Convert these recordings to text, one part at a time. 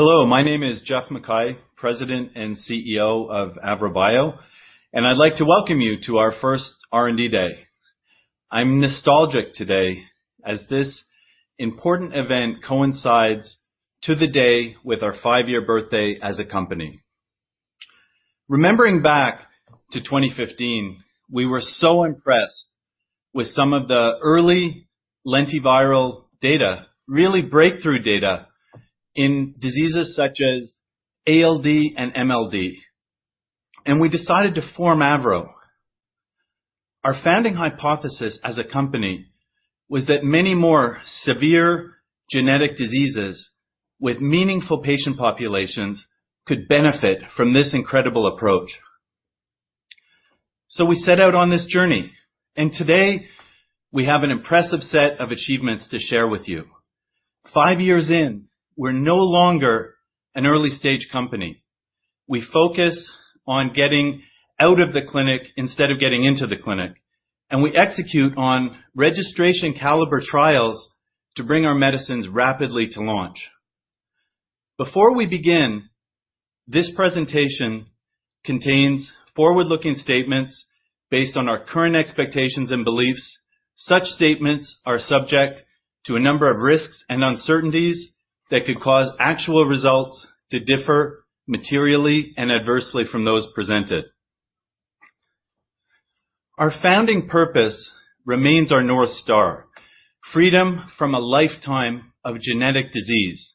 Hello, my name is Geoff MacKay, President and CEO of AVROBIO. I'd like to welcome you to our first R&D Day. I'm nostalgic today, as this important event coincides to the day with our five-year birthday as a company. Remembering back to 2015, we were so impressed with some of the early lentiviral data, really breakthrough data, in diseases such as ALD and MLD. We decided to form AVROBIO. Our founding hypothesis as a company was that many more severe genetic diseases with meaningful patient populations could benefit from this incredible approach. We set out on this journey. Today we have an impressive set of achievements to share with you. Five years in, we're no longer an early-stage company. We focus on getting out of the clinic instead of getting into the clinic, and we execute on registration caliber trials to bring our medicines rapidly to launch. Before we begin, this presentation contains forward-looking statements based on our current expectations and beliefs. Such statements are subject to a number of risks and uncertainties that could cause actual results to differ materially and adversely from those presented. Our founding purpose remains our North Star, freedom from a lifetime of genetic disease,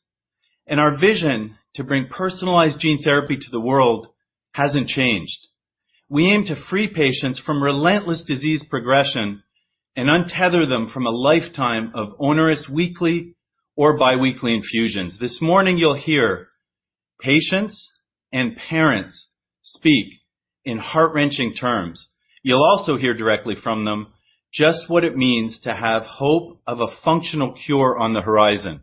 and our vision to bring personalized gene therapy to the world hasn't changed. We aim to free patients from relentless disease progression and untether them from a lifetime of onerous weekly or biweekly infusions. This morning you'll hear patients and parents speak in heart-wrenching terms. You'll also hear directly from them just what it means to have hope of a functional cure on the horizon.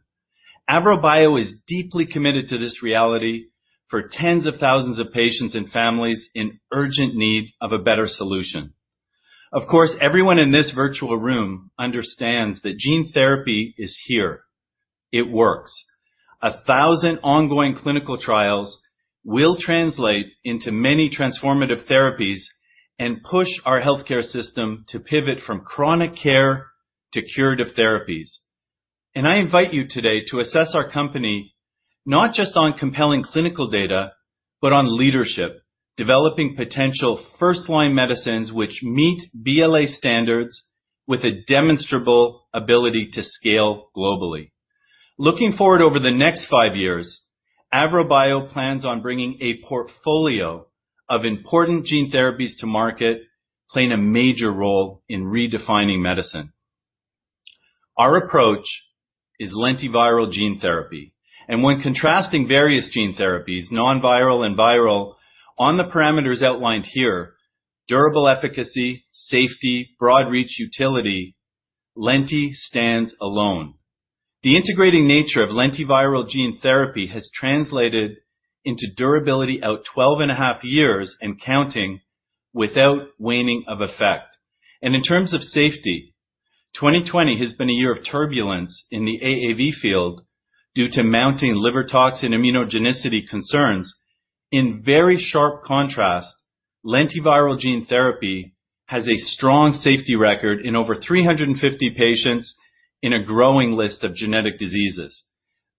AVROBIO is deeply committed to this reality for tens of thousands of patients and families in urgent need of a better solution. Of course, everyone in this virtual room understands that gene therapy is here. It works. A thousand ongoing clinical trials will translate into many transformative therapies and push our healthcare system to pivot from chronic care to curative therapies. I invite you today to assess our company, not just on compelling clinical data, but on leadership, developing potential first-line medicines which meet BLA standards with a demonstrable ability to scale globally. Looking forward over the next five years, AVROBIO plans on bringing a portfolio of important gene therapies to market, playing a major role in redefining medicine. Our approach is lentiviral gene therapy. When contrasting various gene therapies, non-viral and viral, on the parameters outlined here, durable efficacy, safety, broad reach utility, lenti stands alone. The integrating nature of lentiviral gene therapy has translated into durability out 12 and a half years and counting, without waning of effect. In terms of safety, 2020 has been a year of turbulence in the AAV field due to mounting liver toxin immunogenicity concerns. In very sharp contrast, lentiviral gene therapy has a strong safety record in over 350 patients in a growing list of genetic diseases.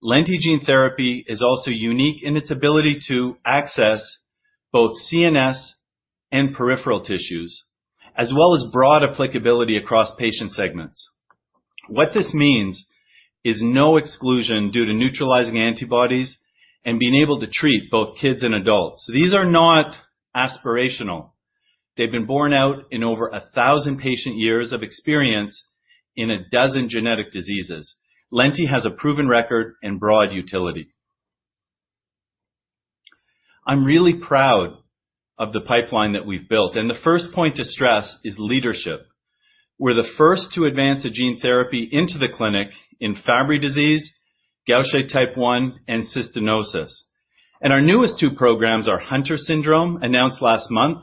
Lenti gene therapy is also unique in its ability to access both CNS and peripheral tissues, as well as broad applicability across patient segments. What this means is no exclusion due to neutralizing antibodies and being able to treat both kids and adults. These are not aspirational. They've been borne out in over 1,000 patient years of experience in 12 genetic diseases. Lenti has a proven record and broad utility. I'm really proud of the pipeline that we've built, and the first point to stress is leadership. We're the first to advance a gene therapy into the clinic in Fabry disease, Gaucher type 1, and cystinosis. Our newest two programs are Hunter syndrome, announced last month,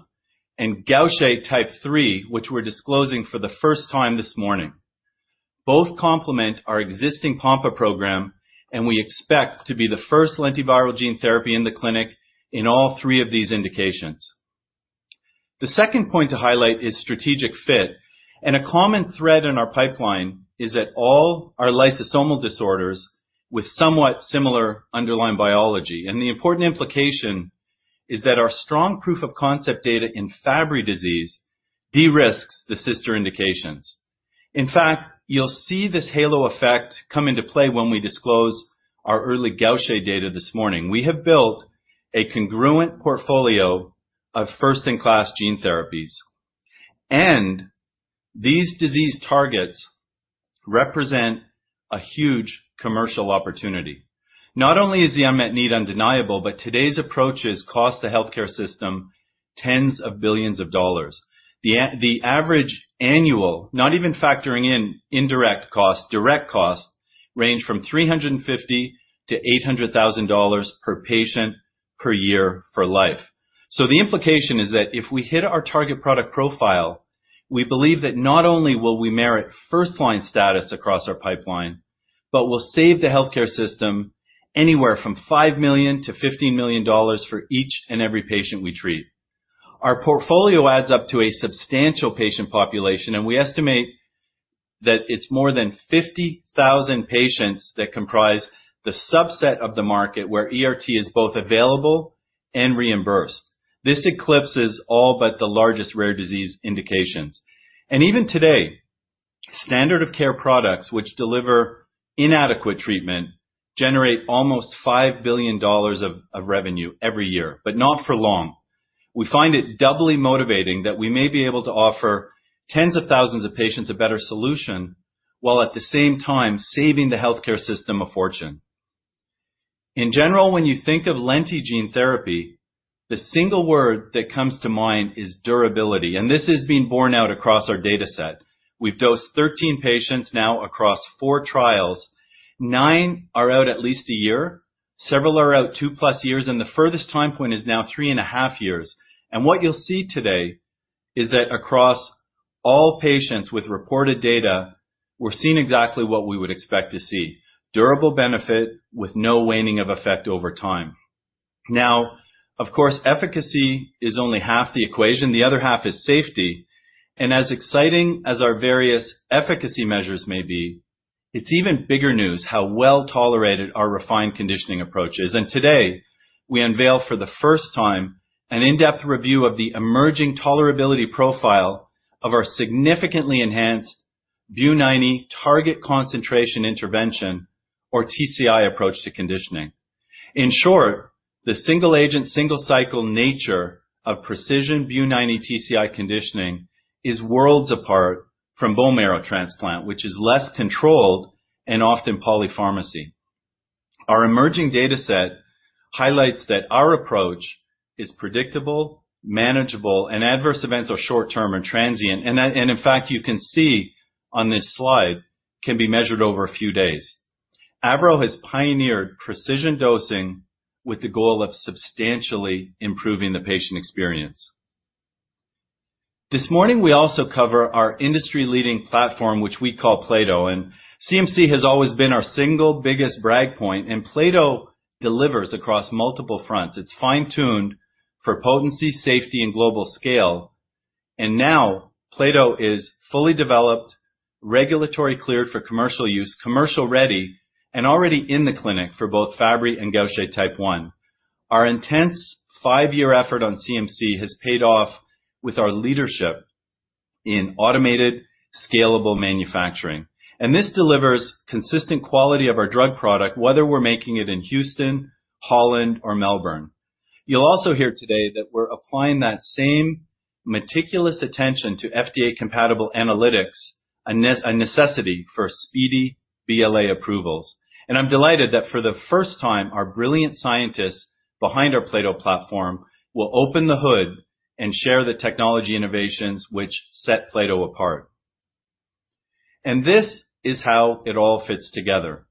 and Gaucher type 3, which we're disclosing for the first time this morning. Both complement our existing Pompe program, and we expect to be the first lentiviral gene therapy in the clinic in all 3 of these indications. The second point to highlight is strategic fit. A common thread in our pipeline is that all are lysosomal disorders with somewhat similar underlying biology. The important implication is that our strong proof of concept data in Fabry disease de-risks the sister indications. In fact, you'll see this halo effect come into play when we disclose our early Gaucher data this morning. We have built a congruent portfolio of first-in-class gene therapies, and these disease targets represent a huge commercial opportunity. Not only is the unmet need undeniable, but today's approaches cost the healthcare system tens of billions of dollars. The average annual, not even factoring in indirect costs, direct costs range from $350,000-$800,000 per patient per year for life. The implication is that if we hit our target product profile, we believe that not only will we merit first-line status across our pipeline, but we'll save the healthcare system anywhere from $5 million-$15 million for each and every patient we treat. Our portfolio adds up to a substantial patient population, and we estimate that it's more than 50,000 patients that comprise the subset of the market where ERT is both available and reimbursed. This eclipses all but the largest rare disease indications. Even today, standard-of-care products, which deliver inadequate treatment, generate almost $5 billion of revenue every year, but not for long. We find it doubly motivating that we may be able to offer tens of thousands of patients a better solution, while at the same time saving the healthcare system a fortune. In general, when you think of lentiviral gene therapy, the single word that comes to mind is durability, and this is being borne out across our data set. We've dosed 13 patients now across four trials. Nine are out at least a year, several are out two-plus years, and the furthest time point is now three and a half years. What you'll see today is that across all patients with reported data, we're seeing exactly what we would expect to see, durable benefit with no waning of effect over time. Now, of course, efficacy is only half the equation. The other half is safety. As exciting as our various efficacy measures may be, it's even bigger news how well-tolerated our refined conditioning approach is. Today, we unveil for the first time an in-depth review of the emerging tolerability profile of our significantly enhanced Bu90 Target Concentration Intervention, or TCI approach to conditioning. In short, the single agent, single cycle nature of precision Bu90 TCI conditioning is worlds apart from bone marrow transplant, which is less controlled and often polypharmacy. Our emerging data set highlights that our approach is predictable, manageable, and adverse events are short-term and transient. In fact, you can see on this slide, can be measured over a few days. AVROBIO has pioneered precision dosing with the goal of substantially improving the patient experience. This morning, we also cover our industry-leading platform, which we call plato. CMC has always been our single biggest brag point, and plato delivers across multiple fronts. It's fine-tuned for potency, safety, and global scale. Now plato is fully developed, regulatory cleared for commercial use, commercial ready, and already in the clinic for both Fabry and Gaucher Type 1. Our intense 5-year effort on CMC has paid off with our leadership in automated, scalable manufacturing. This delivers consistent quality of our drug product, whether we're making it in Houston, Holland, or Melbourne. You'll also hear today that we're applying that same meticulous attention to FDA-compatible analytics, a necessity for speedy BLA approvals. I'm delighted that for the first time, our brilliant scientists behind our plato platform will open the hood and share the technology innovations which set plato apart. This is how it all fits together.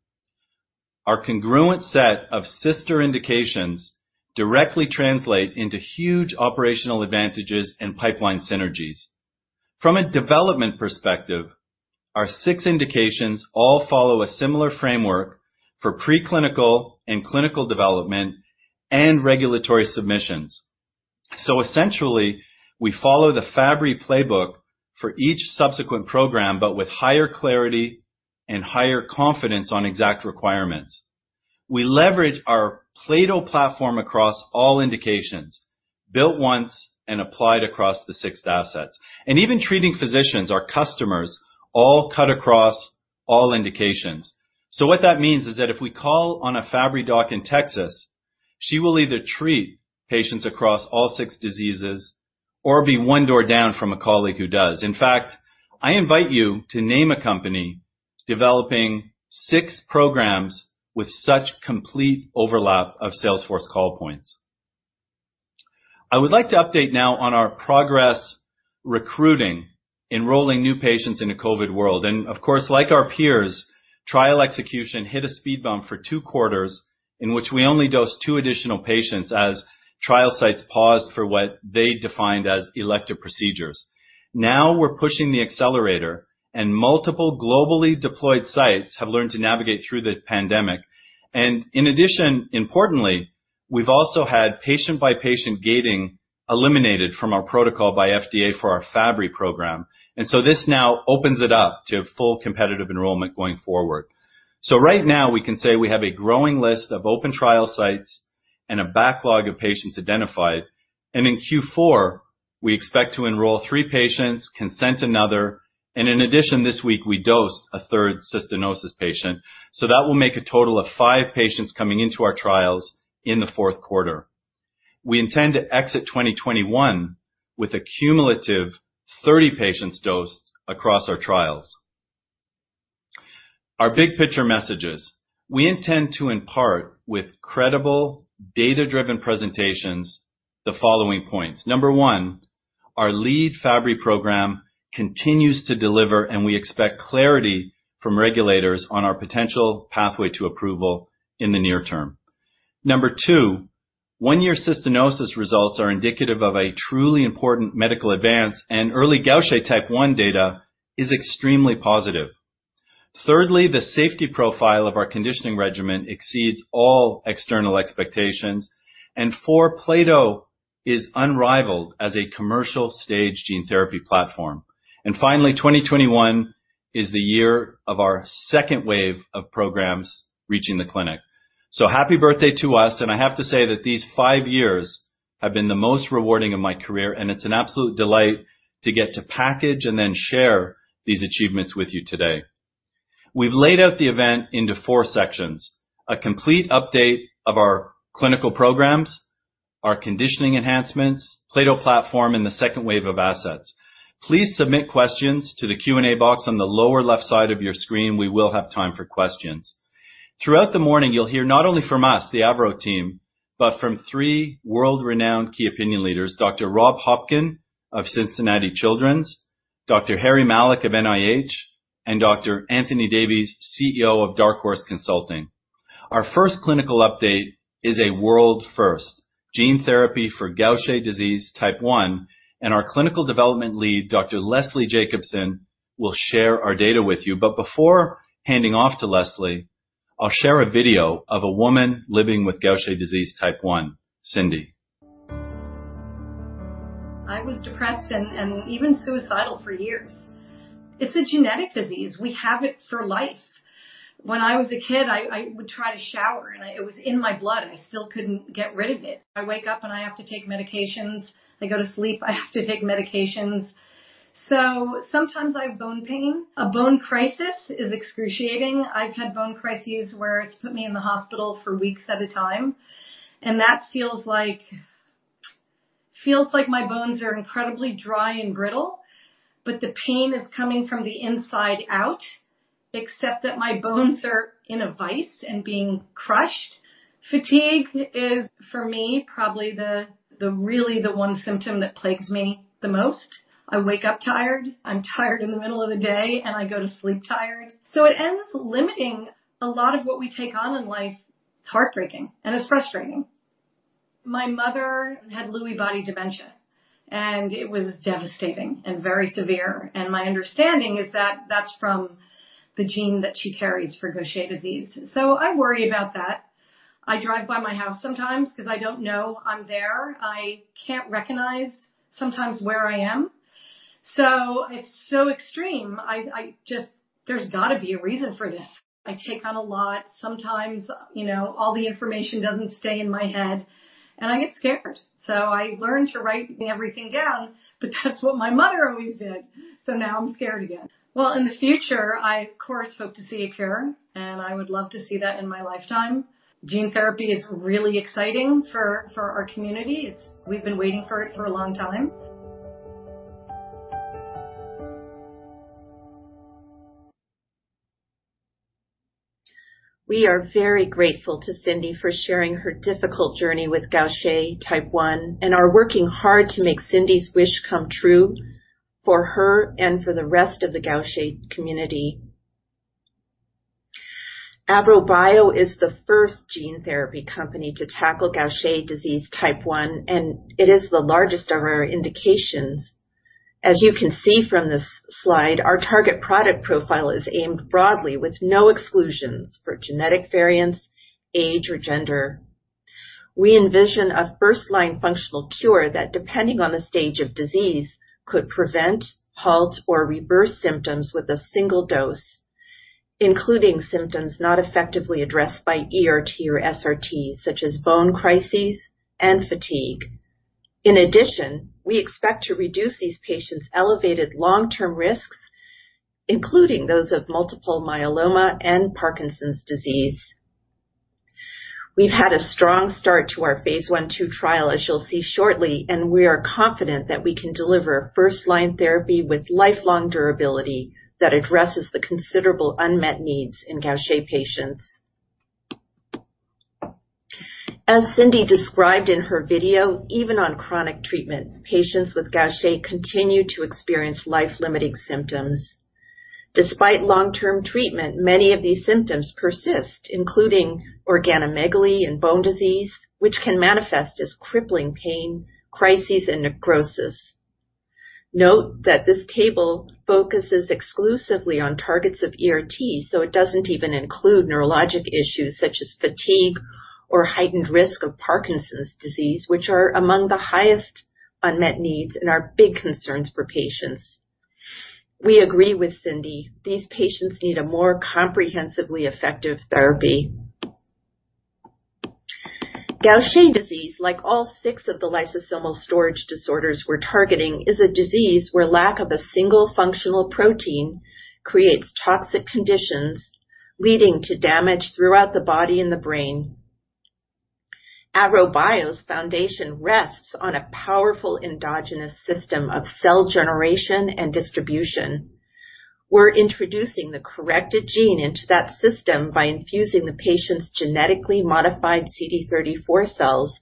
Our congruent set of sister indications directly translate into huge operational advantages and pipeline synergies. From a development perspective, our six indications all follow a similar framework for preclinical and clinical development and regulatory submissions. Essentially, we follow the Fabry playbook for each subsequent program, but with higher clarity and higher confidence on exact requirements. We leverage our plato platform across all indications, built once and applied across the six assets. Even treating physicians, our customers, all cut across all indications. What that means is that if we call on a Fabry doc in Texas, she will either treat patients across all six diseases or be one door down from a colleague who does. In fact, I invite you to name a company developing six programs with such complete overlap of sales force call points. I would like to update now on our progress recruiting, enrolling new patients in a COVID world. Of course, like our peers, trial execution hit a speed bump for two quarters in which we only dosed two additional patients as trial sites paused for what they defined as elective procedures. We're pushing the accelerator and multiple globally deployed sites have learned to navigate through the pandemic. In addition, importantly, we've also had patient-by-patient gating eliminated from our protocol by FDA for our Fabry program. This now opens it up to full competitive enrollment going forward. Right now we can say we have a growing list of open trial sites and a backlog of patients identified. In Q4, we expect to enroll three patients, consent another, and in addition, this week we dosed a third cystinosis patient. That will make a total of five patients coming into our trials in the fourth quarter. We intend to exit 2021 with a cumulative 30 patients dosed across our trials. Our big picture messages. We intend to impart with credible, data-driven presentations the following points. Number one. Our lead Fabry program continues to deliver, and we expect clarity from regulators on our potential pathway to approval in the near term. Number two, one-year cystinosis results are indicative of a truly important medical advance, and early Gaucher type 1 data is extremely positive. Thirdly, the safety profile of our conditioning regimen exceeds all external expectations. Four, plato is unrivaled as a commercial-stage gene therapy platform. Finally, 2021 is the year of our second wave of programs reaching the clinic. Happy birthday to us, and I have to say that these five years have been the most rewarding of my career, and it's an absolute delight to get to package and then share these achievements with you today. We've laid out the event into four sections, a complete update of our clinical programs, our conditioning enhancements, plato platform, and the second wave of assets. Please submit questions to the Q&A box on the lower left side of your screen. We will have time for questions. Throughout the morning, you will hear not only from us, the AVROBIO team, but from three world-renowned key opinion leaders, Dr. Robert Hopkin of Cincinnati Children's, Dr. Harry Malech of NIH, and Dr. Anthony Davies, CEO of Dark Horse Consulting. Our first clinical update is a world first, gene therapy for Gaucher disease type 1, and our clinical development lead, Dr. Leslie Jacobsen, will share our data with you. Before handing off to Leslie, I will share a video of a woman living with Gaucher disease type 1, Cindy. I was depressed and even suicidal for years. It's a genetic disease. We have it for life. When I was a kid, I would try to shower, and it was in my blood, and I still couldn't get rid of it. I wake up, and I have to take medications. I go to sleep, I have to take medications. Sometimes I have bone pain. A bone crisis is excruciating. I've had bone crises where it's put me in the hospital for weeks at a time, and that feels like my bones are incredibly dry and brittle, but the pain is coming from the inside out, except that my bones are in a vice and being crushed. Fatigue is, for me, probably really the one symptom that plagues me the most. I wake up tired, I'm tired in the middle of the day, and I go to sleep tired. It ends limiting a lot of what we take on in life. It's heartbreaking and it's frustrating. My mother had Lewy body dementia, it was devastating and very severe, my understanding is that that's from the gene that she carries for Gaucher disease. I worry about that. I drive by my house sometimes because I don't know I'm there. I can't recognize sometimes where I am. It's so extreme. There's got to be a reason for this. I take on a lot. Sometimes all the information doesn't stay in my head, I get scared. I learned to write everything down, that's what my mother always did, now I'm scared again. In the future, I of course hope to see a cure, I would love to see that in my lifetime. Gene therapy is really exciting for our community. We've been waiting for it for a long time. We are very grateful to Cindy for sharing her difficult journey with Gaucher disease type 1 and are working hard to make Cindy's wish come true for her and for the rest of the Gaucher community. AVROBIO is the first gene therapy company to tackle Gaucher disease type 1, and it is the largest of our indications. As you can see from this slide, our target product profile is aimed broadly with no exclusions for genetic variants, age, or gender. We envision a first-line functional cure that, depending on the stage of disease, could prevent, halt, or reverse symptoms with a single dose, including symptoms not effectively addressed by ERT or SRT, such as bone crises and fatigue. In addition, we expect to reduce these patients' elevated long-term risks, including those of multiple myeloma and Parkinson's disease. We've had a strong start to our phase I/II trial, as you'll see shortly. We are confident that we can deliver first-line therapy with lifelong durability that addresses the considerable unmet needs in Gaucher patients. As Cindy described in her video, even on chronic treatment, patients with Gaucher continue to experience life-limiting symptoms. Despite long-term treatment, many of these symptoms persist, including organomegaly and bone disease, which can manifest as crippling pain, crises, and necrosis. Note that this table focuses exclusively on targets of ERT. It doesn't even include neurologic issues such as fatigue or heightened risk of Parkinson's disease, which are among the highest unmet needs and are big concerns for patients. We agree with Cindy. These patients need a more comprehensively effective therapy. Gaucher disease, like all six of the lysosomal storage disorders we're targeting, is a disease where lack of a single functional protein creates toxic conditions, leading to damage throughout the body and the brain. AVROBIO's foundation rests on a powerful endogenous system of cell generation and distribution. We're introducing the corrected gene into that system by infusing the patient's genetically modified CD34 cells,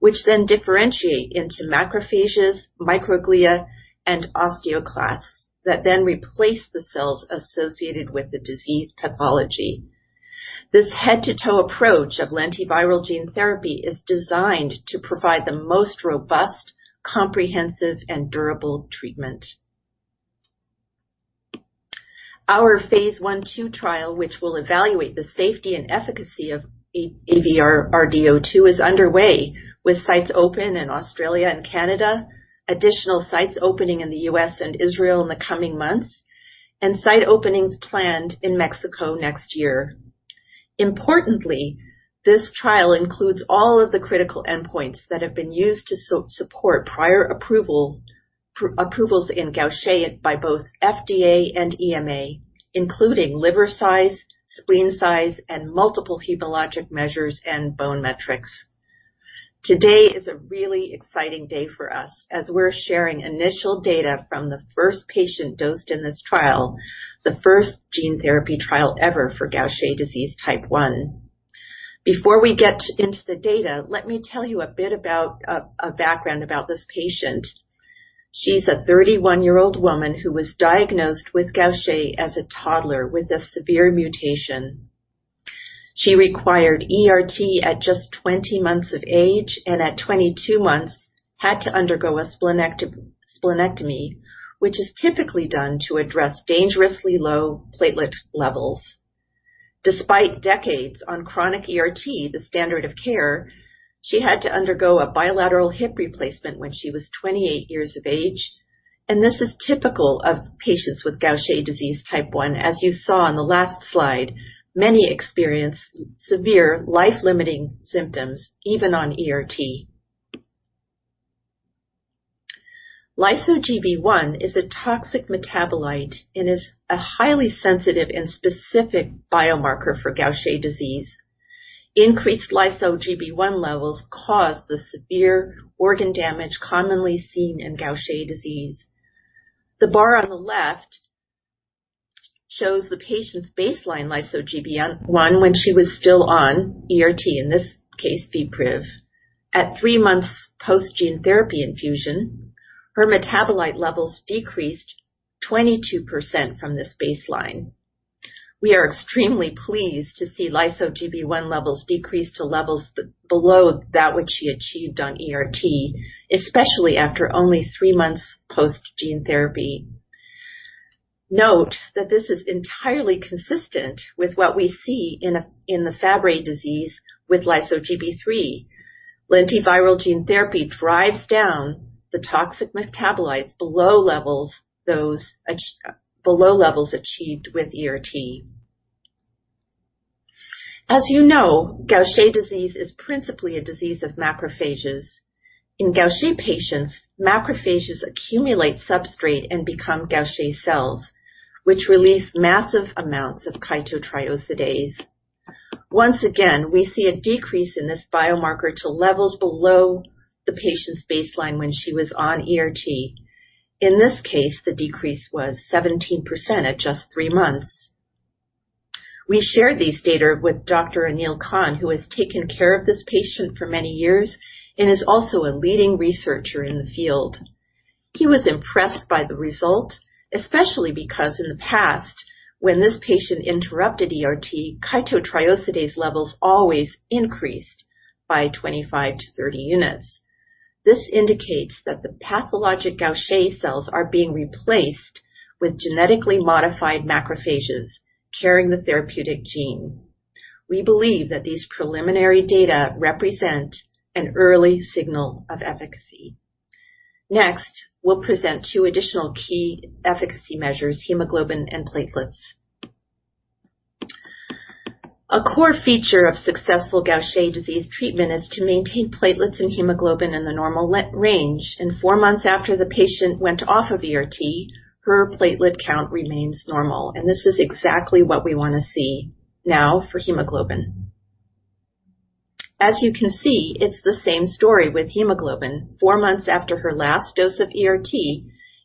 which then differentiate into macrophages, microglia, and osteoclasts that then replace the cells associated with the disease pathology. This head-to-toe approach of lentiviral gene therapy is designed to provide the most robust, comprehensive, and durable treatment. Our phase I/II trial, which will evaluate the safety and efficacy of AVR-RD-02, is underway with sites open in Australia and Canada, additional sites opening in the U.S. and Israel in the coming months, and site openings planned in Mexico next year. Importantly, this trial includes all of the critical endpoints that have been used to support prior approvals in Gaucher by both FDA and EMA, including liver size, spleen size, and multiple hematologic measures and bone metrics. Today is a really exciting day for us as we're sharing initial data from the first patient dosed in this trial, the first gene therapy trial ever for Gaucher disease type 1. Before we get into the data, let me tell you a bit about a background about this patient. She's a 31-year-old woman who was diagnosed with Gaucher as a toddler with a severe mutation. She required ERT at just 20 months of age, and at 22 months had to undergo a splenectomy, which is typically done to address dangerously low platelet levels. Despite decades on chronic ERT, the standard of care, she had to undergo a bilateral hip replacement when she was 28 years of age, and this is typical of patients with Gaucher disease type 1. As you saw on the last slide, many experience severe life-limiting symptoms, even on ERT. lyso-Gb1 is a toxic metabolite and is a highly sensitive and specific biomarker for Gaucher disease. Increased lyso-Gb1 levels cause the severe organ damage commonly seen in Gaucher disease. The bar on the left shows the patient's baseline lyso-Gb1 when she was still on ERT, in this case, VPRIV. At three months post-gene therapy infusion, her metabolite levels decreased 22% from this baseline. We are extremely pleased to see lyso-Gb1 levels decrease to levels below that which she achieved on ERT, especially after only three months post-gene therapy. Note that this is entirely consistent with what we see in the Fabry disease with lyso-Gb3. Lentiviral gene therapy drives down the toxic metabolites below levels achieved with ERT. As you know, Gaucher disease is principally a disease of macrophages. In Gaucher patients, macrophages accumulate substrate and become Gaucher cells, which release massive amounts of chitotriosidase. Once again, we see a decrease in this biomarker to levels below the patient's baseline when she was on ERT. In this case, the decrease was 17% at just three months. We shared these data with Dr. Aneal Khan, who has taken care of this patient for many years and is also a leading researcher in the field. He was impressed by the result, especially because in the past when this patient interrupted ERT, chitotriosidase levels always increased by 25-30 units. This indicates that the pathologic Gaucher cells are being replaced with genetically modified macrophages carrying the therapeutic gene. We believe that these preliminary data represent an early signal of efficacy. Next, we'll present two additional key efficacy measures: hemoglobin and platelets. A core feature of successful Gaucher disease treatment is to maintain platelets and hemoglobin in the normal range, and four months after the patient went off of ERT, her platelet count remains normal, and this is exactly what we want to see. For hemoglobin. As you can see, it's the same story with hemoglobin. Four months after her last dose of ERT,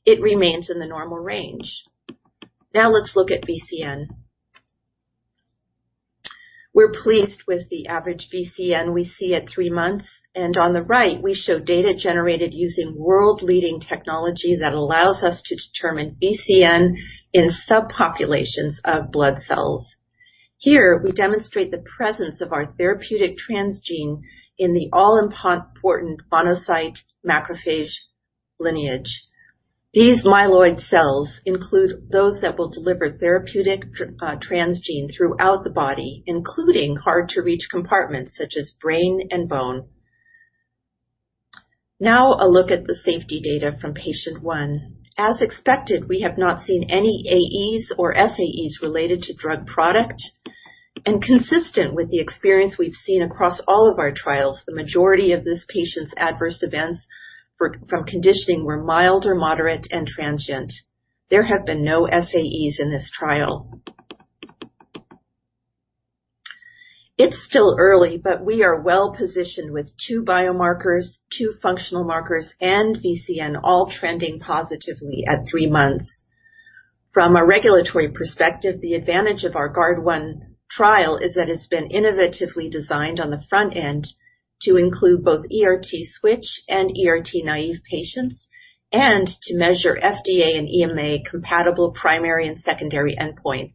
it remains in the normal range. Let's look at VCN. We're pleased with the average VCN we see at three months, and on the right, we show data generated using world-leading technology that allows us to determine VCN in subpopulations of blood cells. Here we demonstrate the presence of our therapeutic transgene in the all-important monocyte macrophage lineage. These myeloid cells include those that will deliver therapeutic transgene throughout the body, including hard-to-reach compartments such as brain and bone. A look at the safety data from patient one. As expected, we have not seen any AEs or SAEs related to drug product, and consistent with the experience we've seen across all of our trials, the majority of this patient's adverse events from conditioning were mild or moderate and transient. There have been no SAEs in this trial. It's still early, we are well-positioned with two biomarkers, two functional markers, and VCN all trending positively at three months. From a regulatory perspective, the advantage of our GuardOne trial is that it's been innovatively designed on the front end to include both ERT switch and ERT naive patients, and to measure FDA and EMA compatible primary and secondary endpoints.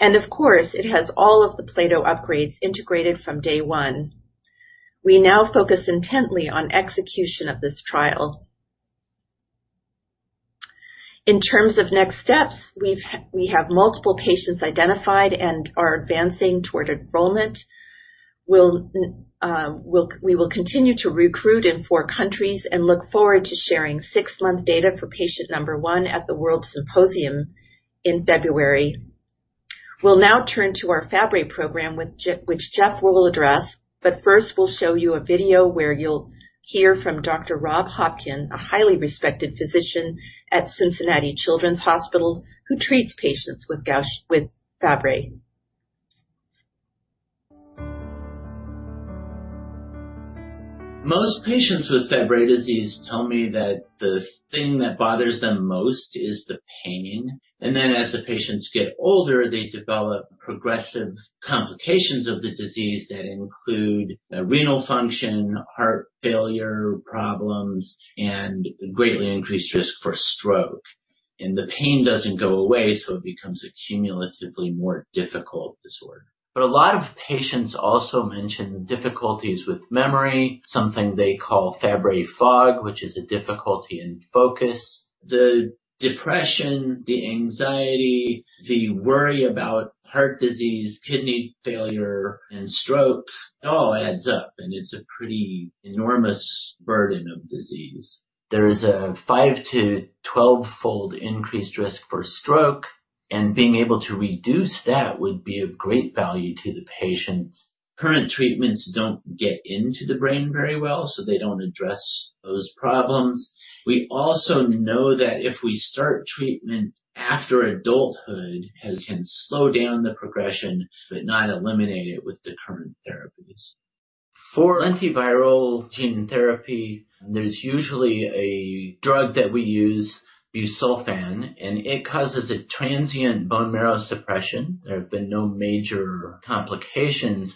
Of course, it has all of the plato upgrades integrated from day one. We now focus intently on execution of this trial. In terms of next steps, we have multiple patients identified and are advancing toward enrollment. We will continue to recruit in four countries and look forward to sharing 6-month data for patient number 1 at the WORLDSymposium in February. We'll now turn to our Fabry program, which Geoff will address. First, we'll show you a video where you'll hear from Dr. Robert Hopkin, a highly respected physician at Cincinnati Children's Hospital, who treats patients with Fabry. Most patients with Fabry disease tell me that the thing that bothers them most is the pain. Then as the patients get older, they develop progressive complications of the disease that include renal function, heart failure problems, and greatly increased risk for stroke. The pain doesn't go away, so it becomes a cumulatively more difficult disorder. A lot of patients also mention difficulties with memory, something they call Fabry fog, which is a difficulty in focus. The depression, the anxiety, the worry about heart disease, kidney failure, and stroke, it all adds up, and it's a pretty enormous burden of disease. There is a five to 12-fold increased risk for stroke, and being able to reduce that would be of great value to the patient. Current treatments don't get into the brain very well, so they don't address those problems. We also know that if we start treatment after adulthood, it can slow down the progression, but not eliminate it with the current therapies. For lentiviral gene therapy, there's usually a drug that we use, busulfan, and it causes a transient bone marrow suppression. There have been no major complications,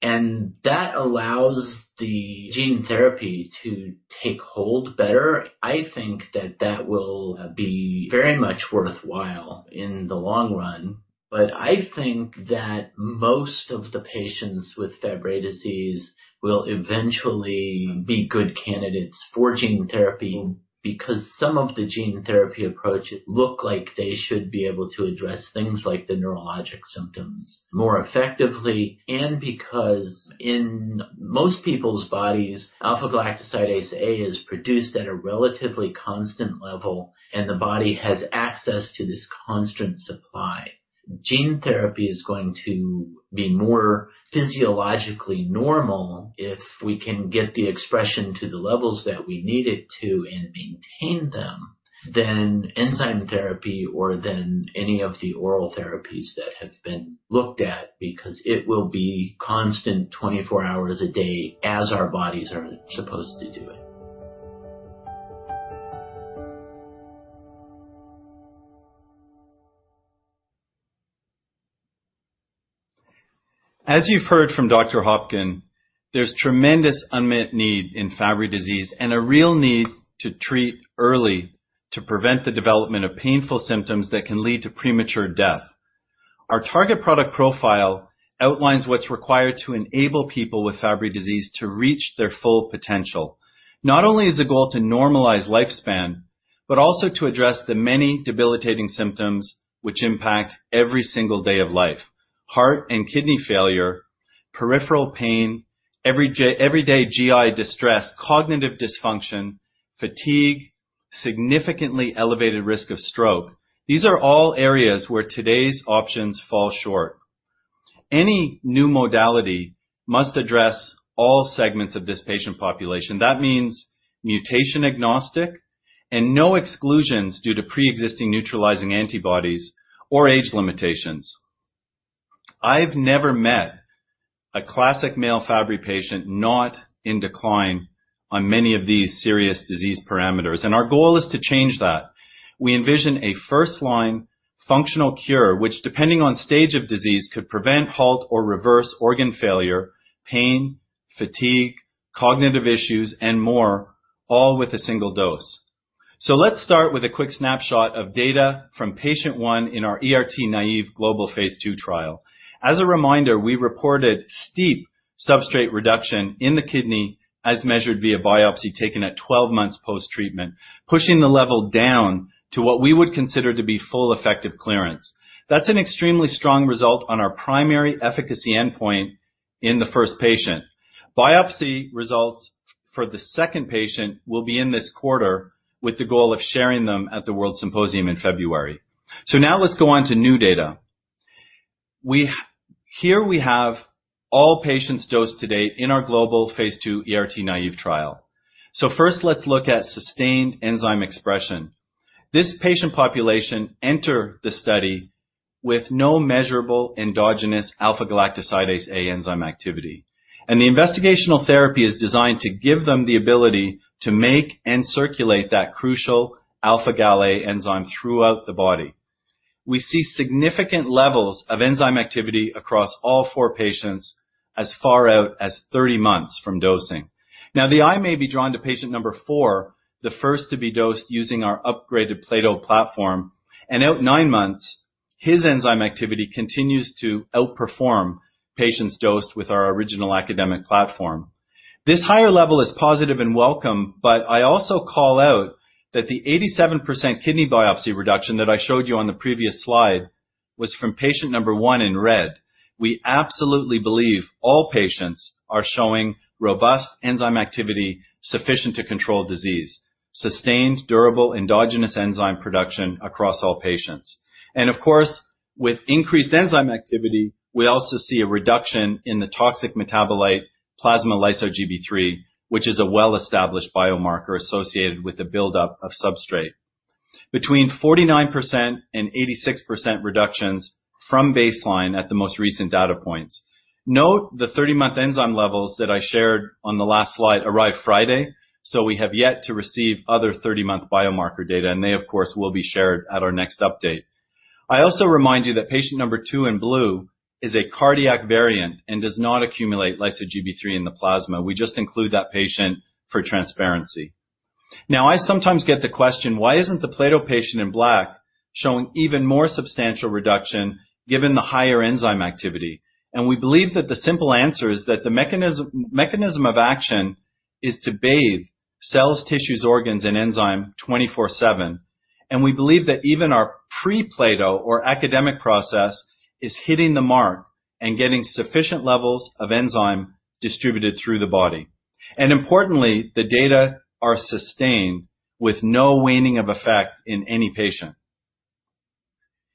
and that allows the gene therapy to take hold better. I think that that will be very much worthwhile in the long run. I think that most of the patients with Fabry disease will eventually be good candidates for gene therapy, because some of the gene therapy approaches look like they should be able to address things like the neurologic symptoms more effectively, and because in most people's bodies, alpha-galactosidase A is produced at a relatively constant level, and the body has access to this constant supply. Gene therapy is going to be more physiologically normal if we can get the expression to the levels that we need it to and maintain them than enzyme therapy or than any of the oral therapies that have been looked at, because it will be constant 24 hours a day as our bodies are supposed to do it. As you've heard from Dr. Hopkin, there's tremendous unmet need in Fabry disease and a real need to treat early to prevent the development of painful symptoms that can lead to premature death. Our target product profile outlines what's required to enable people with Fabry disease to reach their full potential. Not only is the goal to normalize lifespan, but also to address the many debilitating symptoms which impact every single day of life. Heart and kidney failure, peripheral pain, everyday GI distress, cognitive dysfunction, fatigue, significantly elevated risk of stroke. These are all areas where today's options fall short. Any new modality must address all segments of this patient population. That means mutation-agnostic and no exclusions due to preexisting neutralizing antibodies or age limitations. I've never met a classic male Fabry patient not in decline on many of these serious disease parameters, and our goal is to change that. We envision a first-line functional cure, which, depending on stage of disease, could prevent, halt, or reverse organ failure, pain, fatigue, cognitive issues, and more, all with a single dose. Let's start with a quick snapshot of data from patient one in our ERT-naive global phase II trial. As a reminder, we reported steep substrate reduction in the kidney as measured via biopsy taken at 12 months post-treatment, pushing the level down to what we would consider to be full effective clearance. That's an extremely strong result on our primary efficacy endpoint in the first patient. Biopsy results for the second patient will be in this quarter with the goal of sharing them at the WORLDSymposium in February. Now let's go on to new data. Here we have all patients dosed to date in our global phase II ERT-naive trial. First, let's look at sustained enzyme expression. This patient population enter the study with no measurable endogenous alpha-galactosidase A enzyme activity, and the investigational therapy is designed to give them the ability to make and circulate that crucial alpha-Gal A enzyme throughout the body. We see significant levels of enzyme activity across all four patients as far out as 30 months from dosing. The eye may be drawn to patient number four, the first to be dosed using our upgraded plato platform, and out nine months, his enzyme activity continues to outperform patients dosed with our original academic platform. This higher level is positive and welcome, I also call out that the 87% kidney biopsy reduction that I showed you on the previous slide was from patient number one in red. We absolutely believe all patients are showing robust enzyme activity sufficient to control disease. Sustained durable endogenous enzyme production across all patients. Of course, with increased enzyme activity, we also see a reduction in the toxic metabolite plasma lyso-Gb3, which is a well-established biomarker associated with the buildup of substrate. Between 49% and 86% reductions from baseline at the most recent data points. Note, the 30-month enzyme levels that I shared on the last slide arrived Friday, we have yet to receive other 30-month biomarker data, they of course, will be shared at our next update. I also remind you that patient number 2 in blue is a cardiac variant and does not accumulate lyso-Gb3 in the plasma. We just include that patient for transparency. Now I sometimes get the question, why isn't the plato patient in black showing even more substantial reduction given the higher enzyme activity? We believe that the simple answer is that the mechanism of action is to bathe cells, tissues, organs and enzyme 24/7. We believe that even our pre-plato or academic process is hitting the mark and getting sufficient levels of enzyme distributed through the body. Importantly, the data are sustained with no waning of effect in any patient.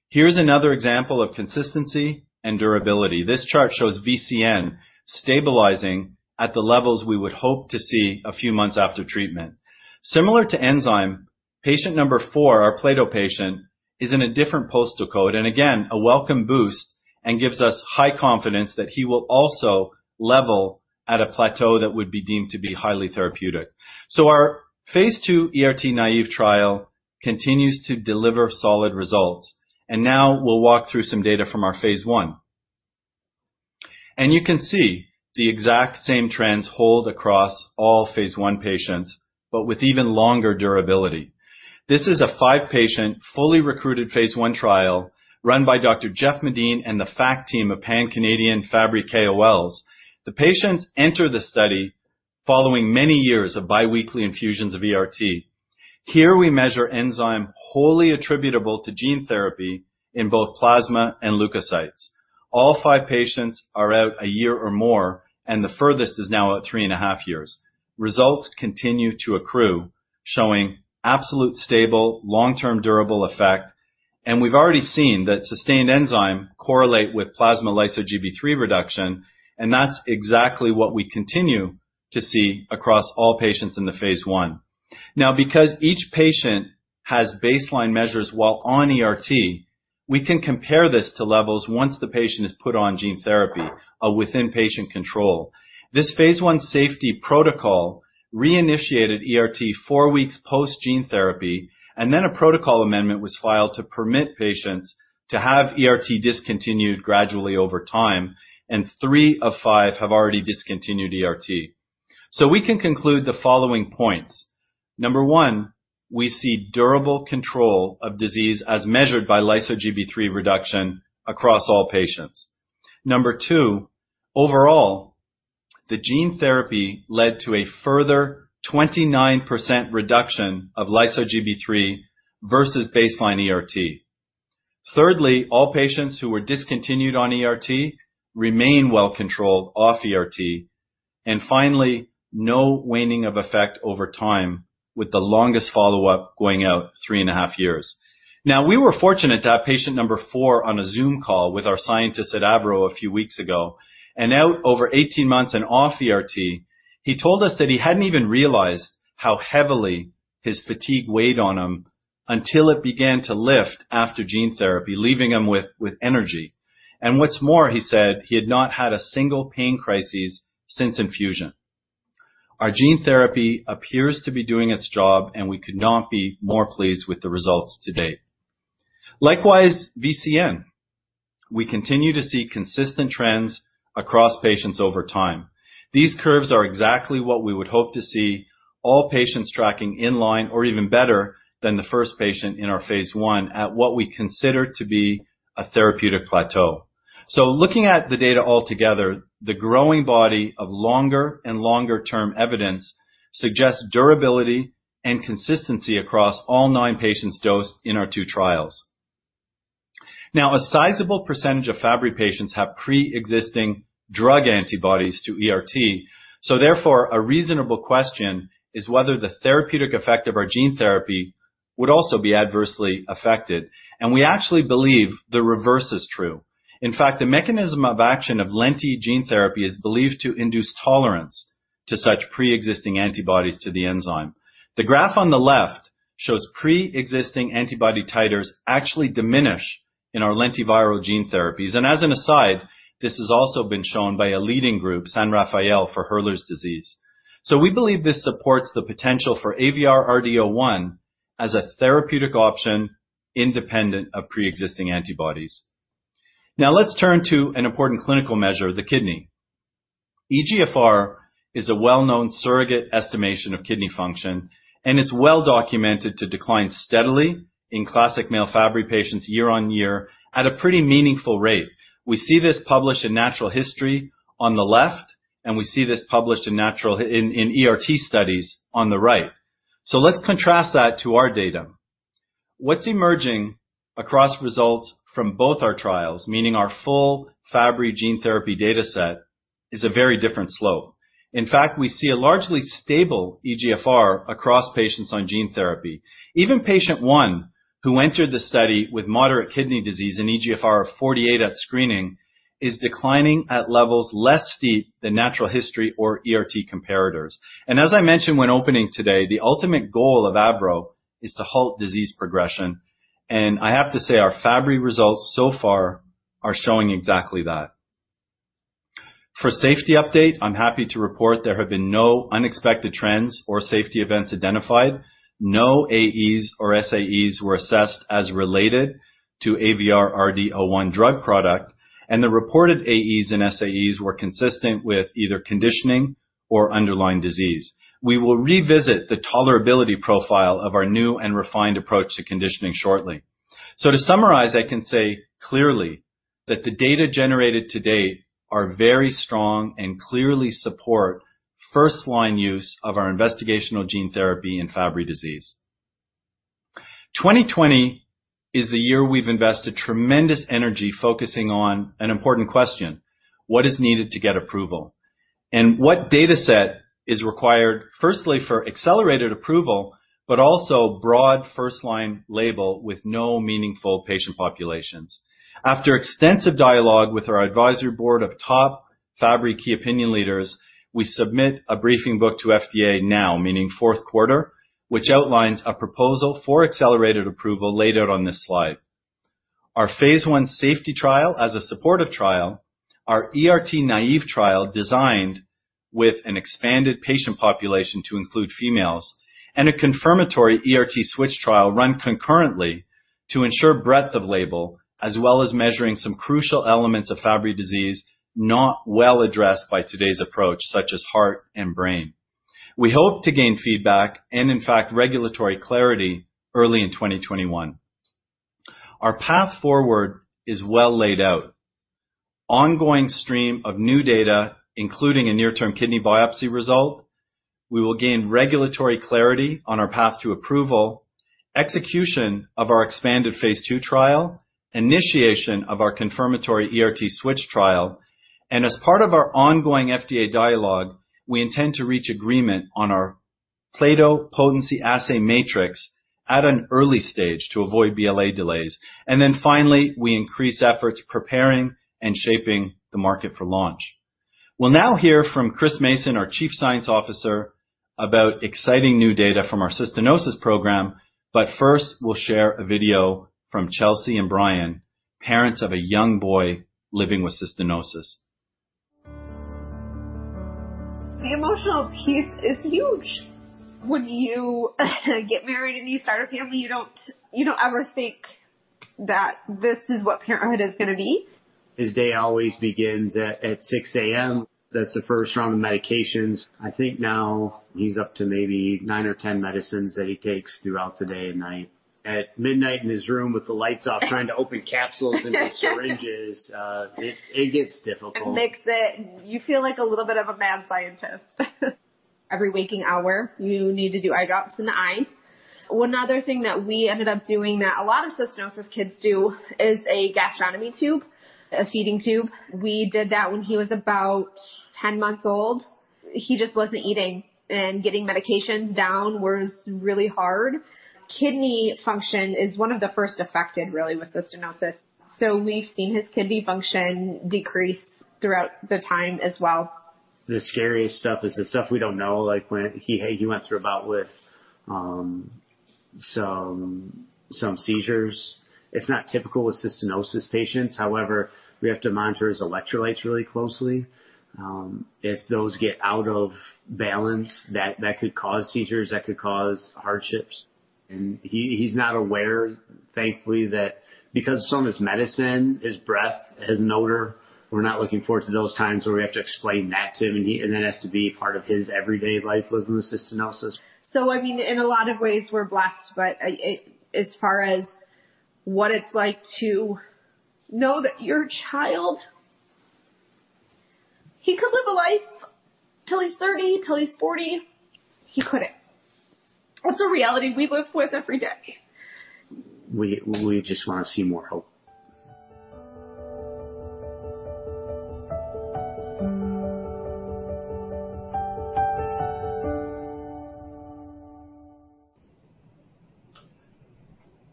Here's another example of consistency and durability. This chart shows VCN stabilizing at the levels we would hope to see a few months after treatment. Similar to enzyme, patient number four, our plato patient, is in a different postal code, and again, a welcome boost and gives us high confidence that he will also level at a plateau that would be deemed to be highly therapeutic. Our phase II ERT naive trial continues to deliver solid results. Now we'll walk through some data from our phase I. You can see the exact same trends hold across all phase I patients, but with even longer durability. This is a five-patient, fully recruited phase I trial run by Dr. Jeff Medin and the fact team of Pan-Canadian Fabry KOLs. The patients enter the study following many years of biweekly infusions of ERT. Here we measure enzyme wholly attributable to gene therapy in both plasma and leukocytes. All five patients are out a year or more, and the furthest is now at three and a half years. Results continue to accrue, showing absolute, stable, long-term, durable effect. We've already seen that sustained enzyme correlate with plasma lyso-Gb3 reduction, and that's exactly what we continue to see across all patients in the phase I. Because each patient has baseline measures while on ERT, we can compare this to levels once the patient is put on gene therapy, within patient control. This phase I safety protocol reinitiated ERT four weeks post gene therapy, and then a protocol amendment was filed to permit patients to have ERT discontinued gradually over time, and three of five have already discontinued ERT. We can conclude the following points. Number one, we see durable control of disease as measured by lyso-Gb3 reduction across all patients. Number two, overall, the gene therapy led to a further 29% reduction of lyso-Gb3 versus baseline ERT. Thirdly, all patients who were discontinued on ERT remain well controlled off ERT. Finally, no waning of effect over time, with the longest follow-up going out 3.5 years. Now, we were fortunate to have patient number four on a Zoom call with our scientists at AVROBIO a few weeks ago. Out over 18 months and off ERT, he told us that he hadn't even realized how heavily his fatigue weighed on him until it began to lift after gene therapy, leaving him with energy. What's more, he said he had not had a single pain crisis since infusion. Our gene therapy appears to be doing its job, and we could not be more pleased with the results to date. Likewise, VCN. We continue to see consistent trends across patients over time. These curves are exactly what we would hope to see all patients tracking in line or even better than the first patient in our phase I at what we consider to be a therapeutic plateau. Looking at the data altogether, the growing body of longer and longer-term evidence suggests durability and consistency across all nine patients dosed in our two trials. A sizable percentage of Fabry patients have pre-existing drug antibodies to ERT. Therefore, a reasonable question is whether the therapeutic effect of our gene therapy would also be adversely affected, and we actually believe the reverse is true. In fact, the mechanism of action of lentiviral gene therapy is believed to induce tolerance to such pre-existing antibodies to the enzyme. The graph on the left shows pre-existing antibody titers actually diminish in our lentiviral gene therapies. As an aside, this has also been shown by a leading group, San Raffaele, for Hurler syndrome. We believe this supports the potential for AVR-RD-01 as a therapeutic option independent of pre-existing antibodies. Let's turn to an important clinical measure, the kidney. eGFR is a well-known surrogate estimation of kidney function, and it's well documented to decline steadily in classic male Fabry patients year on year at a pretty meaningful rate. We see this published in Natural History on the left, and we see this published in ERT studies on the right. Let's contrast that to our data. What's emerging across results from both our trials, meaning our full Fabry gene therapy data set, is a very different slope. In fact, we see a largely stable eGFR across patients on gene therapy. Even patient one, who entered the study with moderate kidney disease, an eGFR of 48 at screening, is declining at levels less steep than Natural History or ERT comparators. As I mentioned when opening today, the ultimate goal of AVROBIO is to halt disease progression. I have to say, our Fabry results so far are showing exactly that. For safety update, I am happy to report there have been no unexpected trends or safety events identified. No AEs or SAEs were assessed as related to AVR-RD-01 drug product, and the reported AEs and SAEs were consistent with either conditioning or underlying disease. We will revisit the tolerability profile of our new and refined approach to conditioning shortly. To summarize, I can say clearly that the data generated to date are very strong and clearly support first-line use of our investigational gene therapy in Fabry disease. 2020 is the year we've invested tremendous energy focusing on an important question: What is needed to get approval? What data set is required, firstly, for accelerated approval, but also broad first-line label with no meaningful patient populations? After extensive dialogue with our advisory board of top Fabry key opinion leaders, we submit a briefing book to FDA now, meaning fourth quarter, which outlines a proposal for accelerated approval laid out on this slide. Our phase I safety trial as a supportive trial, our ERT-naïve trial designed with an expanded patient population to include females, and a confirmatory ERT switch trial run concurrently to ensure breadth of label, as well as measuring some crucial elements of Fabry disease not well addressed by today's approach, such as heart and brain. We hope to gain feedback and, in fact, regulatory clarity early in 2021. Our path forward is well laid out. Ongoing stream of new data, including a near-term kidney biopsy result. We will gain regulatory clarity on our path to approval, execution of our expanded phase II trial, initiation of our confirmatory ERT switch trial, and as part of our ongoing FDA dialogue, we intend to reach agreement on our plato potency assay matrix at an early stage to avoid BLA delays. Finally, we increase efforts preparing and shaping the market for launch. We'll now hear from Chris Mason, our Chief Scientific Officer, about exciting new data from our cystinosis program. First, we'll share a video from Chelsea and Brian, parents of a young boy living with cystinosis. The emotional piece is huge. When you get married and you start a family, you don't ever think that this is what parenthood is going to be. His day always begins at 6:00 A.M. That's the first round of medications. I think now he's up to maybe nine or 10 medicines that he takes throughout the day and night. At midnight in his room with the lights off, trying to open capsules into syringes. It gets difficult. You feel like a little bit of a mad scientist. Every waking hour, you need to do eye drops in the eyes. One other thing that we ended up doing that a lot of cystinosis kids do is a gastronomy tube, a feeding tube. We did that when he was about 10 months old. He just wasn't eating, and getting medications down was really hard. Kidney function is one of the first affected, really, with cystinosis, so we've seen his kidney function decrease throughout the time as well. The scariest stuff is the stuff we don't know, like when he went through a bout with some seizures. It's not typical with Cystinosis patients. However, we have to monitor his electrolytes really closely. If those get out of balance, that could cause seizures, that could cause hardships. He's not aware, thankfully, that because of some of his medicine, his breath has an odor. We're not looking forward to those times where we have to explain that to him, and that has to be part of his everyday life living with Cystinosis. I mean, in a lot of ways, we're blessed, but as far as what it's like to know that your child, he could live a life till he's 30, till he's 40. He couldn't. That's a reality we live with every day. We just want to see more hope.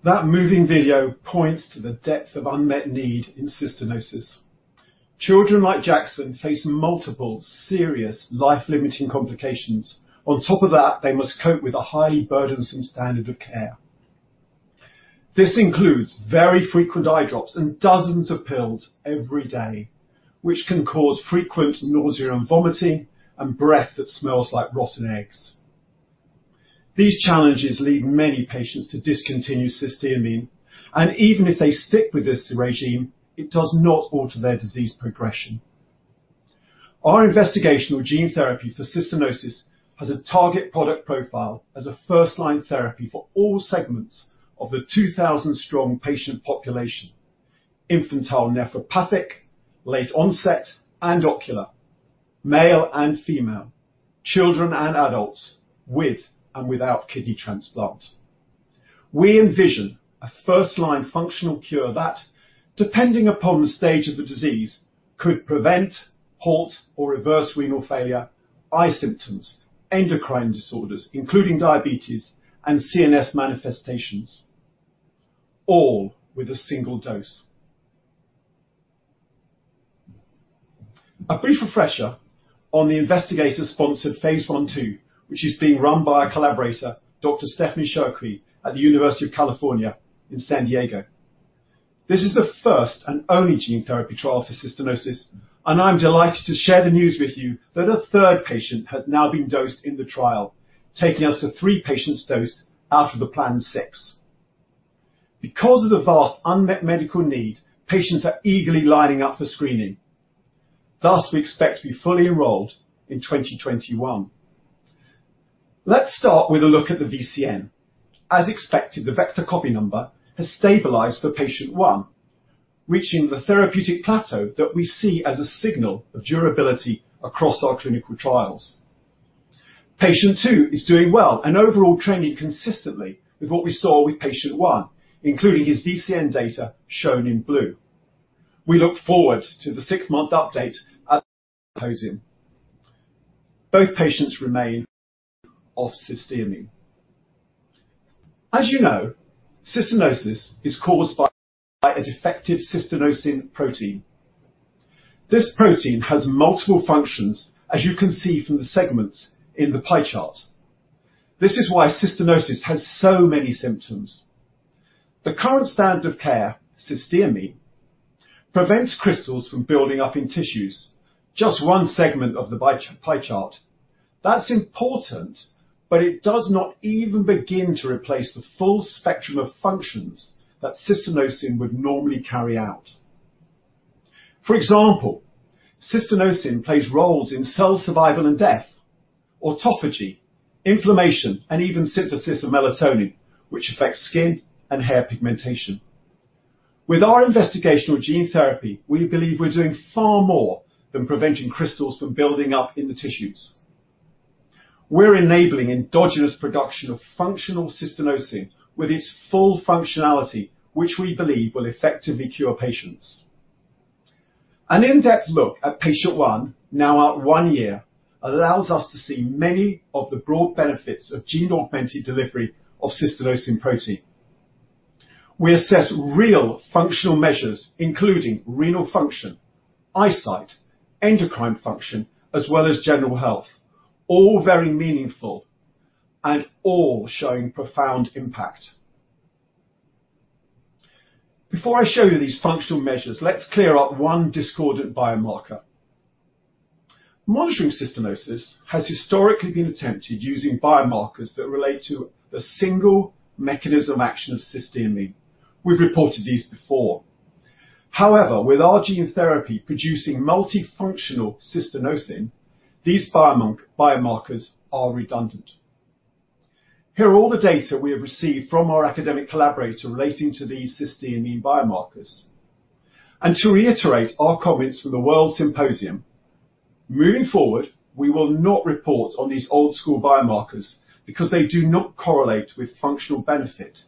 That moving video points to the depth of unmet need in cystinosis. Children like Jackson face multiple serious life-limiting complications. On top of that, they must cope with a highly burdensome standard of care. This includes very frequent eye drops and dozens of pills every day, which can cause frequent nausea and vomiting and breath that smells like rotten eggs. These challenges lead many patients to discontinue cysteamine, and even if they stick with this regime, it does not alter their disease progression. Our investigational gene therapy for cystinosis has a target product profile as a first-line therapy for all segments of the 2,000-strong patient population, infantile nephropathic, late onset, and ocular, male and female, children and adults, with and without kidney transplant. We envision a first-line functional cure that, depending upon the stage of the disease, could prevent, halt, or reverse renal failure, eye symptoms, endocrine disorders, including diabetes and CNS manifestations, all with a single dose. A brief refresher on the investigator-sponsored phase I/II, which is being run by a collaborator, Dr. Stephanie Cherqui at the University of California, San Diego. This is the first and only gene therapy trial for cystinosis. I'm delighted to share the news with you that a third patient has now been dosed in the trial, taking us to three patients dosed out of the planned six. Because of the vast unmet medical need, patients are eagerly lining up for screening. We expect to be fully enrolled in 2021. Let's start with a look at the VCN. As expected, the vector copy number has stabilized for patient one, reaching the therapeutic plateau that we see as a signal of durability across our clinical trials. Patient two is doing well and overall trending consistently with what we saw with patient one, including his VCN data shown in blue. We look forward to the six-month update at the symposium. Both patients remain off cysteamine. As you know, cystinosis is caused by a defective cystinosin protein. This protein has multiple functions, as you can see from the segments in the pie chart. This is why cystinosis has so many symptoms. The current standard of care, cysteamine, prevents crystals from building up in tissues, just one segment of the pie chart. That's important, but it does not even begin to replace the full spectrum of functions that cystinosin would normally carry out. For example, cystinosin plays roles in cell survival and death, autophagy, inflammation, and even synthesis of melanin, which affects skin and hair pigmentation. With our investigational gene therapy, we believe we're doing far more than preventing crystals from building up in the tissues. We're enabling endogenous production of functional cystinosin with its full functionality, which we believe will effectively cure patients. An in-depth look at patient one, now at one year, allows us to see many of the broad benefits of gene augmented delivery of cystinosin protein. We assess real functional measures, including renal function, eyesight, endocrine function, as well as general health, all very meaningful and all showing profound impact. Before I show you these functional measures, let's clear up one discordant biomarker. Monitoring cystinosis has historically been attempted using biomarkers that relate to the single mechanism of action of cysteamine. We've reported these before. However, with our gene therapy producing multifunctional cystinosin, these biomarkers are redundant. Here are all the data we have received from our academic collaborator relating to these cysteamine biomarkers. To reiterate our comments from the WORLDSymposium, moving forward, we will not report on these old-school biomarkers because they do not correlate with functional benefit.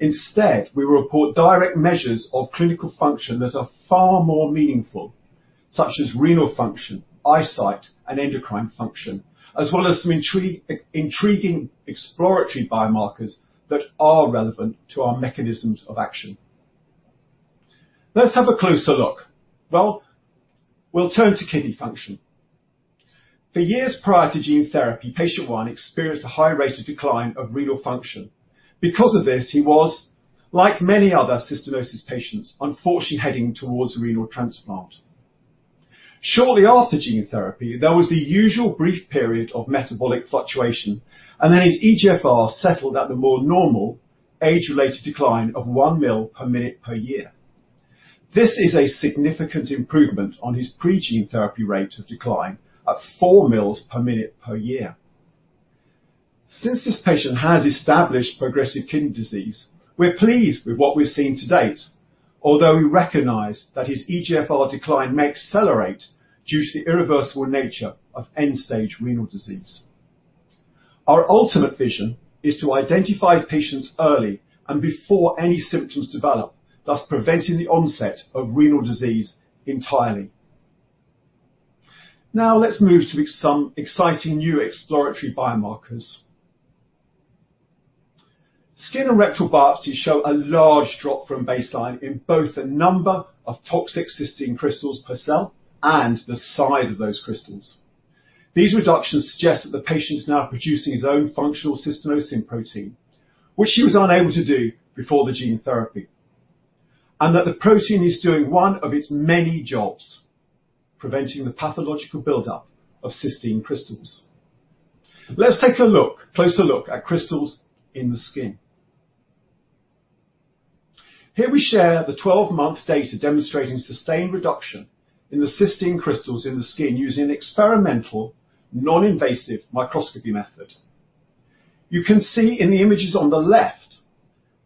Instead, we will report direct measures of clinical function that are far more meaningful, such as renal function, eyesight, and endocrine function, as well as some intriguing exploratory biomarkers that are relevant to our mechanisms of action. Let's have a closer look. Well, we'll turn to kidney function. For years prior to gene therapy, patient one experienced a high rate of decline of renal function. Because of this, he was, like many other cystinosis patients, unfortunately heading towards renal transplant. Shortly after gene therapy, there was the usual brief period of metabolic fluctuation, then his eGFR settled at the more normal age-related decline of 1 mL per minute per year. This is a significant improvement on his pre-gene therapy rate of decline at 4 mL per minute per year. Since this patient has established progressive kidney disease, we're pleased with what we've seen to date, although we recognize that his eGFR decline may accelerate due to the irreversible nature of end-stage renal disease. Our ultimate vision is to identify patients early and before any symptoms develop, thus preventing the onset of renal disease entirely. Let's move to some exciting new exploratory biomarkers. Skin and rectal biopsies show a large drop from baseline in both the number of toxic cystine crystals per cell and the size of those crystals. These reductions suggest that the patient is now producing his own functional cystinosin protein, which he was unable to do before the gene therapy, and that the protein is doing one of its many jobs, preventing the pathological buildup of cystine crystals. Let's take a closer look at crystals in the skin. Here we share the 12-month data demonstrating sustained reduction in the cystine crystals in the skin using an experimental non-invasive microscopy method. You can see in the images on the left,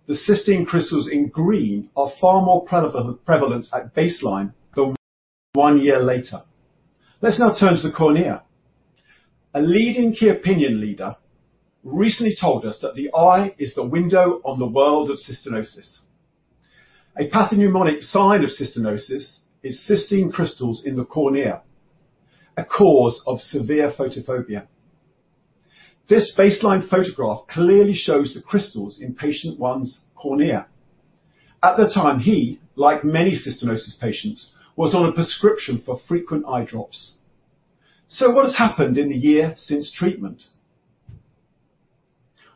the cystine crystals in green are far more prevalent at baseline than one year later. Let's now turn to the cornea. A leading key opinion leader recently told us that the eye is the window on the world of cystinosis. A pathognomonic sign of cystinosis is cystine crystals in the cornea, a cause of severe photophobia. This baseline photograph clearly shows the crystals in patient one's cornea. At the time he, like many cystinosis patients, was on a prescription for frequent eye drops. What has happened in the year since treatment?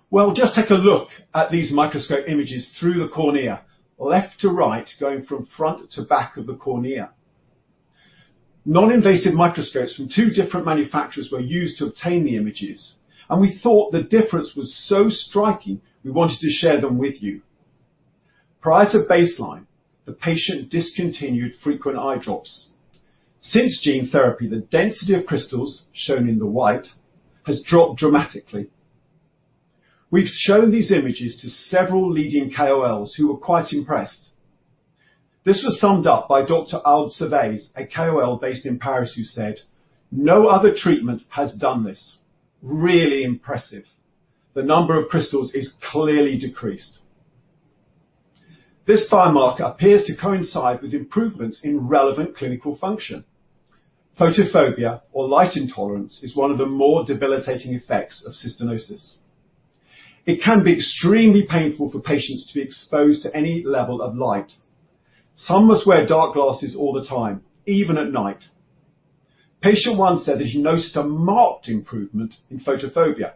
Well, just take a look at these microscope images through the cornea, left to right, going from front to back of the cornea. Non-invasive microscopes from two different manufacturers were used to obtain the images, and we thought the difference was so striking we wanted to share them with you. Prior to baseline, the patient discontinued frequent eye drops. Since gene therapy, the density of crystals, shown in the white, has dropped dramatically. We've shown these images to several leading KOLs who were quite impressed. This was summed up by Dr. Saaid Safieddine, a KOL based in Paris, who said, "No other treatment has done this. Really impressive. The number of crystals is clearly decreased. This biomarker appears to coincide with improvements in relevant clinical function. Photophobia, or light intolerance, is one of the more debilitating effects of cystinosis. It can be extremely painful for patients to be exposed to any level of light. Some must wear dark glasses all the time, even at night. Patient one said that he noticed a marked improvement in photophobia.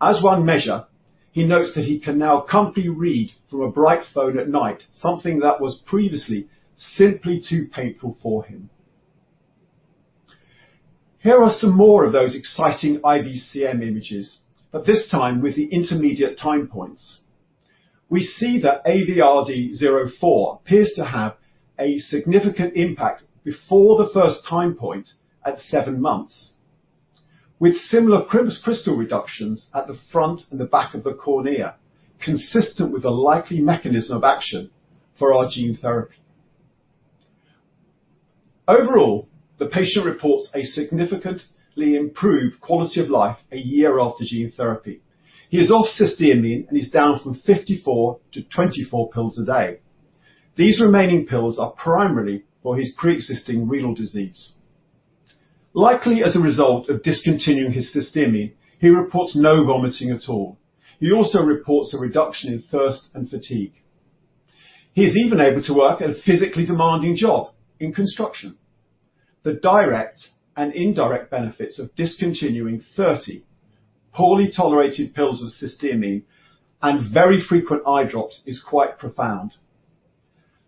As one measure, he notes that he can now comfortably read from a bright phone at night, something that was previously simply too painful for him. Here are some more of those exciting IVCM images, but this time with the intermediate time points. We see that AVR-RD-04 appears to have a significant impact before the first time point at seven months, with similar crisp crystal reductions at the front and the back of the cornea, consistent with a likely mechanism of action for our gene therapy. Overall, the patient reports a significantly improved quality of life a year after gene therapy. He is off cysteamine and is down from 54 to 24 pills a day. These remaining pills are primarily for his preexisting renal disease. Likely as a result of discontinuing his cysteamine, he reports no vomiting at all. He also reports a reduction in thirst and fatigue. He's even able to work a physically demanding job in construction. The direct and indirect benefits of discontinuing 30 poorly tolerated pills of cysteamine and very frequent eye drops is quite profound.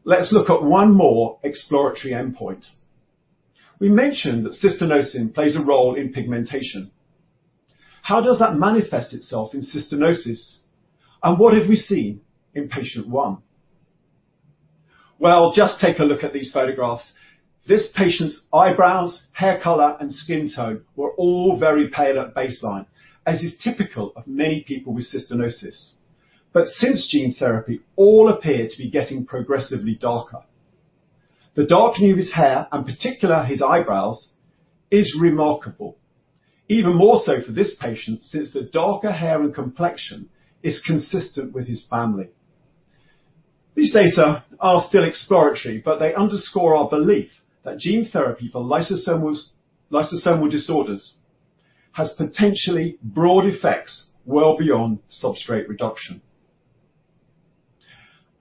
Let's look at one more exploratory endpoint. We mentioned that cystinosin plays a role in pigmentation. How does that manifest itself in cystinosis, and what have we seen in patient one? Well, just take a look at these photographs. This patient's eyebrows, hair color, and skin tone were all very pale at baseline, as is typical of many people with cystinosis. Since gene therapy, all appear to be getting progressively darker. The darkening of his hair, and particular his eyebrows, is remarkable. Even more so for this patient, since the darker hair and complexion is consistent with his family. These data are still exploratory, but they underscore our belief that gene therapy for lysosomal disorders has potentially broad effects well beyond substrate reduction.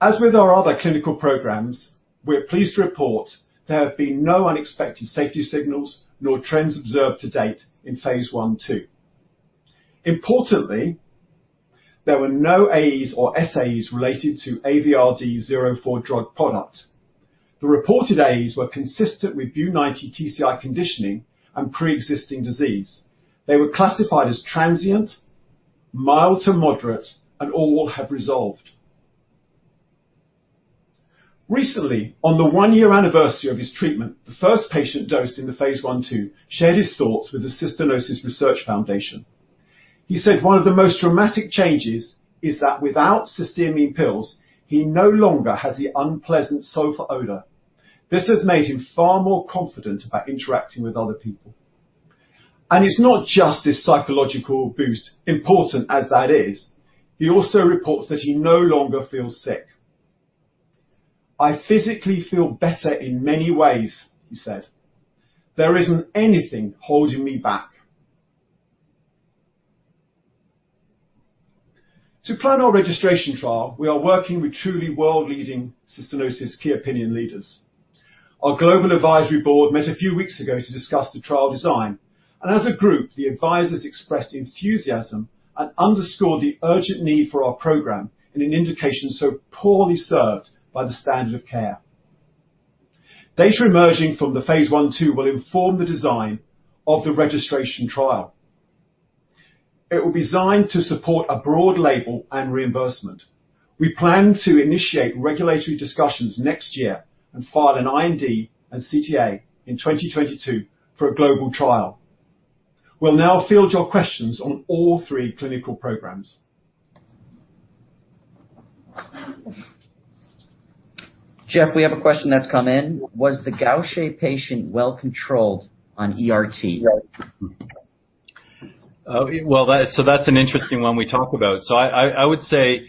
As with our other clinical programs, we're pleased to report there have been no unexpected safety signals nor trends observed to date in phase I/II. Importantly, there were no AEs or SAEs related to AVR-RD-04 drug product. The reported AEs were consistent with BU90 TCI conditioning and preexisting disease. They were classified as transient, mild to moderate, and all have resolved. Recently, on the one-year anniversary of his treatment, the first patient dosed in the phase I/II shared his thoughts with the Cystinosis Research Foundation. He said one of the most dramatic changes is that without cysteamine pills, he no longer has the unpleasant sulfur odor. This has made him far more confident about interacting with other people. It's not just this psychological boost, important as that is. He also reports that he no longer feels sick. "I physically feel better in many ways," he said. "There isn't anything holding me back." To plan our registration trial, we are working with truly world-leading cystinosis key opinion leaders. Our global advisory board met a few weeks ago to discuss the trial design, and as a group, the advisors expressed enthusiasm and underscored the urgent need for our program in an indication so poorly served by the standard of care. Data emerging from the phase I/II will inform the design of the registration trial. It will be designed to support a broad label and reimbursement. We plan to initiate regulatory discussions next year and file an IND and CTA in 2022 for a global trial. We'll now field your questions on all three clinical programs. Geoff, we have a question that's come in. Was the Gaucher patient well controlled on ERT? Yes. That's an interesting one we talk about. I would say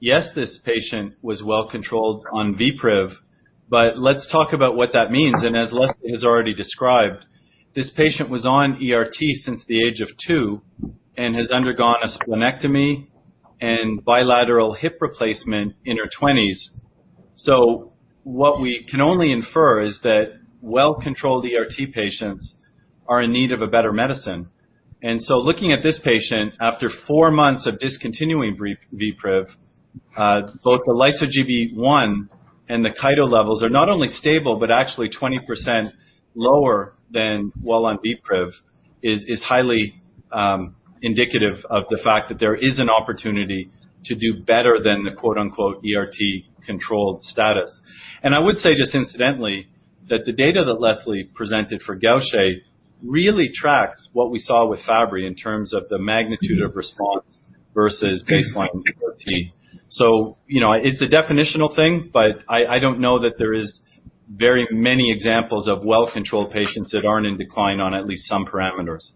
yes, this patient was well-controlled on VPRIV, but let's talk about what that means. As Leslie has already described, this patient was on ERT since the age of two and has undergone a splenectomy and bilateral hip replacement in her twenties. What we can only infer is that well-controlled ERT patients are in need of a better medicine. Looking at this patient after four months of discontinuing VPRIV, both the lyso-Gb1 and the chito levels are not only stable, but actually 20% lower than while on VPRIV is highly indicative of the fact that there is an opportunity to do better than the "ERT controlled status." I would say just incidentally, that the data that Leslie presented for Gaucher really tracks what we saw with Fabry in terms of the magnitude of response versus baseline ERT. It's a definitional thing, but I don't know that there is very many examples of well-controlled patients that aren't in decline on at least some parameters.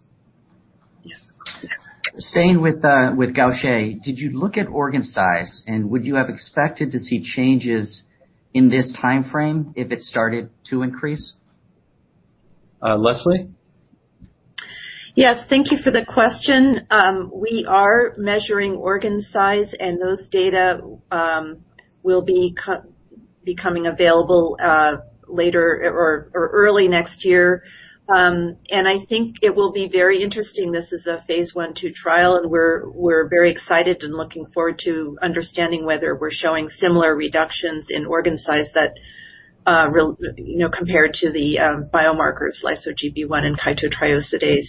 Staying with Gaucher, did you look at organ size, and would you have expected to see changes in this timeframe if it started to increase? Leslie? Yes, thank you for the question. We are measuring organ size, and those data will be becoming available early next year. I think it will be very interesting. This is a phase I/II trial, and we're very excited and looking forward to understanding whether we're showing similar reductions in organ size compared to the biomarkers lyso-Gb1 and chitotriosidase.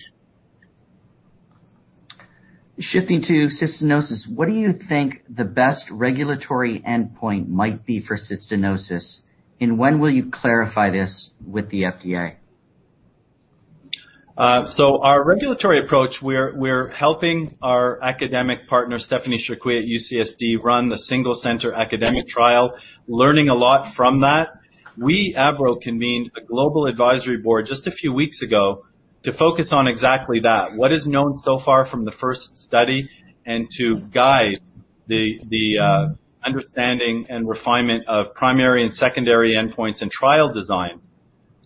Shifting to cystinosis, what do you think the best regulatory endpoint might be for cystinosis? When will you clarify this with the FDA? Our regulatory approach, we're helping our academic partner, Stephanie Cherqui at UCSD, run the single center academic trial, learning a lot from that. We, AVROBIO, convened a global advisory board just a few weeks ago to focus on exactly that. What is known so far from the first study and to guide the understanding and refinement of primary and secondary endpoints and trial design.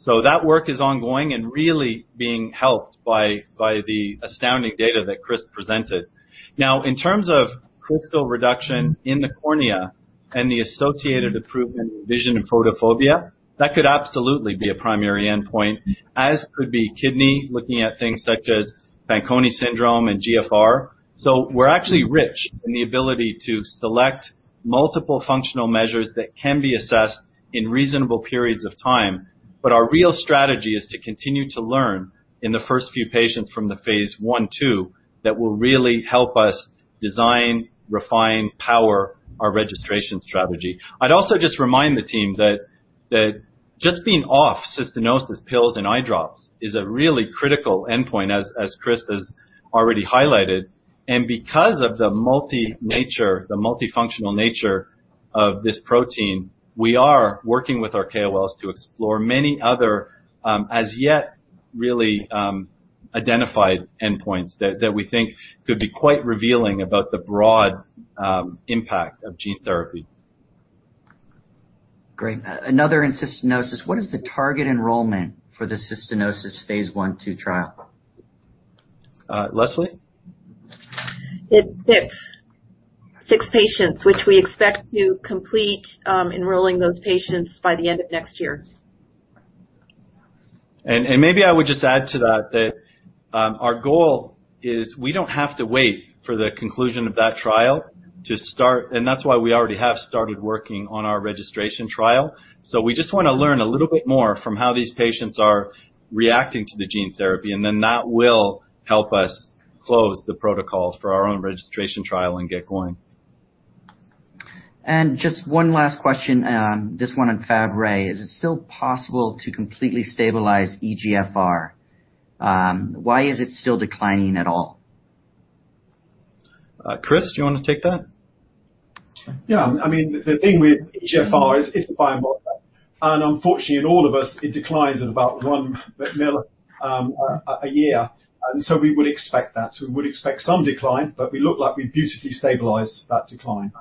That work is ongoing and really being helped by the astounding data that Chris presented. Now, in terms of crystal reduction in the cornea and the associated improvement in vision and photophobia, that could absolutely be a primary endpoint, as could be kidney, looking at things such as Fanconi syndrome and GFR. We're actually rich in the ability to select multiple functional measures that can be assessed in reasonable periods of time. Our real strategy is to continue to learn in the first few patients from the phase I/II that will really help us design, refine, power our registration strategy. I'd also just remind the team that just being off cystinosis pills and eye drops is a really critical endpoint, as Chris has already highlighted. Because of the multi-nature, the multifunctional nature of this protein, we are working with our KOLs to explore many other, as yet really identified endpoints that we think could be quite revealing about the broad impact of gene therapy. Great. Another in cystinosis. What is the target enrollment for the cystinosis phase I/II trial? Leslie? It's six. Six patients, which we expect to complete enrolling those patients by the end of next year. Maybe I would just add to that our goal is we don't have to wait for the conclusion of that trial to start. That's why we already have started working on our registration trial. We just want to learn a little bit more from how these patients are reacting to the gene therapy. Then that will help us close the protocols for our own registration trial and get going. Just one last question, this one on Fabry. Is it still possible to completely stabilize eGFR? Why is it still declining at all? Chris, do you want to take that? Sure. Yeah, the thing with eGFR is it's the biomarker. Unfortunately, in all of us, it declines at about one mil a year. We would expect that. We would expect some decline, but we look like we beautifully stabilized that decline.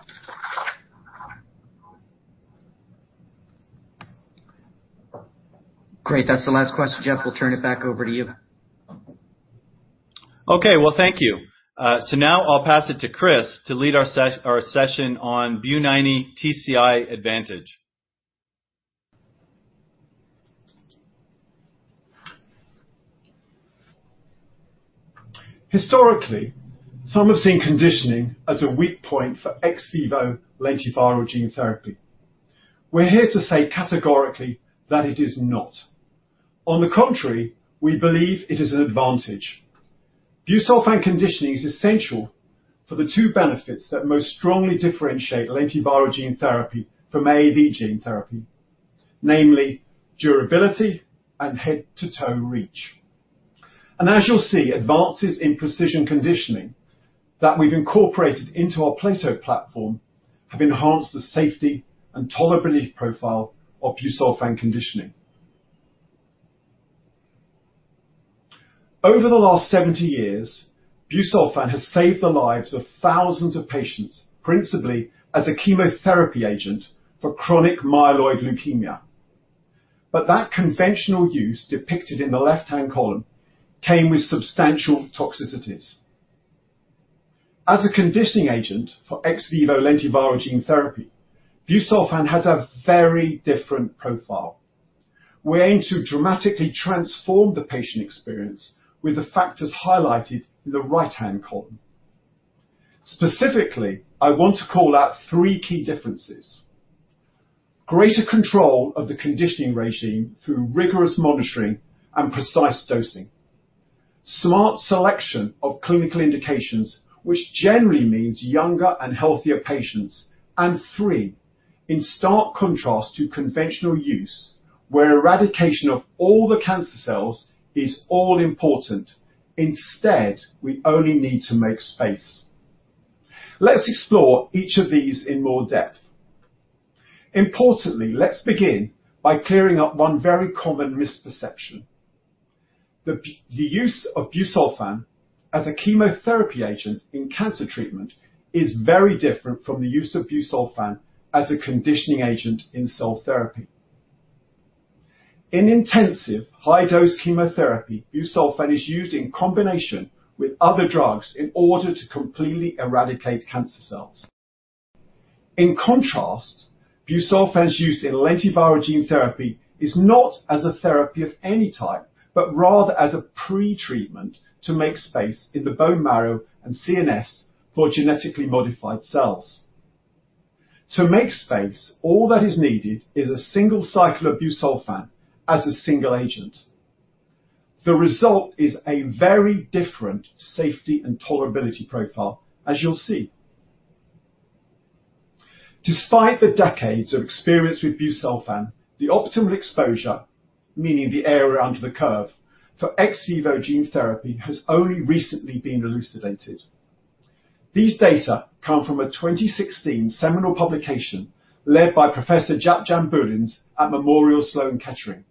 Great. That's the last question. Geoff, we'll turn it back over to you. Okay. Well, thank you. Now I'll pass it to Chris to lead our session on BU90 TCI advantage. Historically, some have seen conditioning as a weak point for ex vivo lentiviral gene therapy. We're here to say categorically that it is not. On the contrary, we believe it is an advantage. Busulfan conditioning is essential for the two benefits that most strongly differentiate lentiviral gene therapy from AAV gene therapy, namely durability and head to toe reach. As you'll see, advances in precision conditioning that we've incorporated into our Plato platform have enhanced the safety and tolerability profile of busulfan conditioning. Over the last 70 years, busulfan has saved the lives of thousands of patients, principally as a chemotherapy agent for chronic myeloid leukemia. That conventional use depicted in the left-hand column came with substantial toxicities. As a conditioning agent for ex vivo lentiviral gene therapy, busulfan has a very different profile. We aim to dramatically transform the patient experience with the factors highlighted in the right-hand column. Specifically, I want to call out three key differences. Greater control of the conditioning regime through rigorous monitoring and precise dosing. Smart selection of clinical indications, which generally means younger and healthier patients. Three, in stark contrast to conventional use, where eradication of all the cancer cells is all important, instead, we only need to make space. Let's explore each of these in more depth. Importantly, let's begin by clearing up one very common misperception. The use of busulfan as a chemotherapy agent in cancer treatment is very different from the use of busulfan as a conditioning agent in cell therapy. In intensive high dose chemotherapy, busulfan is used in combination with other drugs in order to completely eradicate cancer cells. In contrast, busulfan's use in lentiviral gene therapy is not as a therapy of any type, but rather as a pre-treatment to make space in the bone marrow and CNS for genetically modified cells. To make space, all that is needed is a single cycle of busulfan as a single agent. The result is a very different safety and tolerability profile, as you'll see. Despite the decades of experience with busulfan, the optimal exposure, meaning the area under the curve, for ex vivo gene therapy has only recently been elucidated. These data come from a 2016 seminal publication led by Professor Jaap Jan Boelens at Memorial Sloan Kettering.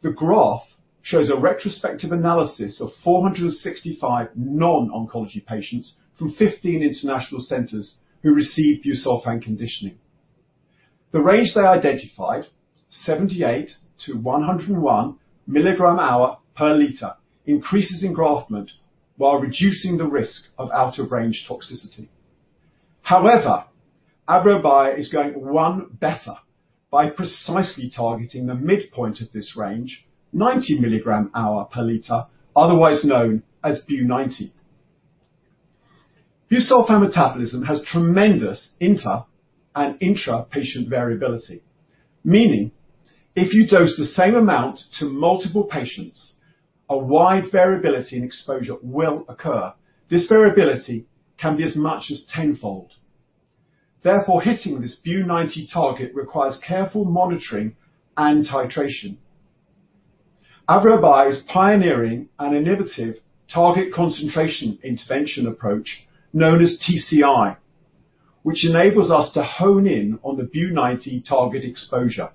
The graph shows a retrospective analysis of 465 non-oncology patients from 15 international centers who received busulfan conditioning. The range they identified, 78-101 milligram hour per liter, increases engraftment while reducing the risk of out of range toxicity. AVROBIO is going one better by precisely targeting the midpoint of this range, 90 milligram hour per liter, otherwise known as BU90. busulfan metabolism has tremendous inter- and intra-patient variability, meaning if you dose the same amount to multiple patients, a wide variability in exposure will occur. This variability can be as much as tenfold. Hitting this BU90 target requires careful monitoring and titration. AVROBIO is pioneering an innovative target concentration intervention approach known as TCI, which enables us to hone in on the BU90 target exposure.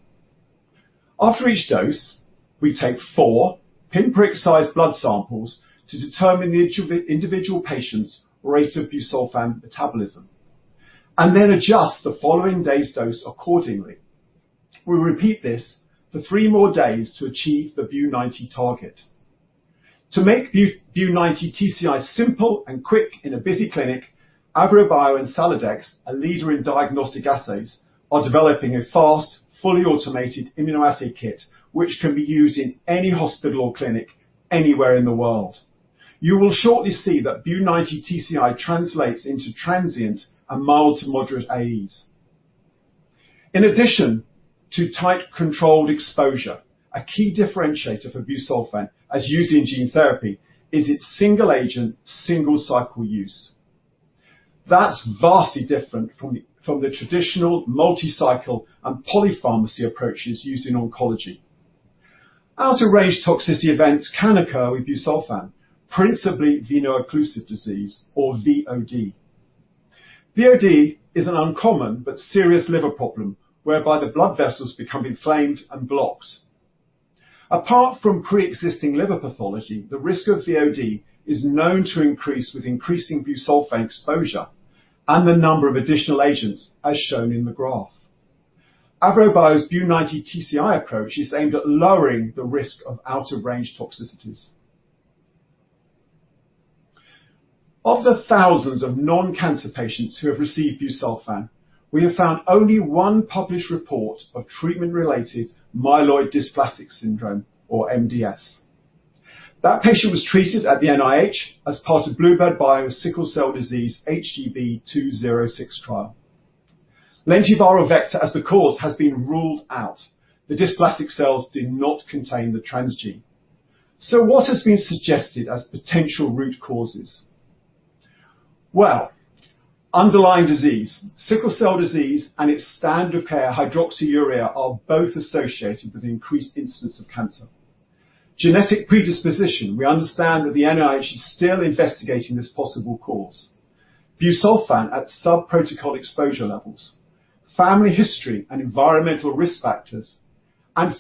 After each dose, we take four pinprick sized blood samples to determine the individual patient's rate of busulfan metabolism, and then adjust the following day's dose accordingly. We repeat this for three more days to achieve the BU90 target. To make BU90 TCI simple and quick in a busy clinic, AVROBIO and Saladax, a leader in diagnostic assays, are developing a fast, fully automated immunoassay kit, which can be used in any hospital or clinic anywhere in the world. You will shortly see that BU90 TCI translates into transient and mild to moderate AEs. In addition to tight controlled exposure, a key differentiator for busulfan as used in gene therapy is its single agent, single cycle use. That's vastly different from the traditional multi-cycle and polypharmacy approaches used in oncology. Out of range toxicity events can occur with busulfan, principally veno-occlusive disease or VOD. VOD is an uncommon but serious liver problem whereby the blood vessels become inflamed and blocked. Apart from pre-existing liver pathology, the risk of VOD is known to increase with increasing busulfan exposure and the number of additional agents as shown in the graph. AVROBIO's BU90 TCI approach is aimed at lowering the risk of out-of-range toxicities. Of the thousands of non-cancer patients who have received busulfan, we have found only one published report of treatment-related, or MDS. That patient was treatemyelodysplastic syndrome at the NIH as part of bluebird bio's sickle cell disease HGB-206 trial. Lentiviral vector as the cause has been ruled out. The dysplastic cells did not contain the transgene. What has been suggested as potential root causes? Well, underlying disease. Sickle cell disease and its standard of care, hydroxyurea, are both associated with increased incidence of cancer. Genetic predisposition, we understand that the NIH is still investigating this possible cause. Busulfan at sub-protocol exposure levels, family history, and environmental risk factors.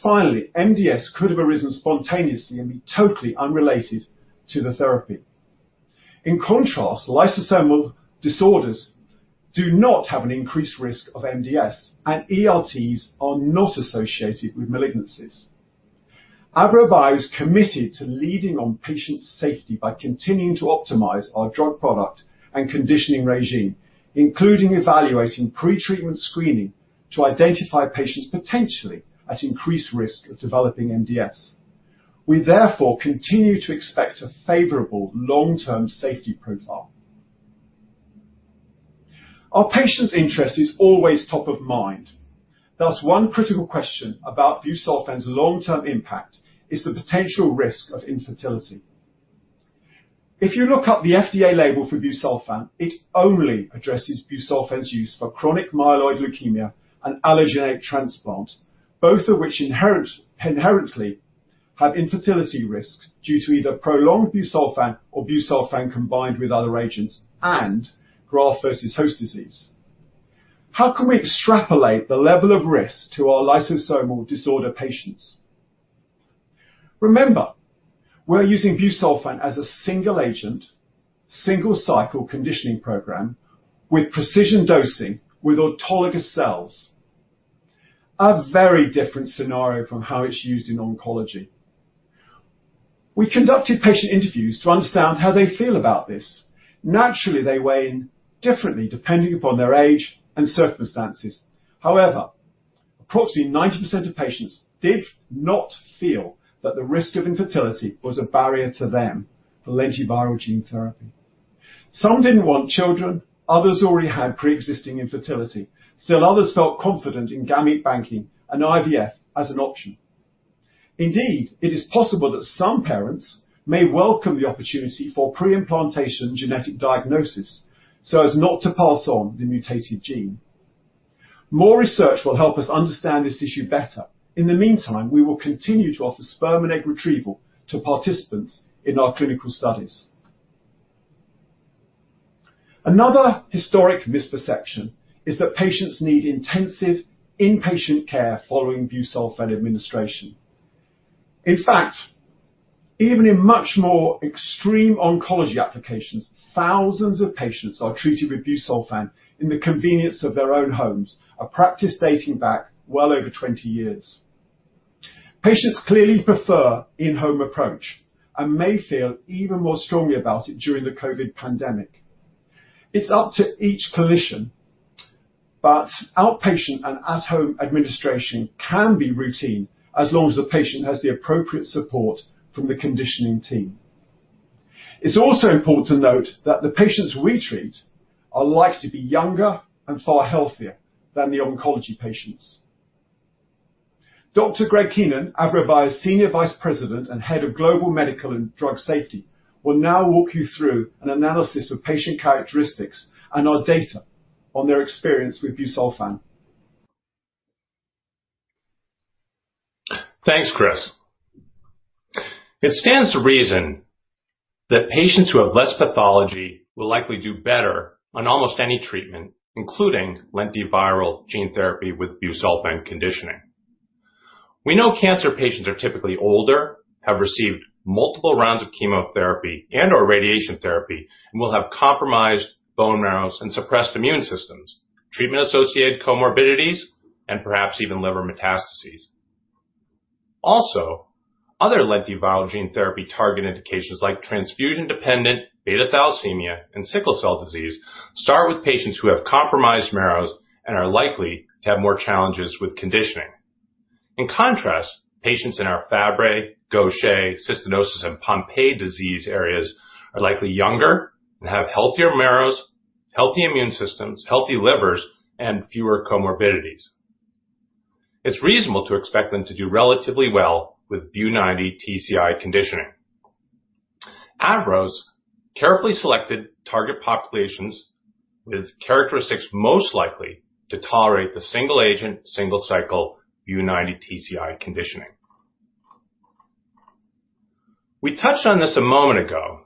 Finally, MDS could have arisen spontaneously and be totally unrelated to the therapy. In contrast, lysosomal disorders do not have an increased risk of MDS, and ERTs are not associated with malignancies. AVROBIO is committed to leading on patient safety by continuing to optimize our drug product and conditioning regime, including evaluating pre-treatment screening to identify patients potentially at increased risk of developing MDS. We therefore continue to expect a favorable long-term safety profile. Our patients' interest is always top of mind. Thus, one critical question about busulfan's long-term impact is the potential risk of infertility. If you look up the FDA label for busulfan, it only addresses busulfan's use for chronic myeloid leukemia and allogeneic transplants, both of which inherently have infertility risks due to either prolonged busulfan or busulfan combined with other agents and graft versus host disease. How can we extrapolate the level of risk to our lysosomal disorder patients? Remember, we're using busulfan as a single agent, single-cycle conditioning program with precision dosing with autologous cells. A very different scenario from how it's used in oncology. We conducted patient interviews to understand how they feel about this. Naturally, they weigh in differently depending upon their age and circumstances. Approximately 90% of patients did not feel that the risk of infertility was a barrier to them for lentiviral gene therapy. Some didn't want children, others already had pre-existing infertility. Others felt confident in gamete banking and IVF as an option. Indeed, it is possible that some parents may welcome the opportunity for preimplantation genetic diagnosis so as not to pass on the mutated gene. More research will help us understand this issue better. In the meantime, we will continue to offer sperm and egg retrieval to participants in our clinical studies. Another historic misperception is that patients need intensive inpatient care following busulfan administration. In fact, even in much more extreme oncology applications, thousands of patients are treated with busulfan in the convenience of their own homes, a practice dating back well over 20 years. Patients clearly prefer in-home approach and may feel even more strongly about it during the COVID pandemic. It's up to each clinician, but outpatient and at-home administration can be routine as long as the patient has the appropriate support from the conditioning team. It's also important to note that the patients we treat are likely to be younger and far healthier than the oncology patients. Dr. Greg Keenan, AVROBIO Senior Vice President and Head of Global Medical and Drug Safety, will now walk you through an analysis of patient characteristics and our data on their experience with busulfan. Thanks, Chris. It stands to reason that patients who have less pathology will likely do better on almost any treatment, including lentiviral gene therapy with busulfan conditioning. We know cancer patients are typically older, have received multiple rounds of chemotherapy and/or radiation therapy, and will have compromised bone marrows and suppressed immune systems, treatment-associated comorbidities, and perhaps even liver metastases. Also, other lentiviral gene therapy target indications like transfusion-dependent beta thalassemia and sickle cell disease start with patients who have compromised marrows and are likely to have more challenges with conditioning. In contrast, patients in our Fabry, Gaucher, cystinosis, and Pompe disease areas are likely younger and have healthier marrows, healthy immune systems, healthy livers, and fewer comorbidities. It's reasonable to expect them to do relatively well with BU-90TCI conditioning. AVRO's carefully selected target populations with characteristics most likely to tolerate the single-agent, single-cycle BU-90TCI conditioning. We touched on this a moment ago.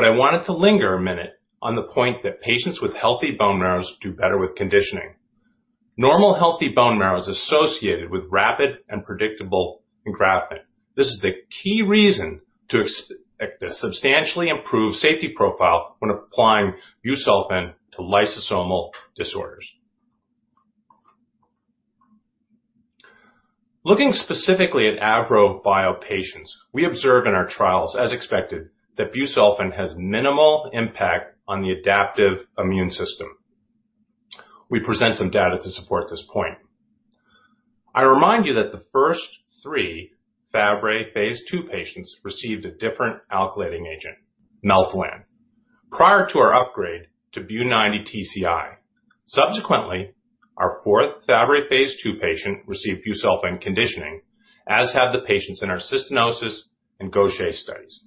I wanted to linger a minute on the point that patients with healthy bone marrows do better with conditioning. Normal healthy bone marrow is associated with rapid and predictable engraftment. This is the key reason to substantially improve safety profile when applying busulfan to lysosomal disorders. Looking specifically at AVROBIO patients, we observe in our trials, as expected, that busulfan has minimal impact on the adaptive immune system. We present some data to support this point. I remind you that the first three Fabry phase II patients received a different alkylating agent, melphalan, prior to our upgrade to BU-90TCI. Our fourth Fabry phase II patient received busulfan conditioning, as have the patients in our cystinosis and Gaucher studies.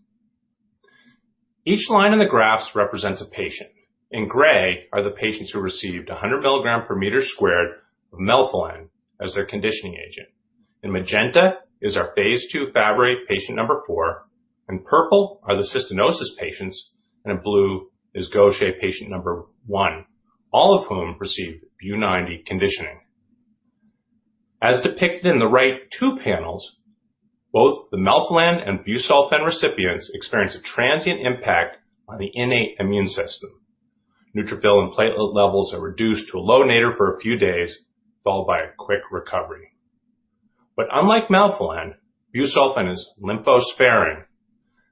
Each line in the graphs represents a patient. In gray are the patients who received 100 milligram per meter squared of melphalan as their conditioning agent. In magenta is our phase II Fabry patient number four, and purple are the cystinosis patients, and in blue is Gaucher patient number 1, all of whom received BU90 conditioning. As depicted in the right two panels, both the melphalan and busulfan recipients experience a transient impact on the innate immune system. Neutrophil and platelet levels are reduced to a low nadir for a few days, followed by a quick recovery. Unlike melphalan, busulfan is lymphosparing.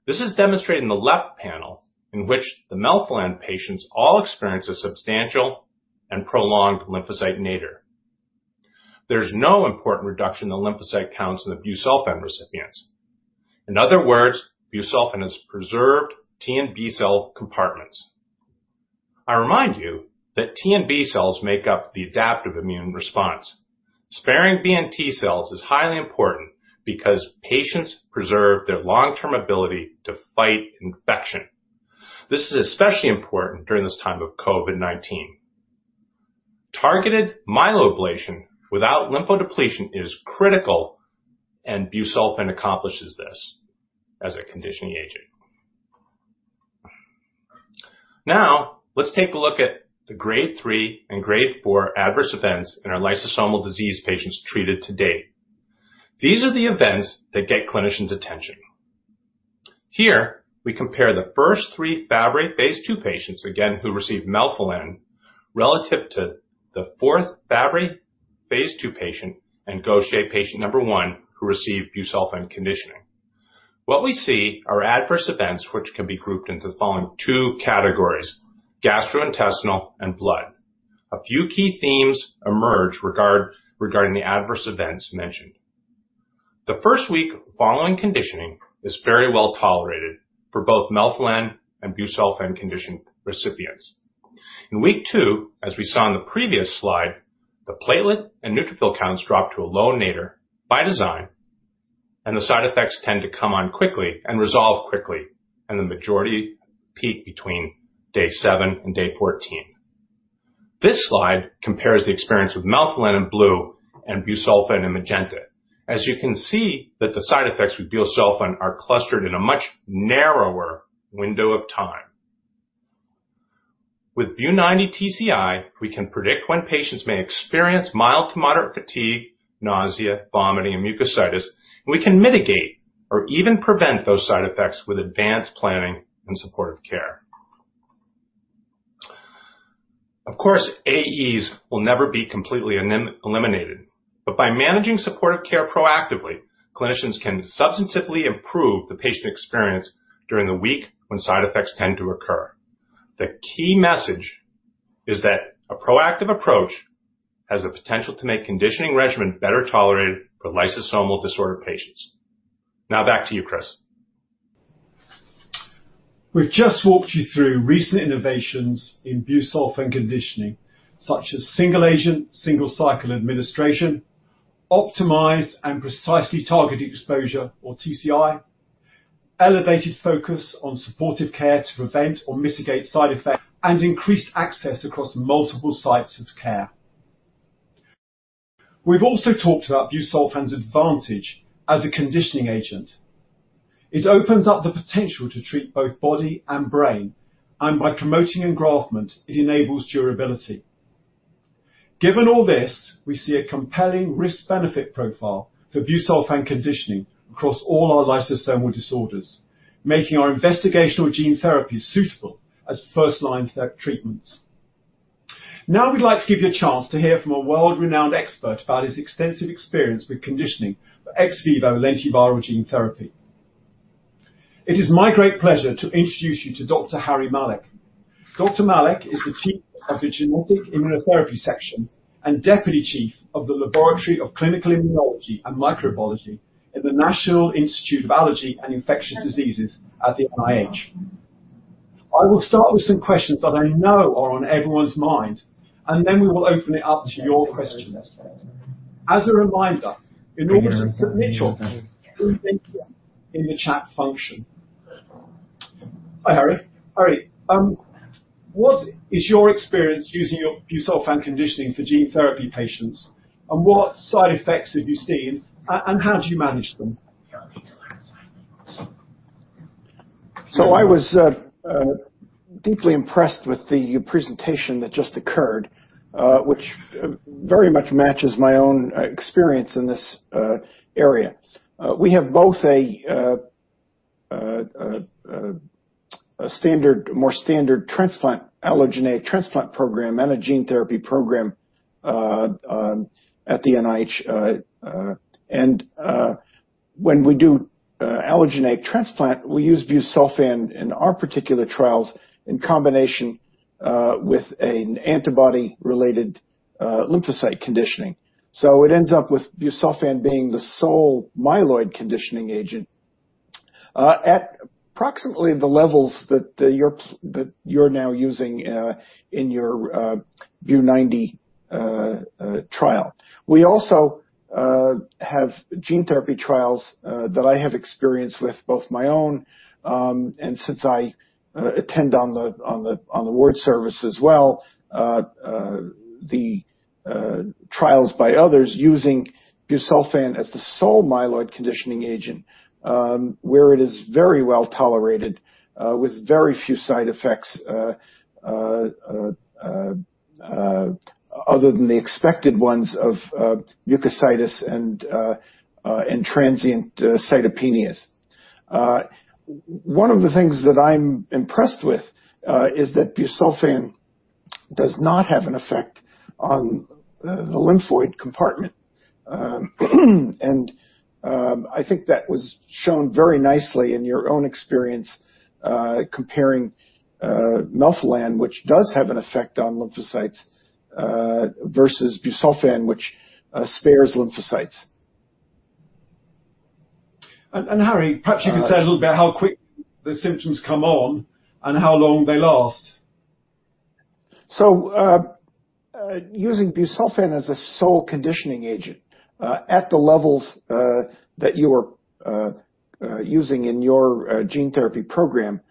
This is demonstrated in the left panel, in which the melphalan patients all experience a substantial and prolonged lymphocyte nadir. There's no important reduction in lymphocyte counts in the busulfan recipients. In other words, busulfan has preserved T and B-cell compartments. I remind you that T and B-cells make up the adaptive immune response. Sparing B and T cells is highly important because patients preserve their long-term ability to fight infection. This is especially important during this time of COVID-19. Targeted myeloablation without lymphodepletion is critical. busulfan accomplishes this as a conditioning agent. Now, let's take a look at the Grade 3 and Grade 4 adverse events in our lysosomal disease patients treated to date. These are the events that get clinicians' attention. Here, we compare the first three Fabry phase II patients, again, who received melphalan, relative to the fourth Fabry phase II patient and Gaucher patient number 1 who received busulfan conditioning. What we see are adverse events which can be grouped into the following two categories: gastrointestinal and blood. A few key themes emerge regarding the adverse events mentioned. The first week following conditioning is very well tolerated for both melphalan and busulfan-conditioned recipients. In week two, as we saw in the previous slide, the platelet and neutrophil counts drop to a low nadir by design, and the side effects tend to come on quickly and resolve quickly, and the majority peak between day seven and day 14. This slide compares the experience with melphalan in blue and busulfan in magenta. You can see that the side effects with busulfan are clustered in a much narrower window of time. With BU-90TCI, we can predict when patients may experience mild to moderate fatigue, nausea, vomiting, and mucositis, and we can mitigate or even prevent those side effects with advanced planning and supportive care. Of course, AEs will never be completely eliminated, but by managing supportive care proactively, clinicians can substantively improve the patient experience during the week when side effects tend to occur. The key message is that a proactive approach has the potential to make conditioning regimen better tolerated for lysosomal disorder patients. Now back to you, Chris. We've just walked you through recent innovations in busulfan conditioning, such as single-agent, single-cycle administration, optimized and precisely targeted exposure or TCI, elevated focus on supportive care to prevent or mitigate side effects, and increased access across multiple sites of care. We've also talked about busulfan's advantage as a conditioning agent. It opens up the potential to treat both body and brain, and by promoting engraftment, it enables durability. Given all this, we see a compelling risk-benefit profile for busulfan conditioning across all our lysosomal disorders, making our investigational gene therapy suitable as first-line treatments. Now we'd like to give you a chance to hear from a world-renowned expert about his extensive experience with conditioning for ex vivo lentiviral gene therapy. It is my great pleasure to introduce you to Dr. Harry Malech. Dr. Malech is the chief of the Genetic Immunotherapy Section and deputy chief of the Laboratory of Clinical Immunology and Microbiology in the National Institute of Allergy and Infectious Diseases at the NIH. I will start with some questions that I know are on everyone's mind, and then we will open it up to your questions. As a reminder, in order to submit your questions, put them in the chat function. Hi, Harry. Harry, what is your experience using busulfan conditioning for gene therapy patients, and what side effects have you seen, and how do you manage them? I was deeply impressed with the presentation that just occurred, which very much matches my own experience in this area. We have both a more standard allogeneic transplant program and a gene therapy program, at the NIH. When we do allogeneic transplant, we use busulfan in our particular trials in combination with an antibody-related lymphocyte conditioning. It ends up with busulfan being the sole myeloid conditioning agent, at approximately the levels that you're now using in your BU-90 trial. We also have gene therapy trials that I have experience with, both my own, and since I attend on the ward service as well, the trials by others using busulfan as the sole myeloid conditioning agent, where it is very well-tolerated, with very few side effects other than the expected ones of mucositis and transient cytopenias. One of the things that I'm impressed with is that busulfan does not have an effect on the lymphoid compartment. I think that was shown very nicely in your own experience, comparing melphalan, which does have an effect on lymphocytes, versus busulfan, which spares lymphocytes. Harry, perhaps you could say a little about how quickly the symptoms come on and how long they last? Using busulfan as a sole conditioning agent, at the levels that you are using in your gene therapy program,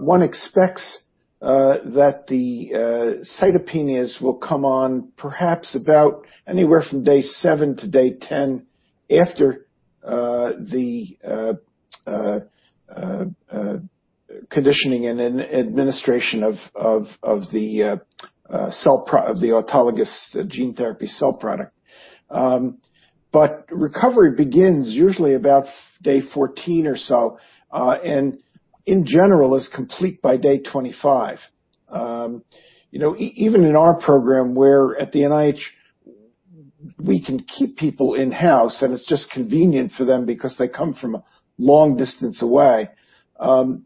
one expects that the cytopenias will come on perhaps about anywhere from day seven to day 10 after the conditioning and administration of the autologous gene therapy cell product. Recovery begins usually about day 14 or so, and in general, is complete by day 25. Even in our program where at the NIH, we can keep people in-house, and it's just convenient for them because they come from a long distance away.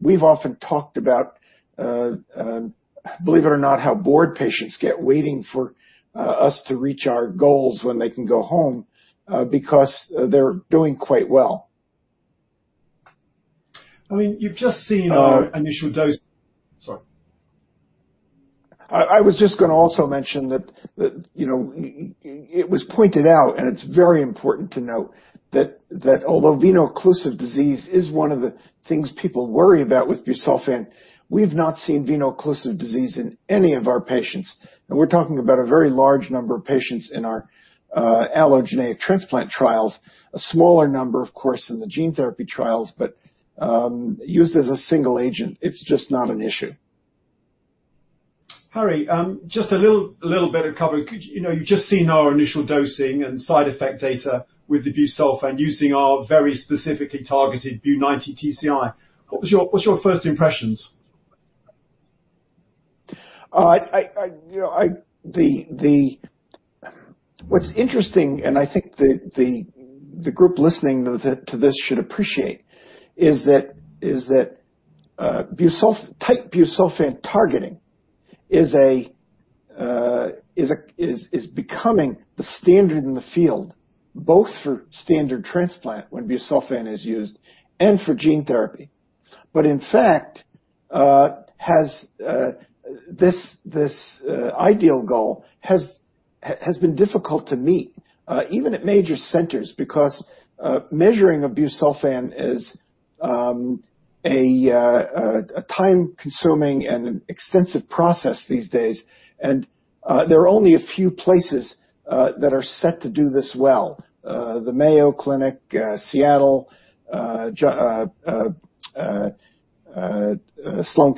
We've often talked about, believe it or not, how bored patients get waiting for us to reach our goals when they can go home, because they're doing quite well. You've just seen our initial dose. Sorry. I was just going to also mention that it was pointed out, and it's very important to note that although Veno-occlusive disease is one of the things people worry about with busulfan, we've not seen Veno-occlusive disease in any of our patients. We're talking about a very large number of patients in our allogeneic transplant trials. A smaller number, of course, in the gene therapy trials, but used as a single agent, it's just not an issue. Harry, just a little bit of cover. You've just seen our initial dosing and side effect data with the busulfan using our very specifically targeted BU90 TCI. What's your first impressions? What's interesting, and I think the group listening to this should appreciate, is that tight busulfan targeting is becoming the standard in the field, both for standard transplant when busulfan is used and for gene therapy. In fact, this ideal goal has been difficult to meet, even at major centers, because measuring of busulfan is a time-consuming and extensive process these days. There are only a few places that are set to do this well. The Mayo Clinic, Seattle, Sloan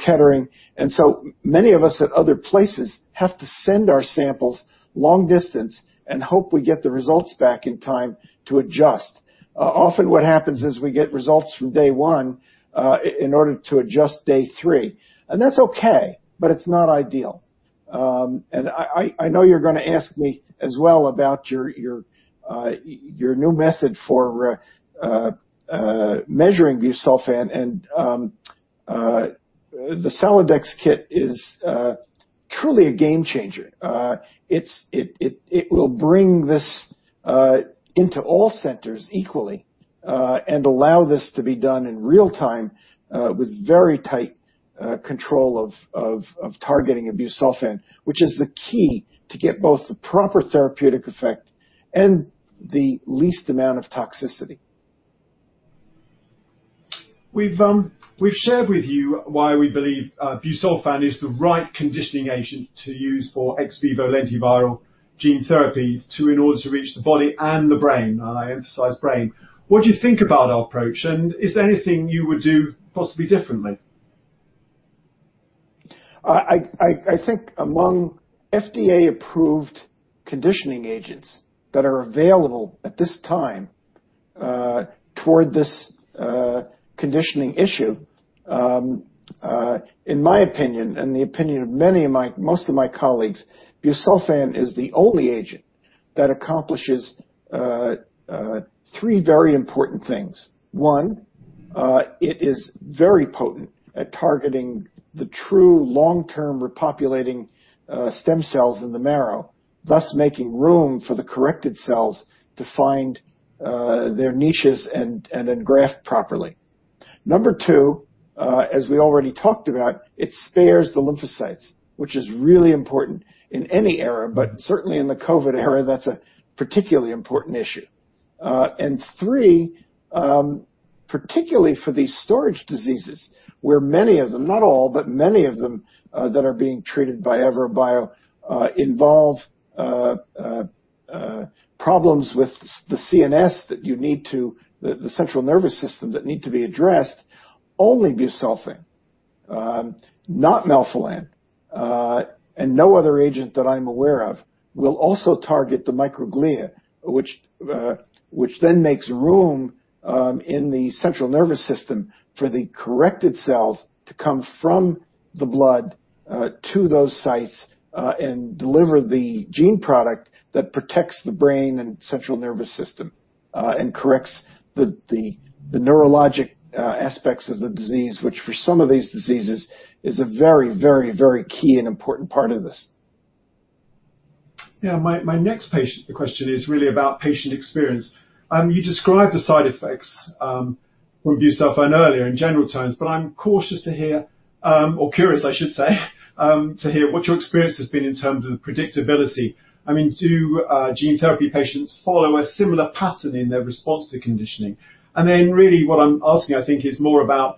Kettering. So many of us at other places have to send our samples long distance and hope we get the results back in time to adjust. Often what happens is we get results from day one, in order to adjust day three. That's okay, but it's not ideal. I know you're going to ask me as well about your new method for measuring busulfan. The Saladax kit is truly a game changer. It will bring this into all centers equally, and allow this to be done in real time with very tight control of targeting busulfan, which is the key to get both the proper therapeutic effect and the least amount of toxicity. We've shared with you why we believe busulfan is the right conditioning agent to use for ex vivo lentiviral gene therapy in order to reach the body and the brain. I emphasize brain. What do you think about our approach, and is there anything you would do possibly differently? I think among FDA-approved conditioning agents that are available at this time toward this conditioning issue, in my opinion and the opinion of most of my colleagues, busulfan is the only agent that accomplishes three very important things. One, it is very potent at targeting the true long-term repopulating stem cells in the marrow, thus making room for the corrected cells to find their niches then graft properly. Number two, as we already talked about, it spares the lymphocytes, which is really important in any era, but certainly in the COVID era, that's a particularly important issue. Three, particularly for these storage diseases, where many of them, not all, but many of them that are being treated by AVROBIO involve problems with the CNS, the central nervous system, that need to be addressed, only busulfan, not melphalan, and no other agent that I am aware of will also target the microglia, which then makes room in the central nervous system for the corrected cells to come from the blood to those sites and deliver the gene product that protects the brain and central nervous system and corrects the neurologic aspects of the disease, which for some of these diseases is a very key and important part of this. Yeah. My next question is really about patient experience. You described the side effects from busulfan earlier in general terms, but I'm cautious to hear, or curious I should say, to hear what your experience has been in terms of predictability. Do gene therapy patients follow a similar pattern in their response to conditioning? Really what I'm asking, I think, is more about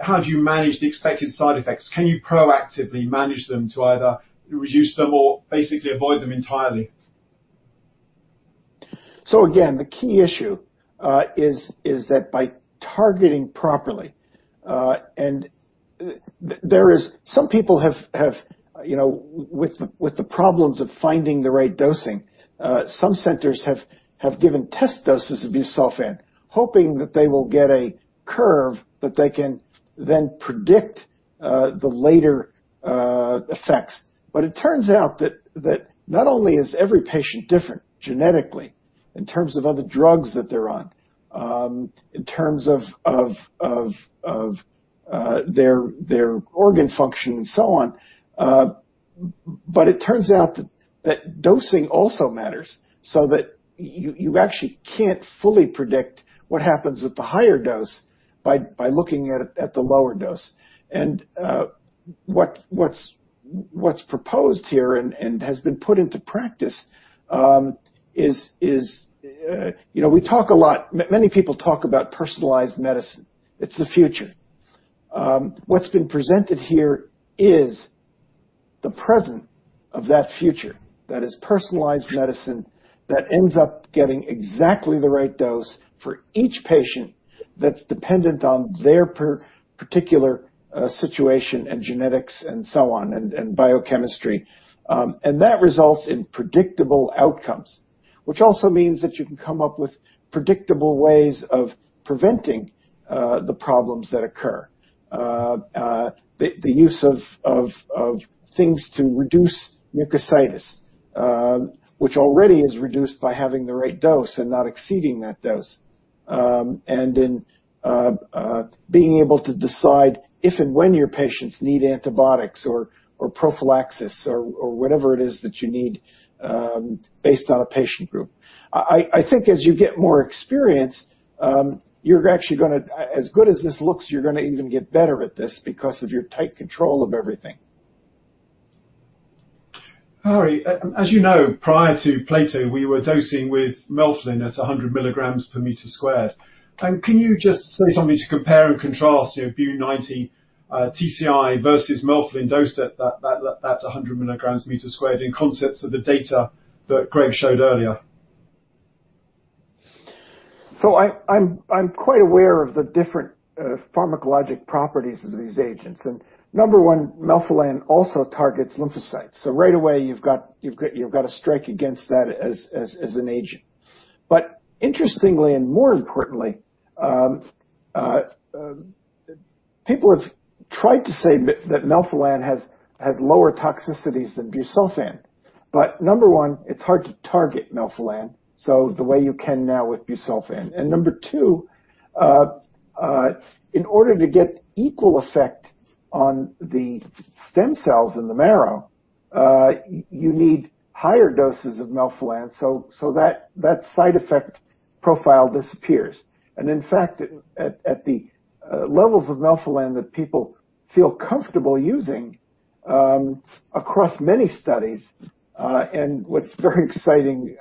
how do you manage the expected side effects? Can you proactively manage them to either reduce them or basically avoid them entirely? Again, the key issue is that by targeting properly, and some people with the problems of finding the right dosing, some centers have given test doses of busulfan, hoping that they will get a curve that they can then predict the later effects. It turns out that not only is every patient different genetically in terms of other drugs that they're on, in terms of their organ function and so on, but it turns out that dosing also matters, so that you actually can't fully predict what happens with the higher dose by looking at the lower dose. What's proposed here and has been put into practice is we talk a lot, many people talk about personalized medicine. It's the future. What's been presented here is the present of that future. That is personalized medicine that ends up getting exactly the right dose for each patient that's dependent on their particular situation and genetics and so on, and biochemistry. That results in predictable outcomes, which also means that you can come up with predictable ways of preventing the problems that occur. The use of things to reduce mucositis, which already is reduced by having the right dose and not exceeding that dose. In being able to decide if and when your patients need antibiotics or prophylaxis or whatever it is that you need based on a patient group. I think as you get more experience, as good as this looks, you're going to even get better at this because of your tight control of everything. Harry, as you know, prior to plato, we were dosing with melphalan at 100 milligrams per meter squared. Can you just say something to compare and contrast BU90 TCI versus melphalan dosed at that 100 milligrams meter squared in concepts of the data that Greg showed earlier? I'm quite aware of the different pharmacologic properties of these agents. Number one, melphalan also targets lymphocytes. Right away, you've got a strike against that as an agent. Interestingly, and more importantly, people have tried to say that melphalan has lower toxicities than busulfan. Number one, it's hard to target melphalan, so the way you can now with busulfan. Number two, in order to get equal effect on the stem cells in the marrow, you need higher doses of melphalan, so that side effect profile disappears. In fact, at the levels of melphalan that people feel comfortable using, across many studies, and what's very exciting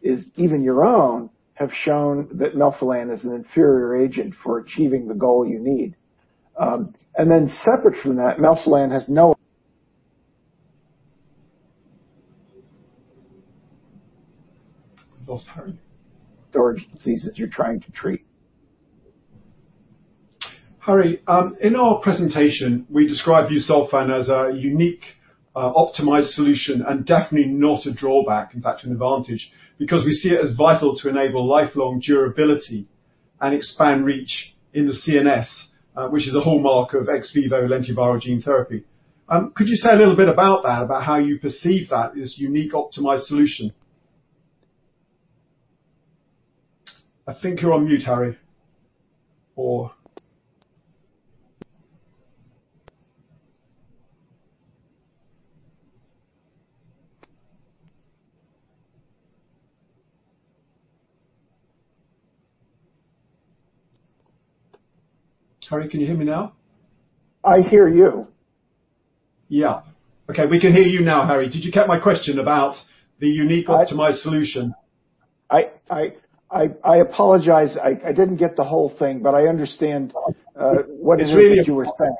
is even your own, have shown that melphalan is an inferior agent for achieving the goal you need. Separate from that, melphalan has no- I lost Harry. storage diseases you're trying to treat. Harry, in our presentation, we describe busulfan as a unique, optimized solution and definitely not a drawback, in fact, an advantage, because we see it as vital to enable lifelong durability and expand reach in the CNS, which is a hallmark of ex vivo lentiviral gene therapy. Could you say a little bit about that, about how you perceive that as unique optimized solution? I think you're on mute, Harry. Harry, can you hear me now? I hear you. Yeah. Okay. We can hear you now, Harry. Did you get my question about the unique optimized solution? I apologize. I didn't get the whole thing, but I understand what it is that you were saying.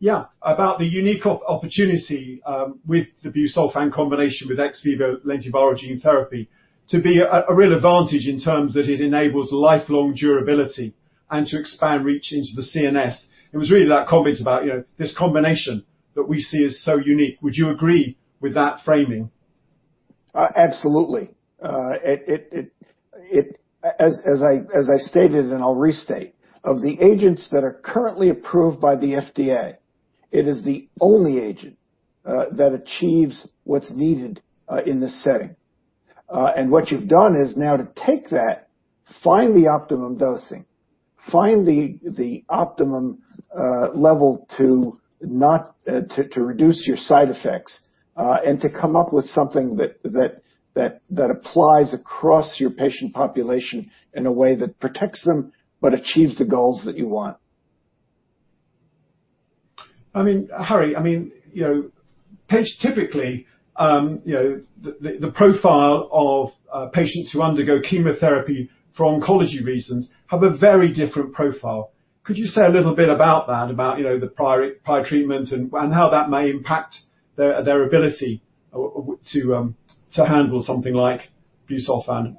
Yeah. About the unique opportunity, with the busulfan combination with ex vivo lentiviral gene therapy to be a real advantage in terms that it enables lifelong durability and to expand reach into the CNS. It was really that comment about this combination that we see as so unique. Would you agree with that framing? Absolutely. As I stated and I'll restate, of the agents that are currently approved by the FDA, it is the only agent that achieves what's needed in this setting. What you've done is now to take that, find the optimum dosing, find the optimum level to reduce your side effects, and to come up with something that applies across your patient population in a way that protects them but achieves the goals that you want. Harry, typically, the profile of patients who undergo chemotherapy for oncology reasons have a very different profile. Could you say a little bit about that, about the prior treatment and how that may impact their ability to handle something like busulfan?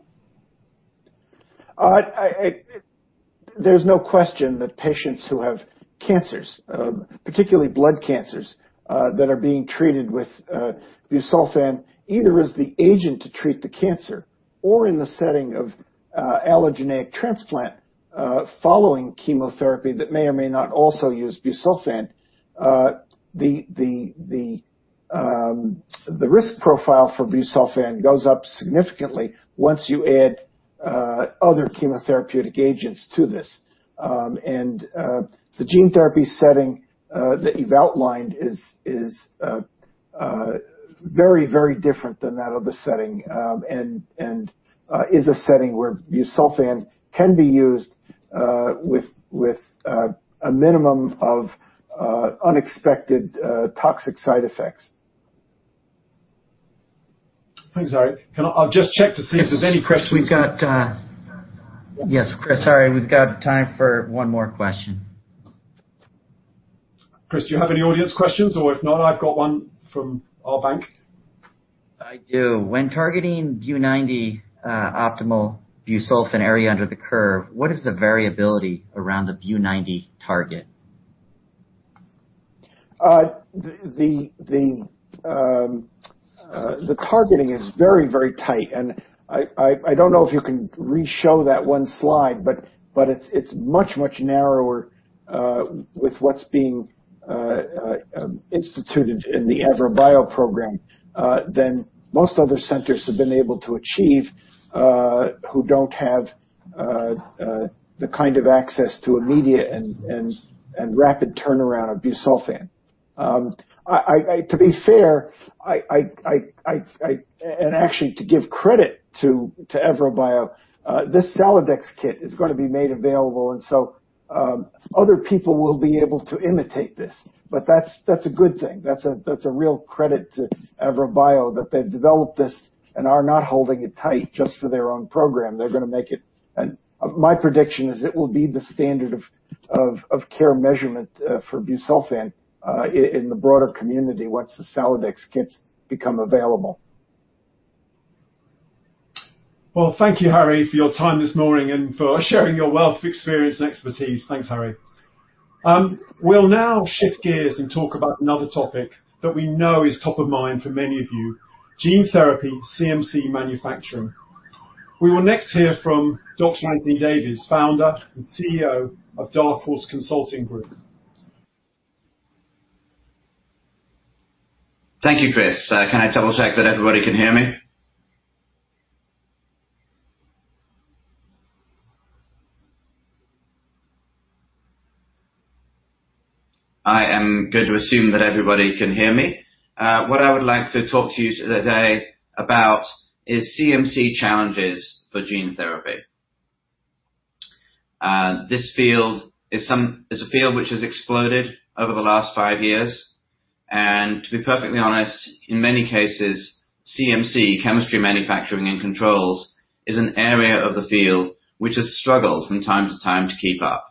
There's no question that patients who have cancers, particularly blood cancers, that are being treated with busulfan, either as the agent to treat the cancer or in the setting of allogeneic transplant following chemotherapy that may or may not also use busulfan, the risk profile for busulfan goes up significantly once you add other chemotherapeutic agents to this. The gene therapy setting that you've outlined is very different than that other setting, and is a setting where busulfan can be used with a minimum of unexpected toxic side effects. Thanks, Harry. I'll just check to see if there's any questions. Yes, Chris, sorry. We've got time for one more question. Greg, do you have any audience questions, or if not, I've got one from our bank. I do. When targeting BU90 optimal busulfan area under the curve, what is the variability around the BU90 target? The targeting is very tight, and I don't know if you can re-show that one slide, but it's much narrower with what's being instituted in the AVROBIO program than most other centers have been able to achieve who don't have the kind of access to immediate and rapid turnaround of busulfan. To be fair, and actually to give credit to AVROBIO, this Saladax kit is going to be made available, and so other people will be able to imitate this, but that's a good thing. That's a real credit to AVROBIO that they've developed this and are not holding it tight just for their own program. They're going to make it. My prediction is it will be the standard of care measurement for busulfan in the broader community once the Saladax kits become available. Well, thank you, Harry, for your time this morning and for sharing your wealth of experience and expertise. Thanks, Harry. We'll now shift gears and talk about another topic that we know is top of mind for many of you, gene therapy CMC manufacturing. We will next hear from Dr. Anthony Davies, Founder and Chief Executive Officer of Dark Horse Consulting Group. Thank you, Chris. Can I double check that everybody can hear me? I am going to assume that everybody can hear me. What I would like to talk to you today about is CMC challenges for gene therapy. This field is a field which has exploded over the last five years. To be perfectly honest, in many cases, CMC, chemistry, manufacturing, and controls, is an area of the field which has struggled from time to time to keep up.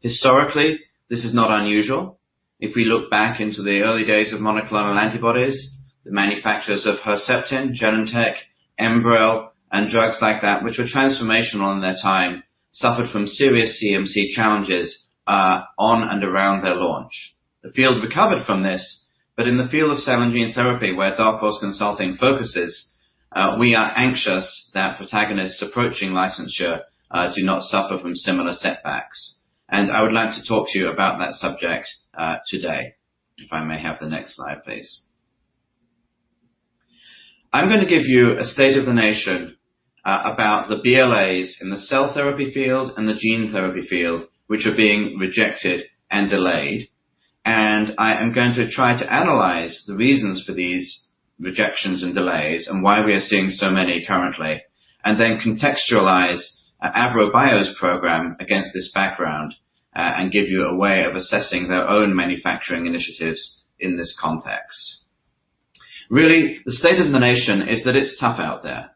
Historically, this is not unusual. If we look back into the early days of monoclonal antibodies, the manufacturers of Herceptin, Genentech, Enbrel, and drugs like that, which were transformational in their time, suffered from serious CMC challenges on and around their launch. The field recovered from this, in the field of cell and gene therapy, where Dark Horse Consulting focuses, we are anxious that protagonists approaching licensure do not suffer from similar setbacks. I would like to talk to you about that subject today. If I may have the next slide, please. I'm going to give you a state of the nation about the BLAs in the cell therapy field and the gene therapy field, which are being rejected and delayed. I am going to try to analyze the reasons for these rejections and delays and why we are seeing so many currently, then contextualize AVROBIO's program against this background, and give you a way of assessing their own manufacturing initiatives in this context. Really, the state of the nation is that it's tough out there.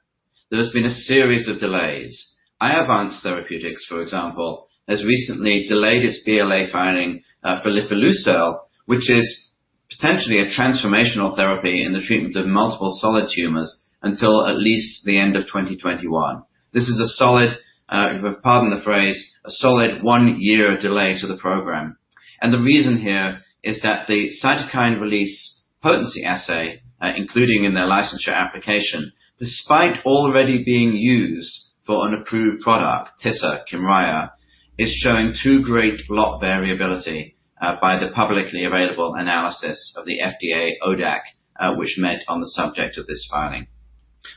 There has been a series of delays. Iovance Biotherapeutics, for example, has recently delayed its BLA filing for lifileucel, which is potentially a transformational therapy in the treatment of multiple solid tumors until at least the end of 2021. This is a solid, pardon the phrase, a solid one year delay to the program. The reason here is that the cytokine release potency assay, including in their licensure application, despite already being used for an approved product, Tisa, KYMRIAH, is showing too great lot variability by the publicly available analysis of the FDA ODAC, which met on the subject of this filing.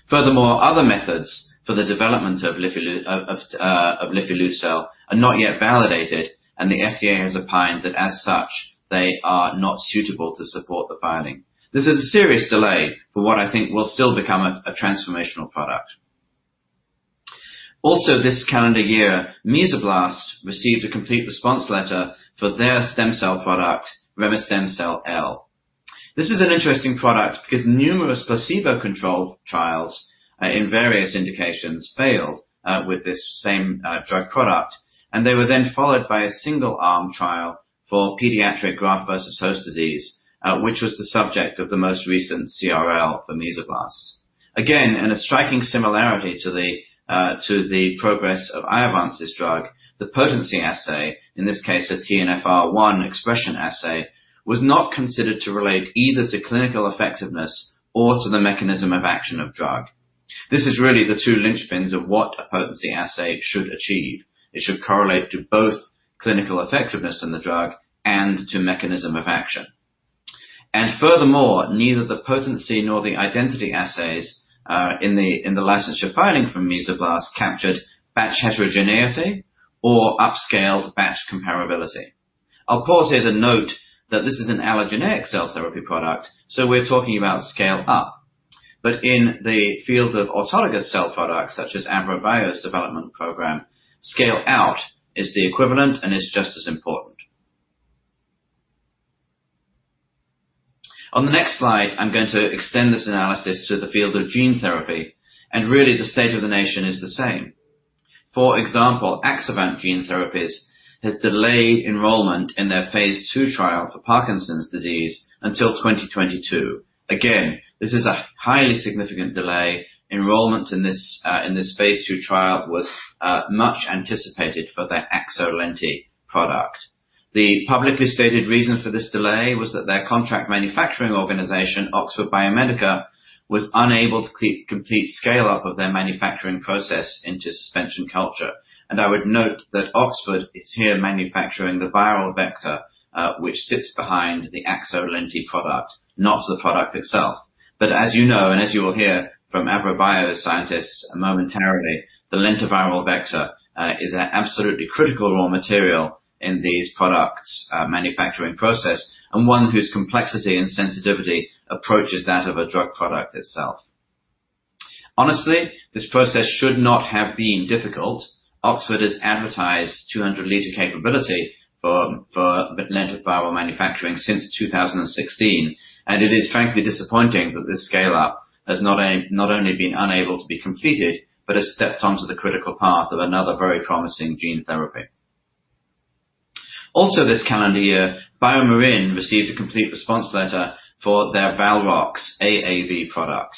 Furthermore, other methods for the development of lifileucel are not yet validated, and the FDA has opined that as such, they are not suitable to support the filing. This is a serious delay for what I think will still become a transformational product. This calendar year, Mesoblast received a complete response letter for their stem cell product, remestemcel-L. This is an interesting product because numerous placebo-controlled trials in various indications failed with this same drug product, and they were then followed by a single-arm trial for pediatric graft versus host disease, which was the subject of the most recent CRL for Mesoblast. In a striking similarity to the progress of Iovance's drug, the potency assay, in this case, a TNFR1 expression assay, was not considered to relate either to clinical effectiveness or to the mechanism of action of drug. This is really the two linchpins of what a potency assay should achieve. It should correlate to both clinical effectiveness in the drug and to mechanism of action. Furthermore, neither the potency nor the identity assays, in the licensure filing from Mesoblast captured batch heterogeneity or upscaled batch comparability. I'll pause here to note that this is an allogeneic cell therapy product, so we're talking about scale up. In the field of autologous cell products, such as AVROBIO's development program, scale out is the equivalent and is just as important. On the next slide, I'm going to extend this analysis to the field of gene therapy, and really the state of the nation is the same. For example, Axovant Gene Therapies has delayed enrollment in their phase II trial for Parkinson's disease until 2022. Again, this is a highly significant delay. Enrollment in this phase II trial was much anticipated for their AXO-Lenti product. The publicly stated reason for this delay was that their contract manufacturing organization, Oxford Biomedica, was unable to complete scale up of their manufacturing process into suspension culture. I would note that Oxford is here manufacturing the viral vector, which sits behind the AXO-Lenti product, not the product itself. As you know, and as you will hear from AVROBIO scientists momentarily, the lentiviral vector is an absolutely critical raw material in these products' manufacturing process, and one whose complexity and sensitivity approaches that of a drug product itself. Honestly, this process should not have been difficult. Oxford has advertised 200 liter capability for lentiviral manufacturing since 2016, and it is frankly disappointing that this scale-up has not only been unable to be completed, but has stepped onto the critical path of another very promising gene therapy. Also this calendar year, BioMarin received a complete response letter for their Valrox AAV product.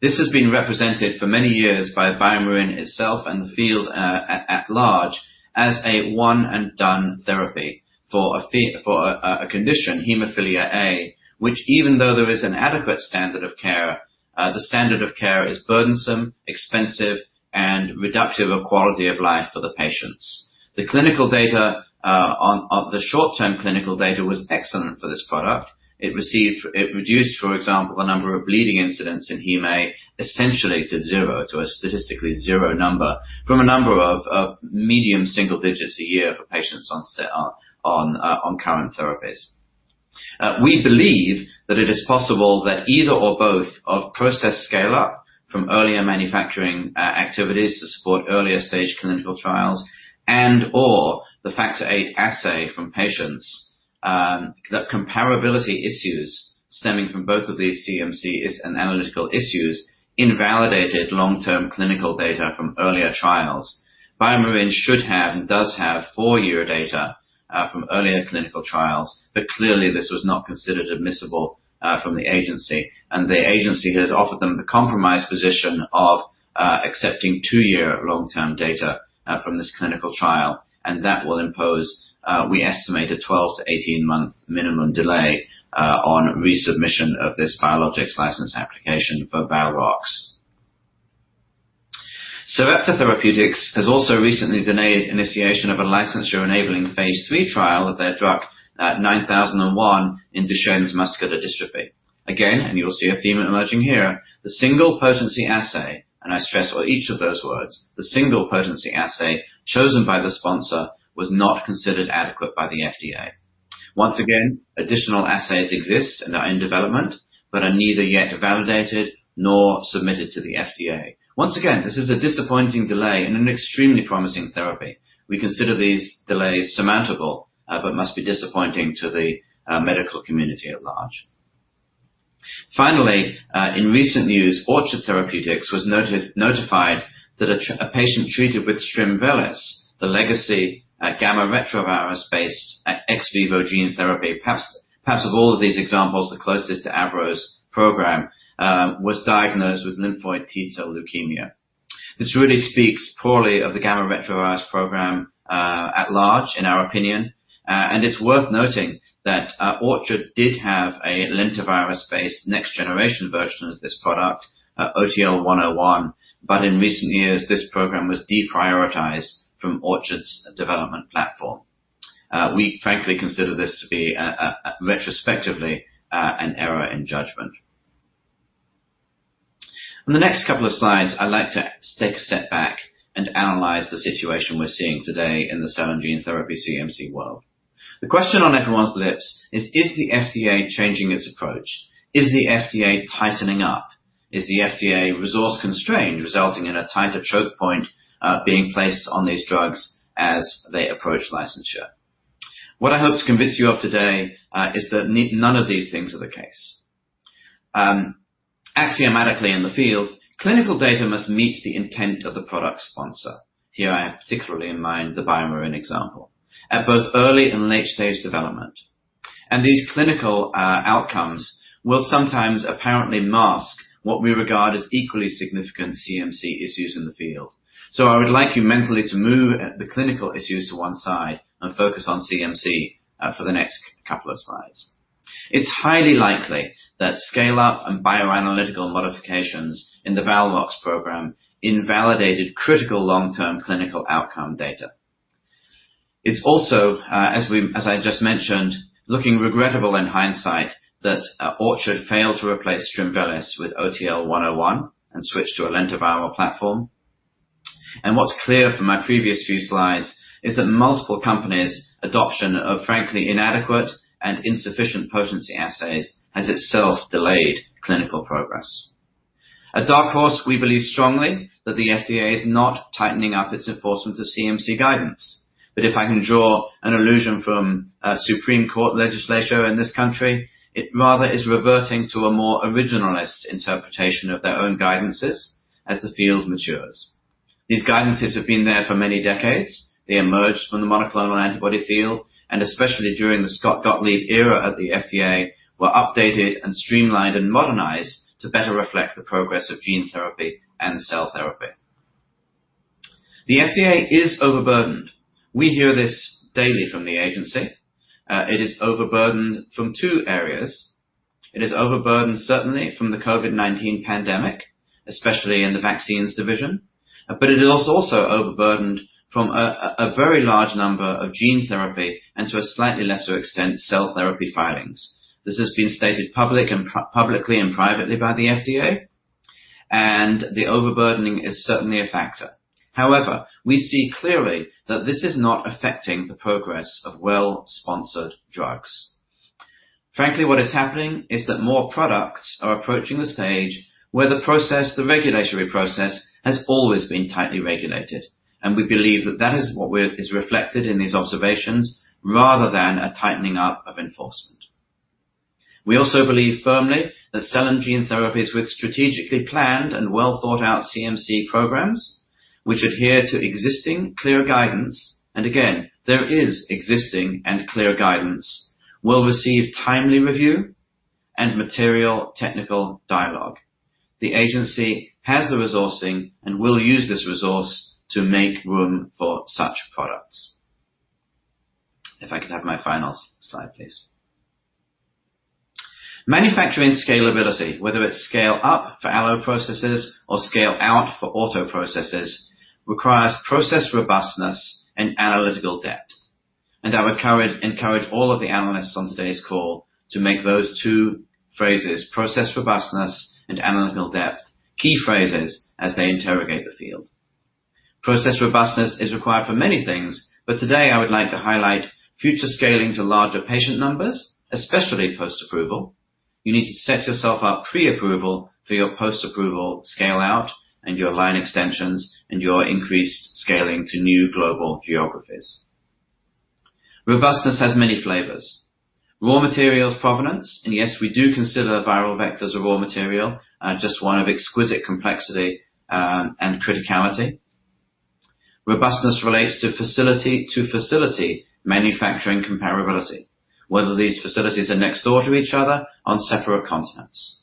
This has been represented for many years by BioMarin itself and the field at large as a one and done therapy for a condition, hemophilia A, which even though there is an adequate standard of care. The standard of care is burdensome, expensive, and reductive of quality of life for the patients. The short-term clinical data was excellent for this product. It reduced, for example, the number of bleeding incidents inHem A essentially to zero, to a statistically zero number from a number of medium single digits a year for patients on current therapies. We believe that it is possible that either or both of process scale-up from earlier manufacturing activities to support earlier-stage clinical trials and/or the factor VIII assay from patients, that comparability issues stemming from both of these CMC and analytical issues invalidated long-term clinical data from earlier trials. BioMarin should have and does have 4-year data from earlier clinical trials, but clearly, this was not considered admissible from the agency, and the agency has offered them the compromise position of accepting 2-year long-term data from this clinical trial, and that will impose, we estimate, a 12-18-month minimum delay on resubmission of this biologics license application for Valrox. Sarepta Therapeutics has also recently denied initiation of a licensure-enabling phase III trial of their drug, SRP-9001 in Duchenne muscular dystrophy. Again, and you will see a theme emerging here, the single potency assay, and I stress each of those words, the single potency assay chosen by the sponsor was not considered adequate by the FDA. Once again, additional assays exist and are in development, but are neither yet validated nor submitted to the FDA. Once again, this is a disappointing delay in an extremely promising therapy. We consider these delays surmountable, must be disappointing to the medical community at large. Finally, in recent news, Orchard Therapeutics was notified that a patient treated with Strimvelis, the legacy gamma retrovirus-based ex vivo gene therapy, perhaps of all of these examples, the closest to AVRO's program, was diagnosed with lymphoid T-cell leukemia. This really speaks poorly of the gamma retrovirus program at large, in our opinion. It's worth noting that Orchard did have a lentivirus-based next generation version of this product, OTL-101. In recent years, this program was deprioritized from Orchard's development platform. We frankly consider this to be retrospectively an error in judgment. On the next couple of slides, I'd like to take a step back and analyze the situation we're seeing today in the cell and gene therapy CMC world. The question on everyone's lips is the FDA changing its approach? Is the FDA tightening up? Is the FDA resource-constrained, resulting in a tighter choke point being placed on these drugs as they approach licensure? What I hope to convince you of today is that none of these things are the case. Axiomatically in the field, clinical data must meet the intent of the product sponsor. Here, I have particularly in mind the BioMarin example, at both early and late-stage development. These clinical outcomes will sometimes apparently mask what we regard as equally significant CMC issues in the field. I would like you mentally to move the clinical issues to one side and focus on CMC for the next couple of slides. It's highly likely that scale-up and bioanalytical modifications in the Valrox program invalidated critical long-term clinical outcome data. It's also, as I just mentioned, looking regrettable in hindsight that Orchard failed to replace Strimvelis with OTL-101 and switched to a lentiviral platform. What's clear from my previous few slides is that multiple companies' adoption of frankly inadequate and insufficient potency assays has itself delayed clinical progress. At Dark Horse, we believe strongly that the FDA is not tightening up its enforcement of CMC guidance. If I can draw an allusion from Supreme Court legislature in this country, it rather is reverting to a more originalist interpretation of their own guidances as the field matures. These guidances have been there for many decades. Especially during the Scott Gottlieb era at the FDA, were updated and streamlined and modernized to better reflect the progress of gene therapy and cell therapy. The FDA is overburdened. We hear this daily from the agency. It is overburdened from two areas. It is overburdened, certainly from the COVID-19 pandemic, especially in the vaccines division, but it is also overburdened from a very large number of gene therapy and to a slightly lesser extent, cell therapy filings. This has been stated publicly and privately by the FDA, and the overburdening is certainly a factor. However, we see clearly that this is not affecting the progress of well-sponsored drugs. Frankly, what is happening is that more products are approaching the stage where the regulatory process has always been tightly regulated, and we believe that that is what is reflected in these observations rather than a tightening up of enforcement. We also believe firmly that cell and gene therapies with strategically planned and well-thought-out CMC programs, which adhere to existing clear guidance, and again, there is existing and clear guidance, will receive timely review and material technical dialogue. The agency has the resourcing and will use this resource to make room for such products. If I could have my final slide, please. Manufacturing scalability, whether it's scale up for allo processes or scale out for auto processes, requires process robustness and analytical depth. I would encourage all of the analysts on today's call to make those two phrases, process robustness and analytical depth, key phrases as they interrogate the field. Process robustness is required for many things, but today I would like to highlight future scaling to larger patient numbers, especially post-approval. You need to set yourself up pre-approval for your post-approval scale-out and your line extensions and your increased scaling to new global geographies. Robustness has many flavors. Raw materials provenance, yes, we do consider viral vectors a raw material, just one of exquisite complexity and criticality. Robustness relates to facility-to-facility manufacturing comparability, whether these facilities are next door to each other, on separate continents.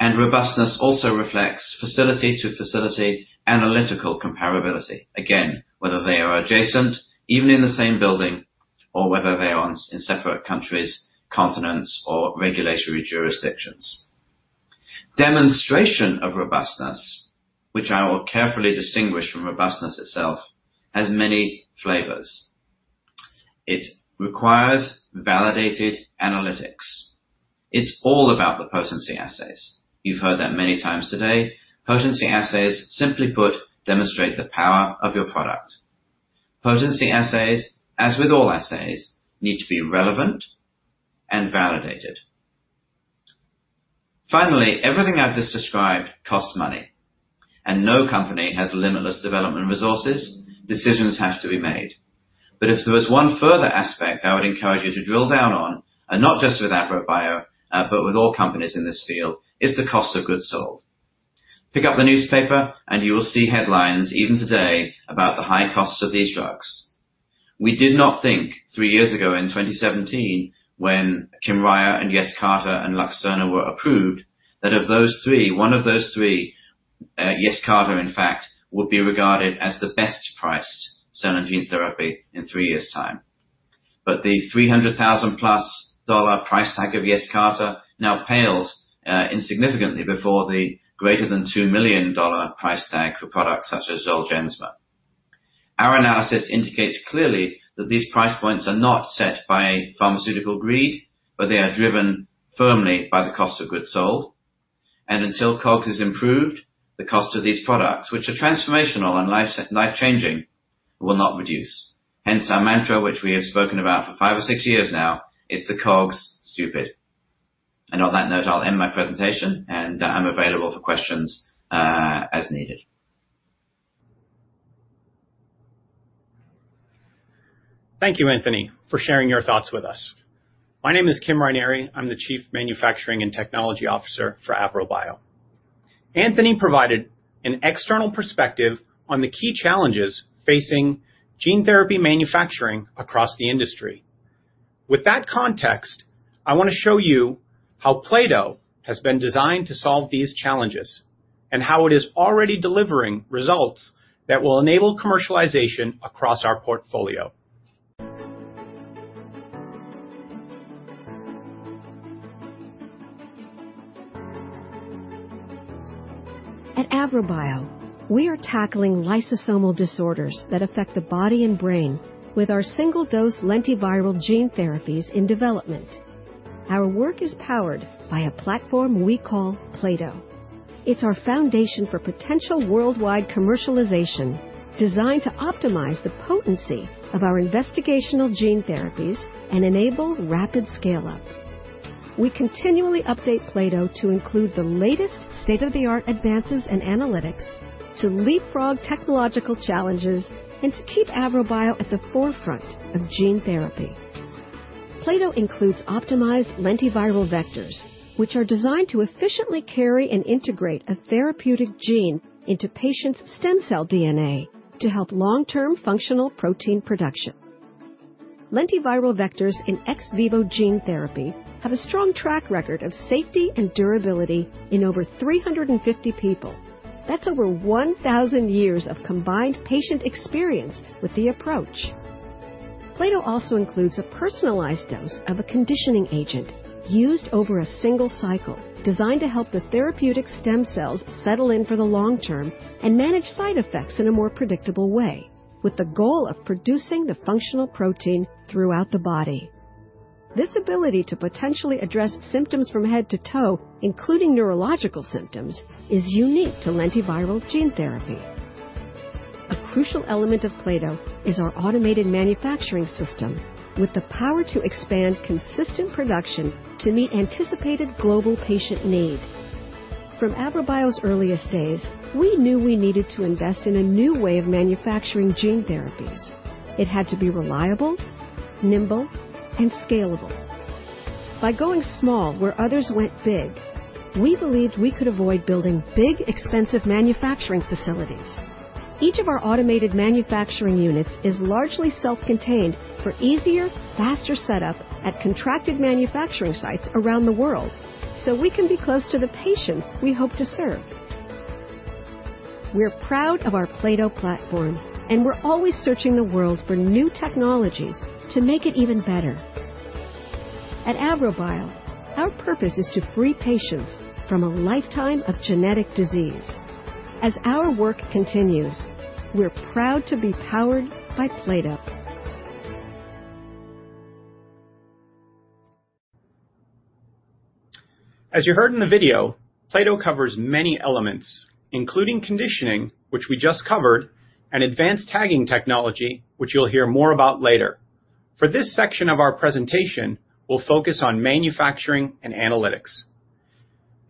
Robustness also reflects facility-to-facility analytical comparability. Again, whether they are adjacent, even in the same building, or whether they are in separate countries, continents, or regulatory jurisdictions. Demonstration of robustness, which I will carefully distinguish from robustness itself, has many flavors. It requires validated analytics. It's all about the potency assays. You've heard that many times today. Potency assays, simply put, demonstrate the power of your product. Potency assays, as with all assays, need to be relevant and validated. Finally, everything I've just described costs money, and no company has limitless development resources. Decisions have to be made. If there was one further aspect I would encourage you to drill down on, and not just with AVROBIO, but with all companies in this field, is the cost of goods sold. Pick up a newspaper and you will see headlines even today about the high costs of these drugs. We did not think three years ago in 2017, when KYMRIAH and YESCARTA and LUXTURNA were approved, that of those three, one of those three, YESCARTA, in fact, would be regarded as the best-priced cell and gene therapy in three years' time. The $300,000-plus price tag of YESCARTA now pales insignificantly before the greater than $2 million price tag for products such as Zolgensma. Our analysis indicates clearly that these price points are not set by pharmaceutical greed, but they are driven firmly by the cost of goods sold. Until COGS is improved, the cost of these products, which are transformational and life-changing, will not reduce. Hence our mantra, which we have spoken about for five or six years now, "It's the COGS, stupid." On that note, I'll end my presentation, and I'm available for questions as needed. Thank you, Anthony, for sharing your thoughts with us. My name is Kim Raineri. I'm the Chief Manufacturing and Technology Officer for AVROBIO. Anthony provided an external perspective on the key challenges facing gene therapy manufacturing across the industry. With that context, I want to show you how Plato has been designed to solve these challenges and how it is already delivering results that will enable commercialization across our portfolio. At AVROBIO, we are tackling lysosomal disorders that affect the body and brain with our single-dose lentiviral gene therapies in development. Our work is powered by a platform we call plato. It's our foundation for potential worldwide commercialization, designed to optimize the potency of our investigational gene therapies and enable rapid scale-up. We continually update plato to include the latest state-of-the-art advances in analytics to leapfrog technological challenges and to keep AVROBIO at the forefront of gene therapy. plato includes optimized lentiviral vectors, which are designed to efficiently carry and integrate a therapeutic gene into patients' stem cell DNA to help long-term functional protein production. Lentiviral vectors in ex vivo gene therapy have a strong track record of safety and durability in over 350 people. That's over 1,000 years of combined patient experience with the approach. plato also includes a personalized dose of a conditioning agent used over a single cycle, designed to help the therapeutic stem cells settle in for the long term and manage side effects in a more predictable way, with the goal of producing the functional protein throughout the body. This ability to potentially address symptoms from head to toe, including neurological symptoms, is unique to lentiviral gene therapy. A crucial element of plato is our automated manufacturing system with the power to expand consistent production to meet anticipated global patient need. From AVROBIO's earliest days, we knew we needed to invest in a new way of manufacturing gene therapies. It had to be reliable, nimble, and scalable. By going small where others went big, we believed we could avoid building big, expensive manufacturing facilities. Each of our automated manufacturing units is largely self-contained for easier, faster setup at contracted manufacturing sites around the world, so we can be close to the patients we hope to serve. We're proud of our plato platform, and we're always searching the world for new technologies to make it even better. At AVROBIO, our purpose is to free patients from a lifetime of genetic disease. As our work continues, we're proud to be powered by plato. As you heard in the video, Plato covers many elements, including conditioning, which we just covered, and advanced tagging technology, which you'll hear more about later. For this section of our presentation, we'll focus on manufacturing and analytics.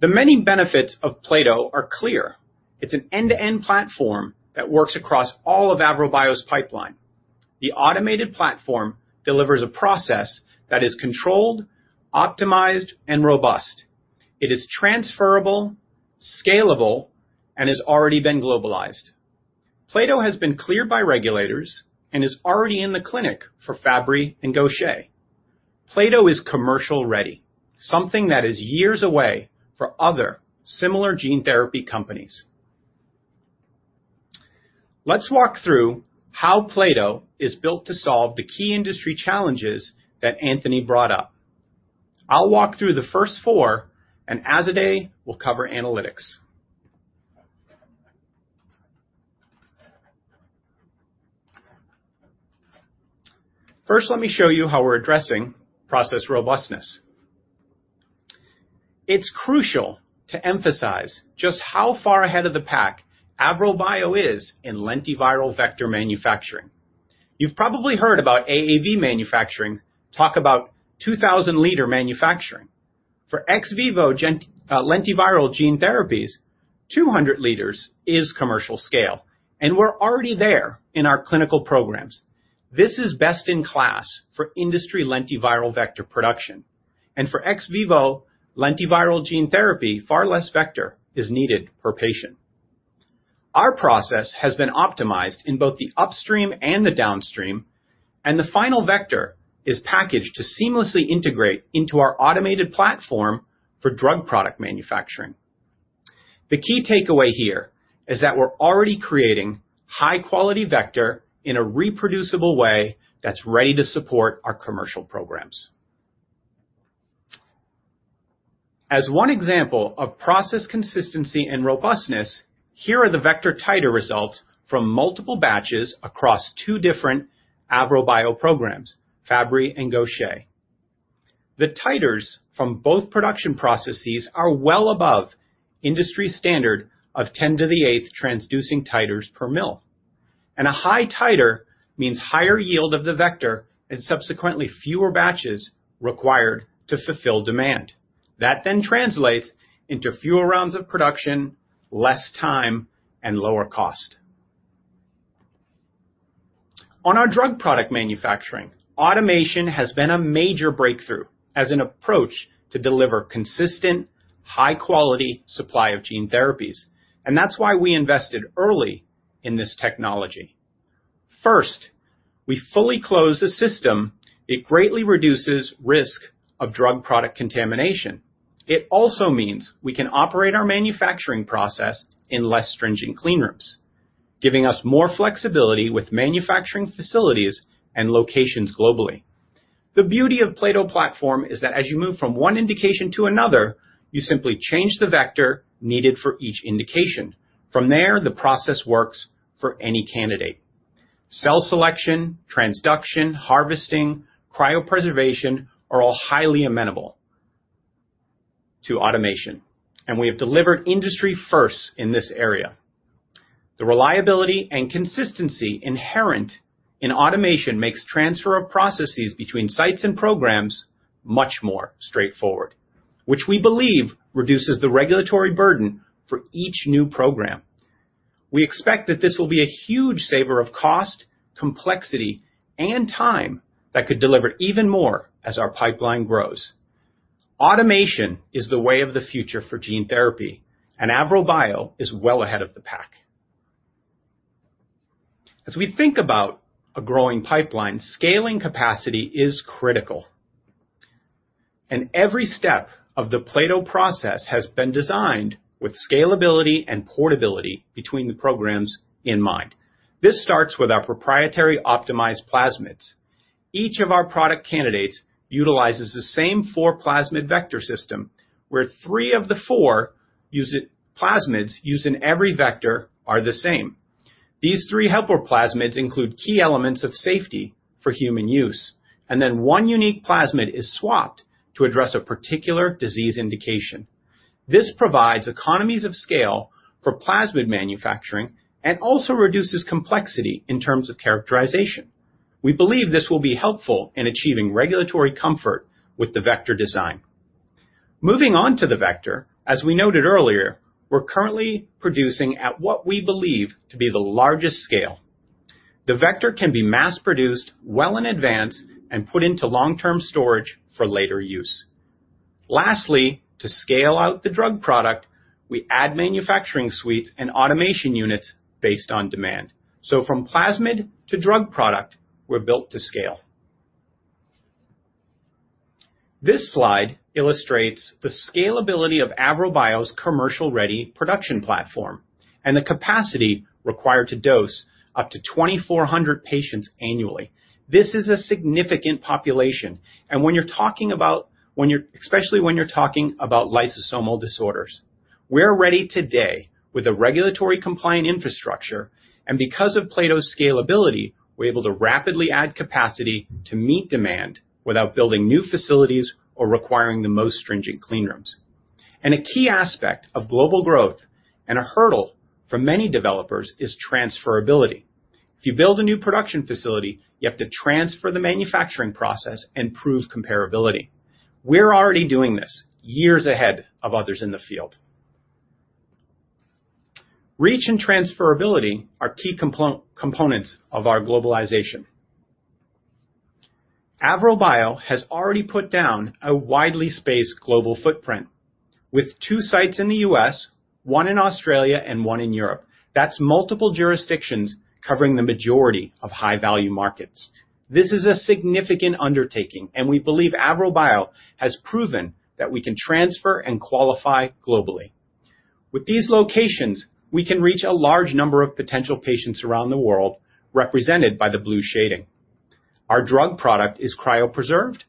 The many benefits of Plato are clear. It's an end-to-end platform that works across all of AVROBIO's pipeline. The automated platform delivers a process that is controlled, optimized, and robust. It is transferable, scalable, and has already been globalized. Plato has been cleared by regulators and is already in the clinic for Fabry and Gaucher. Plato is commercial-ready, something that is years away for other similar gene therapy companies. Let's walk through how Plato is built to solve the key industry challenges that Anthony brought up. I'll walk through the first four, and Azadeh will cover analytics. First, let me show you how we're addressing process robustness. It's crucial to emphasize just how far ahead of the pack AVROBIO is in lentiviral vector manufacturing. You've probably heard about AAV manufacturing talk about 2,000-liter manufacturing. For ex vivo lentiviral gene therapies, 200L is commercial scale, and we're already there in our clinical programs. This is best in class for industry lentiviral vector production. For ex vivo lentiviral gene therapy, far less vector is needed per patient. Our process has been optimized in both the upstream and the downstream, the final vector is packaged to seamlessly integrate into our automated platform for drug product manufacturing. The key takeaway here is that we're already creating high-quality vector in a reproducible way that's ready to support our commercial programs. As one example of process consistency and robustness, here are the vector titer results from multiple batches across two different AVROBIO programs, Fabry and Gaucher. The titers from both production processes are well above industry standard of 10 to the eighth transducing titers per mL. A high titer means higher yield of the vector and subsequently fewer batches required to fulfill demand. That then translates into fewer rounds of production, less time, and lower cost. On our drug product manufacturing, automation has been a major breakthrough as an approach to deliver consistent, high-quality supply of gene therapies, and that's why we invested early in this technology. First, we fully close the system. It greatly reduces risk of drug product contamination. It also means we can operate our manufacturing process in less stringent clean rooms, giving us more flexibility with manufacturing facilities and locations globally. The beauty of plato platform is that as you move from one indication to another, you simply change the vector needed for each indication. From there, the process works for any candidate. Cell selection, transduction, harvesting, cryopreservation are all highly amenable to automation, and we have delivered industry firsts in this area. The reliability and consistency inherent in automation makes transfer of processes between sites and programs much more straightforward, which we believe reduces the regulatory burden for each new program. We expect that this will be a huge saver of cost, complexity, and time that could deliver even more as our pipeline grows. Automation is the way of the future for gene therapy, and AVROBIO is well ahead of the pack. Every step of the Plato process has been designed with scalability and portability between the programs in mind. This starts with our proprietary optimized plasmids. Each of our product candidates utilizes the same four plasmid vector system, where three of the four plasmids used in every vector are the same. These three helper plasmids include key elements of safety for human use, and then one unique plasmid is swapped to address a particular disease indication. This provides economies of scale for plasmid manufacturing and also reduces complexity in terms of characterization. We believe this will be helpful in achieving regulatory comfort with the vector design. Moving on to the vector, as we noted earlier, we're currently producing at what we believe to be the largest scale. The vector can be mass-produced well in advance and put into long-term storage for later use. Lastly, to scale out the drug product, we add manufacturing suites and automation units based on demand. From plasmid to drug product, we're built to scale. This slide illustrates the scalability of AVROBIO's commercial-ready production platform and the capacity required to dose up to 2,400 patients annually. This is a significant population, especially when you're talking about lysosomal disorders. We're ready today with a regulatory compliant infrastructure, because of plato's scalability, we're able to rapidly add capacity to meet demand without building new facilities or requiring the most stringent clean rooms. A key aspect of global growth and a hurdle for many developers is transferability. If you build a new production facility, you have to transfer the manufacturing process and prove comparability. We're already doing this years ahead of others in the field. Reach and transferability are key components of our globalization. AVROBIO has already put down a widely spaced global footprint with two sites in the U.S., one in Australia, and one in Europe. That's multiple jurisdictions covering the majority of high-value markets. This is a significant undertaking. We believe AVROBIO has proven that we can transfer and qualify globally. With these locations, we can reach a large number of potential patients around the world represented by the blue shading. Our drug product is cryopreserved.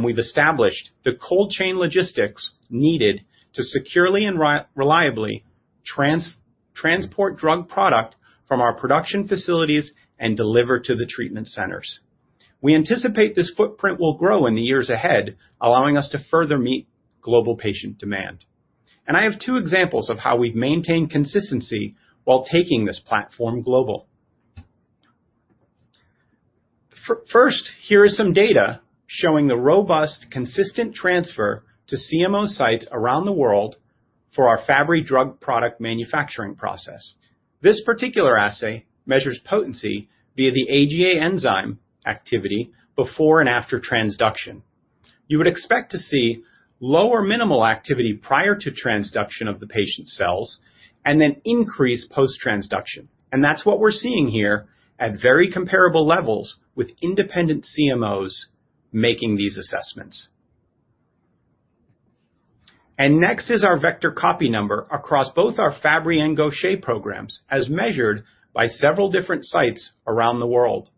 We've established the cold chain logistics needed to securely and reliably transport drug product from our production facilities and deliver to the treatment centers. We anticipate this footprint will grow in the years ahead, allowing us to further meet global patient demand. I have two examples of how we've maintained consistency while taking this platform global. First, here is some data showing the robust, consistent transfer to CMO sites around the world for our Fabry drug product manufacturing process. This particular assay measures potency via the AGA enzyme activity before and after transduction. You would expect to see low or minimal activity prior to transduction of the patient's cells. Then increase post-transduction. That's what we're seeing here at very comparable levels with independent CMOs making these assessments. Next is our vector copy number across both our Fabry and Gaucher programs, as measured by several different sites around the world.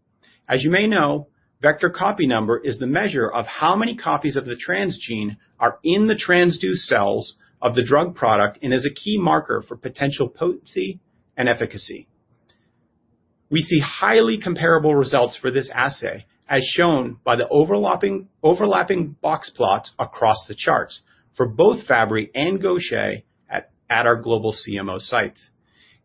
As you may know, vector copy number is the measure of how many copies of the transgene are in the transduced cells of the drug product and is a key marker for potential potency and efficacy. We see highly comparable results for this assay, as shown by the overlapping box plots across the charts for both Fabry and Gaucher at our global CMO sites.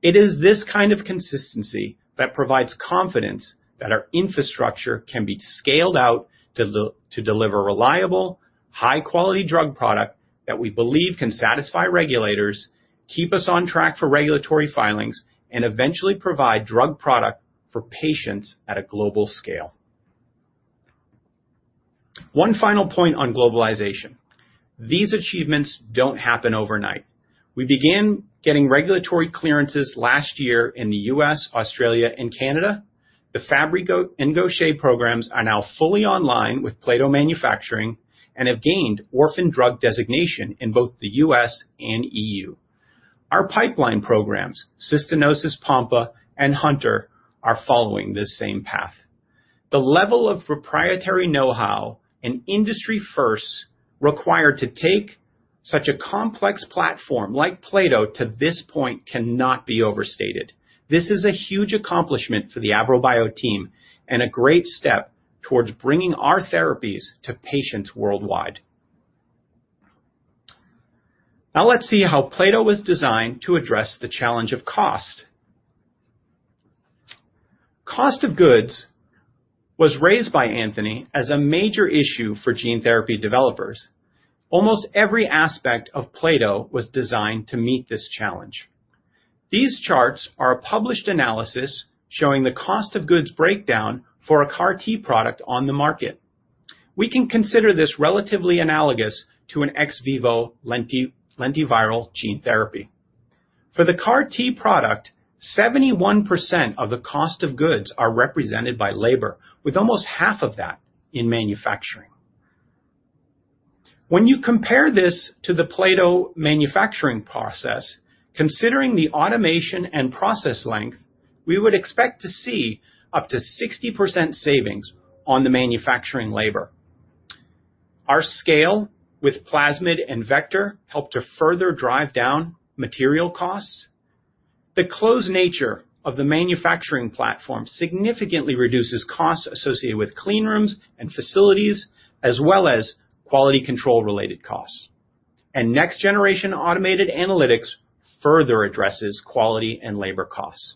It is this kind of consistency that provides confidence that our infrastructure can be scaled out to deliver reliable, high-quality drug product that we believe can satisfy regulators, keep us on track for regulatory filings, and eventually provide drug product for patients at a global scale. One final point on globalization. These achievements don't happen overnight. We began getting regulatory clearances last year in the U.S., Australia, and Canada. The Fabry and Gaucher programs are now fully online with Plato manufacturing and have gained orphan drug designation in both the U.S. and E.U. Our pipeline programs, Cystinosis, Pompe, and Hunter, are following this same path. The level of proprietary know-how and industry firsts required to take such a complex platform like Plato to this point cannot be overstated. This is a huge accomplishment for the AVROBIO team and a great step towards bringing our therapies to patients worldwide. Now let's see how Plato was designed to address the challenge of cost. Cost of goods was raised by Anthony as a major issue for gene therapy developers. Almost every aspect of Plato was designed to meet this challenge. These charts are a published analysis showing the cost of goods breakdown for a CAR T product on the market. We can consider this relatively analogous to an ex vivo lentiviral gene therapy. For the CAR T product, 71% of the cost of goods are represented by labor, with almost half of that in manufacturing. When you compare this to the Plato manufacturing process, considering the automation and process length, we would expect to see up to 60% savings on the manufacturing labor. Our scale with plasmid and vector help to further drive down material costs. The closed nature of the manufacturing platform significantly reduces costs associated with clean rooms and facilities, as well as quality control-related costs. Next-generation automated analytics further addresses quality and labor costs.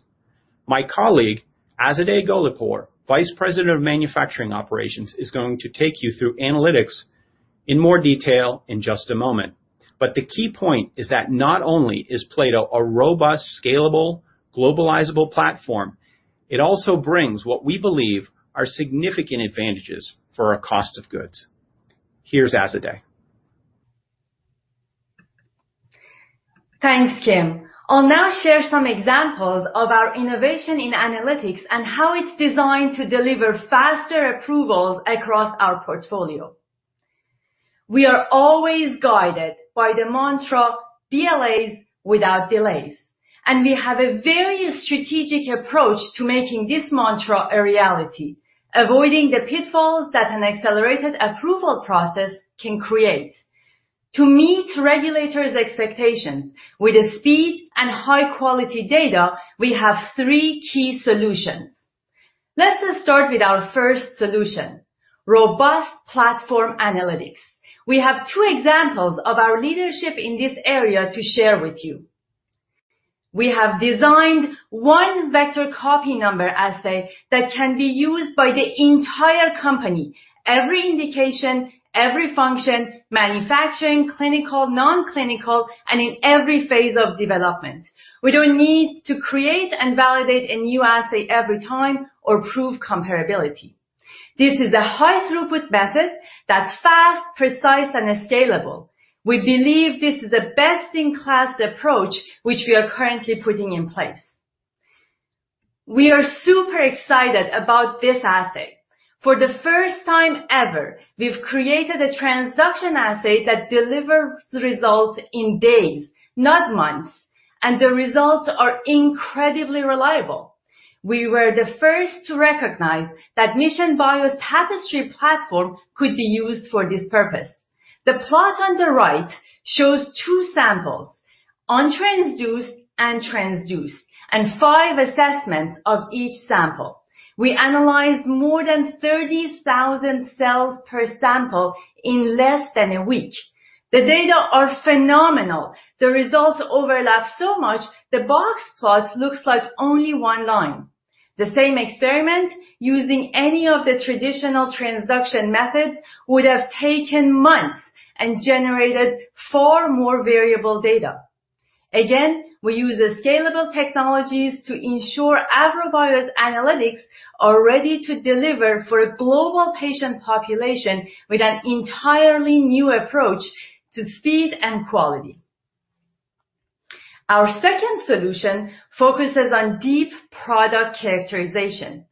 My colleague, Azadeh Golipour, Vice President of Manufacturing Operations, is going to take you through analytics in more detail in just a moment. The key point is that not only is plato a robust, scalable, globalizable platform, it also brings what we believe are significant advantages for our cost of goods. Here's Azadeh Thanks, Kim. I'll now share some examples of our innovation in analytics and how it's designed to deliver faster approvals across our portfolio. We are always guided by the mantra, BLAs without delays. We have a very strategic approach to making this mantra a reality, avoiding the pitfalls that an accelerated approval process can create. To meet regulators' expectations with the speed and high-quality data, we have three key solutions. Let us start with our first solution, robust platform analytics. We have two examples of our leadership in this area to share with you. We have designed one vector copy number assay that can be used by the entire company, every indication, every function, manufacturing, clinical, non-clinical, and in every phase of development. We don't need to create and validate a new assay every time or prove comparability. This is a high throughput method that's fast, precise, and scalable. We believe this is a best-in-class approach, which we are currently putting in place. We are super excited about this assay. For the first time ever, we've created a transduction assay that delivers results in days, not months, and the results are incredibly reliable. We were the first to recognize that Mission Bio's Tapestri platform could be used for this purpose. The plot on the right shows two samples, untransduced and transduced, and five assessments of each sample. We analyzed more than 30,000 cells per sample in less than a week. The data are phenomenal. The results overlap so much the box plots looks like only one line. The same experiment using any of the traditional transduction methods would have taken months and generated far more variable data. We use the scalable technologies to ensure AVROBIO's analytics are ready to deliver for a global patient population with an entirely new approach to speed and quality. Our second solution focuses on deep product characterization.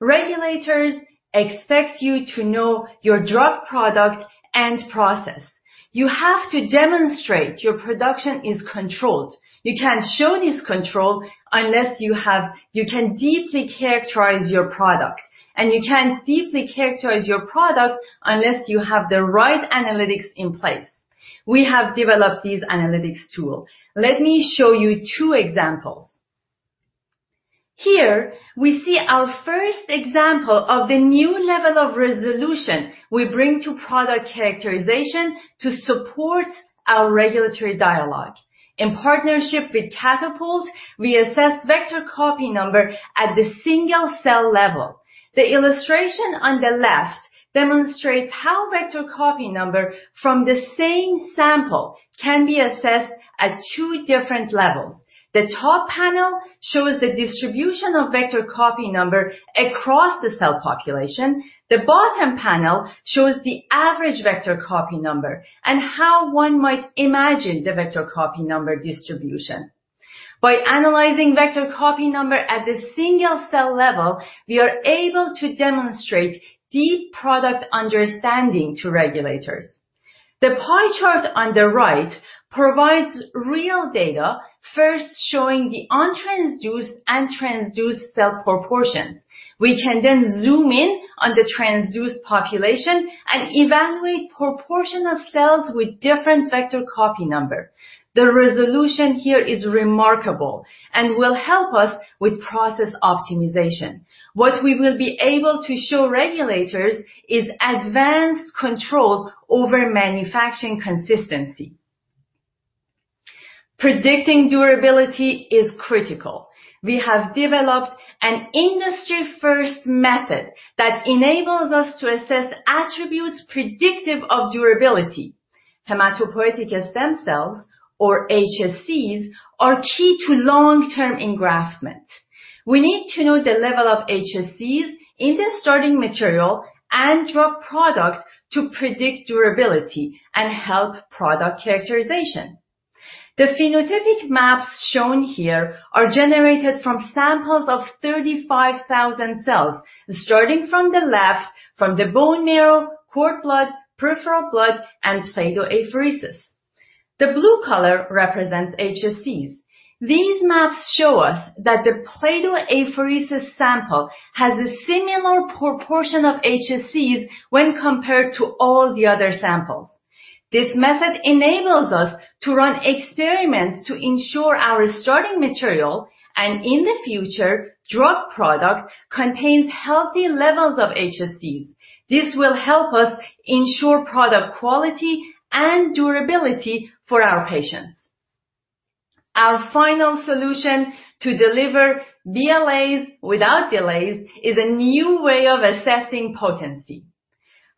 Regulators expect you to know your drug product and process. You have to demonstrate your production is controlled. You can't show this control unless you can deeply characterize your product, you can't deeply characterize your product unless you have the right analytics in place. We have developed these analytics tools. Let me show you two examples. We see our first example of the new level of resolution we bring to product characterization to support our regulatory dialogue. In partnership with Catapult, we assess vector copy number at the single-cell level. The illustration on the left demonstrates how vector copy number from the same sample can be assessed at 2 different levels. The top panel shows the distribution of vector copy number across the cell population. The bottom panel shows the average vector copy number and how one might imagine the vector copy number distribution. By analyzing vector copy number at the single-cell level, we are able to demonstrate deep product understanding to regulators. The pie chart on the right provides real data, first showing the untransduced and transduced cell proportions. We can then zoom in on the transduced population and evaluate proportion of cells with different vector copy number. The resolution here is remarkable and will help us with process optimization. What we will be able to show regulators is advanced control over manufacturing consistency. Predicting durability is critical. We have developed an industry-first method that enables us to assess attributes predictive of durability. Hematopoietic stem cells, or HSCs, are key to long-term engraftment. We need to know the level of HSCs in the starting material and drug product to predict durability and help product characterization. The phenotypic maps shown here are generated from samples of 35,000 cells, starting from the left from the bone marrow, cord blood, peripheral blood, and apheresis. The blue color represents HSCs. These maps show us that the apheresis sample has a similar proportion of HSCs when compared to all the other samples. This method enables us to run experiments to ensure our starting material, and in the future, drug product contains healthy levels of HSCs. This will help us ensure product quality and durability for our patients. Our final solution to deliver BLAs without delays is a new way of assessing potency.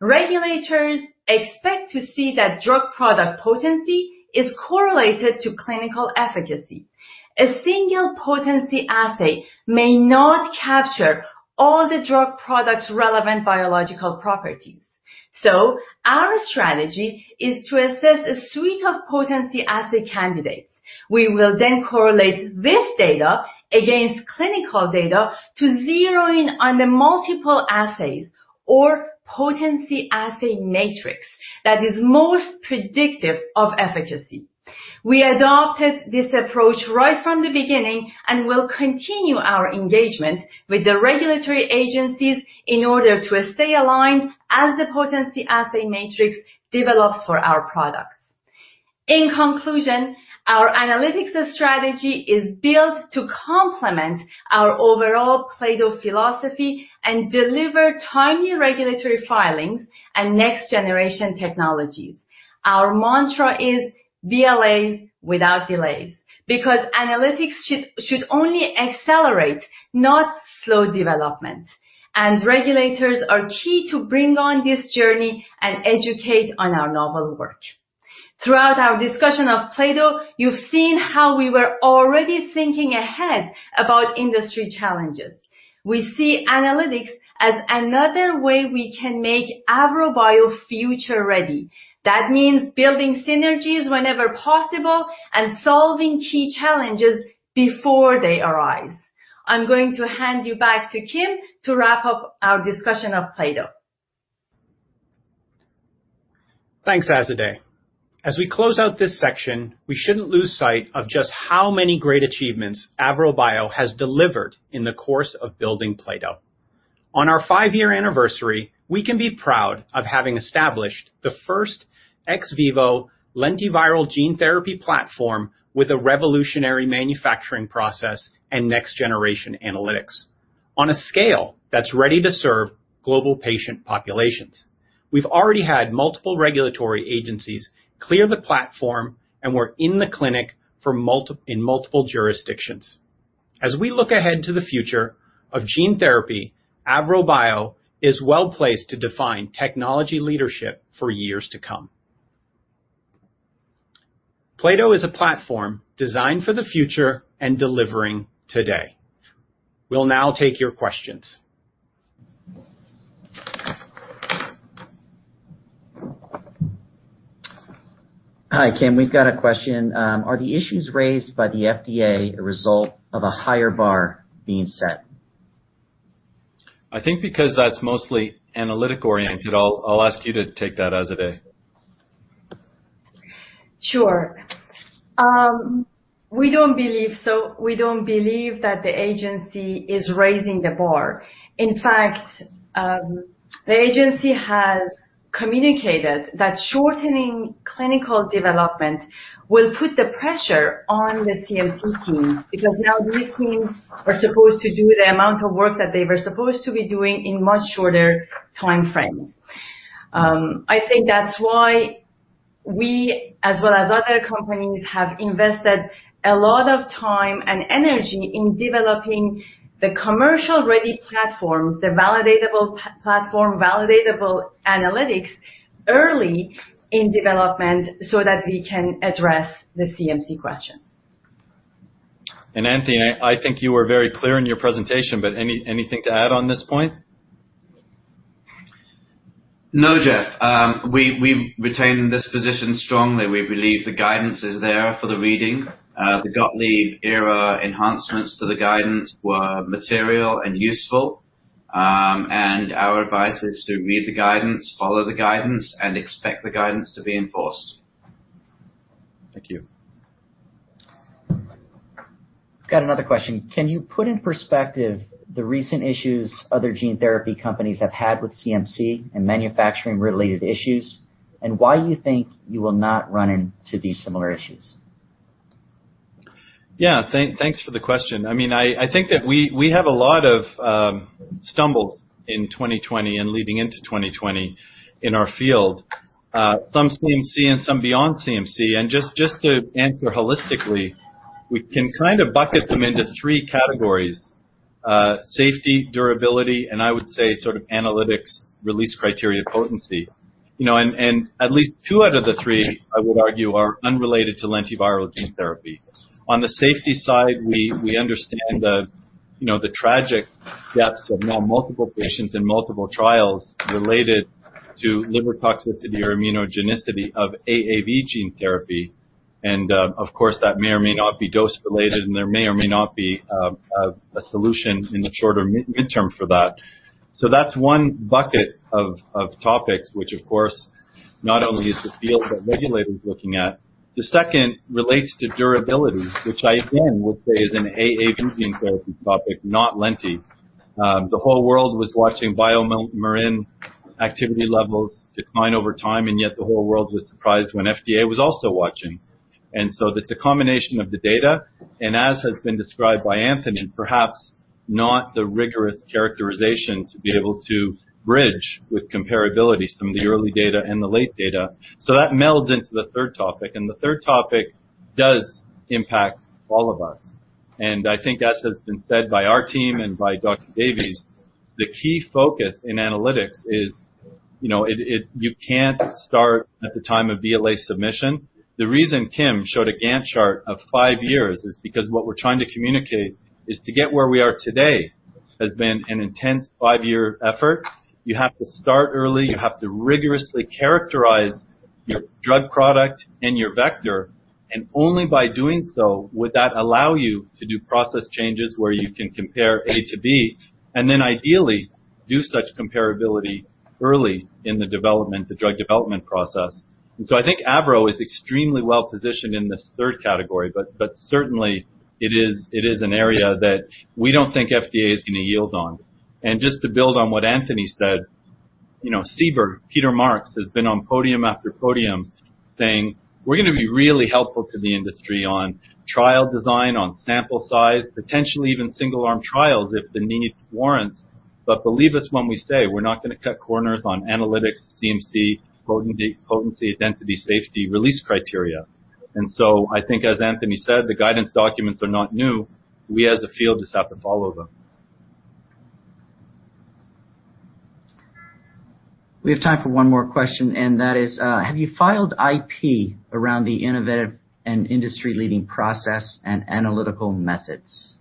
Regulators expect to see that drug product potency is correlated to clinical efficacy. A single potency assay may not capture all the drug product's relevant biological properties. Our strategy is to assess a suite of potency assay candidates. We will correlate this data against clinical data to zero in on the multiple assays or potency assay matrix that is most predictive of efficacy. We adopted this approach right from the beginning, will continue our engagement with the regulatory agencies in order to stay aligned as the potency assay matrix develops for our products. In conclusion, our analytics strategy is built to complement our overall plato philosophy and deliver timely regulatory filings and next-generation technologies. Our mantra is BLAs without delays, because analytics should only accelerate, not slow development. Regulators are key to bring on this journey and educate on our novel work. Throughout our discussion of plato, you've seen how we were already thinking ahead about industry challenges. We see analytics as another way we can make AVROBIO future-ready. That means building synergies whenever possible, solving key challenges before they arise. I'm going to hand you back to Kim to wrap up our discussion of plato. Thanks, Azadeh. As we close out this section, we shouldn't lose sight of just how many great achievements AVROBIO has delivered in the course of building Plato. On our five-year anniversary, we can be proud of having established the first ex vivo lentiviral gene therapy platform with a revolutionary manufacturing process and next-generation analytics on a scale that's ready to serve global patient populations. We've already had multiple regulatory agencies clear the platform, and we're in the clinic in multiple jurisdictions. As we look ahead to the future of gene therapy, AVROBIO is well-placed to define technology leadership for years to come. Plato is a platform designed for the future and delivering today. We'll now take your questions. Hi, Kim. We've got a question. Are the issues raised by the FDA a result of a higher bar being set? I think because that's mostly analytic-oriented, I'll ask you to take that, Azadeh. Sure. We don't believe that the agency is raising the bar. The agency has communicated that shortening clinical development will put the pressure on the CMC team because now these teams are supposed to do the amount of work that they were supposed to be doing in much shorter time frames. I think that's why we, as well as other companies, have invested a lot of time and energy in developing the commercial-ready platforms, the validatable platform, validatable analytics early in development so that we can address the CMC questions. Anthony, I think you were very clear in your presentation, but anything to add on this point? No, Geoff. We've retained this position strongly. We believe the guidance is there for the reading. The Gottlieb era enhancements to the guidance were material and useful. Our advice is to read the guidance, follow the guidance, and expect the guidance to be enforced. Thank you. Got another question. Can you put in perspective the recent issues other gene therapy companies have had with CMC and manufacturing-related issues, and why you think you will not run into these similar issues? Yeah. Thanks for the question. I think that we have a lot of stumbles in 2020 and leading into 2020 in our field, some CMC and some beyond CMC. Just to answer holistically, we can kind of bucket them into three categories, safety, durability, and I would say sort of analytics release criteria potency. At least two out of the three, I would argue, are unrelated to lentiviral gene therapy. On the safety side, we understand the tragic deaths of now multiple patients in multiple trials related to liver toxicity or immunogenicity of AAV gene therapy. Of course, that may or may not be dose-related, and there may or may not be a solution in the shorter midterm for that. That's 1 bucket of topics which, of course, not only is the field but regulators looking at. The second relates to durability, which I again would say is an AAV gene therapy topic, not lenti. The whole world was watching BioMarin activity levels decline over time. The whole world was surprised when FDA was also watching. It's a combination of the data, as has been described by Anthony, perhaps not the rigorous characterization to be able to bridge with comparability some of the early data and the late data. That melds into the third topic. The third topic does impact all of us. I think as has been said by our team and by Dr. Davies, the key focus in analytics is. You can't start at the time of BLA submission. The reason Kim showed a Gantt chart of five years is because what we're trying to communicate is to get where we are today has been an intense five-year effort. You have to start early, you have to rigorously characterize your drug product and your vector, and only by doing so would that allow you to do process changes where you can compare A to B, then ideally do such comparability early in the drug development process. I think AVROBIO is extremely well-positioned in this third category, but certainly it is an area that we don't think FDA is going to yield on. Just to build on what Anthony said, CBER, Peter Marks, has been on podium after podium saying we're going to be really helpful to the industry on trial design, on sample size, potentially even single-arm trials if the need warrants. Believe us when we say we're not going to cut corners on analytics, CMC, potency, identity, safety, release criteria. I think as Anthony said, the guidance documents are not new. We as a field just have to follow them. We have time for one more question, and that is, have you filed IP around the innovative and industry-leading process and analytical methods?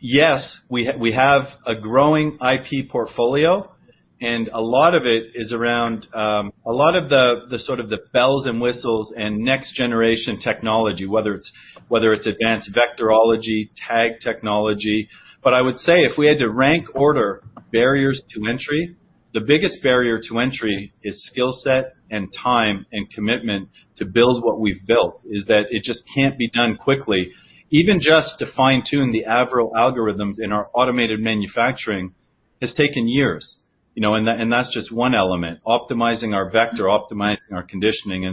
Yes, we have a growing IP portfolio, and a lot of it is around a lot of the sort of the bells and whistles and next-generation technology, whether it's advanced vectorology, tag technology. I would say if we had to rank-order barriers to entry, the biggest barrier to entry is skillset and time and commitment to build what we have built, is that it just cannot be done quickly. Even just to fine-tune the AVROBIO algorithms in our automated manufacturing has taken years, and that is just one element. Optimizing our vector, optimizing our conditioning.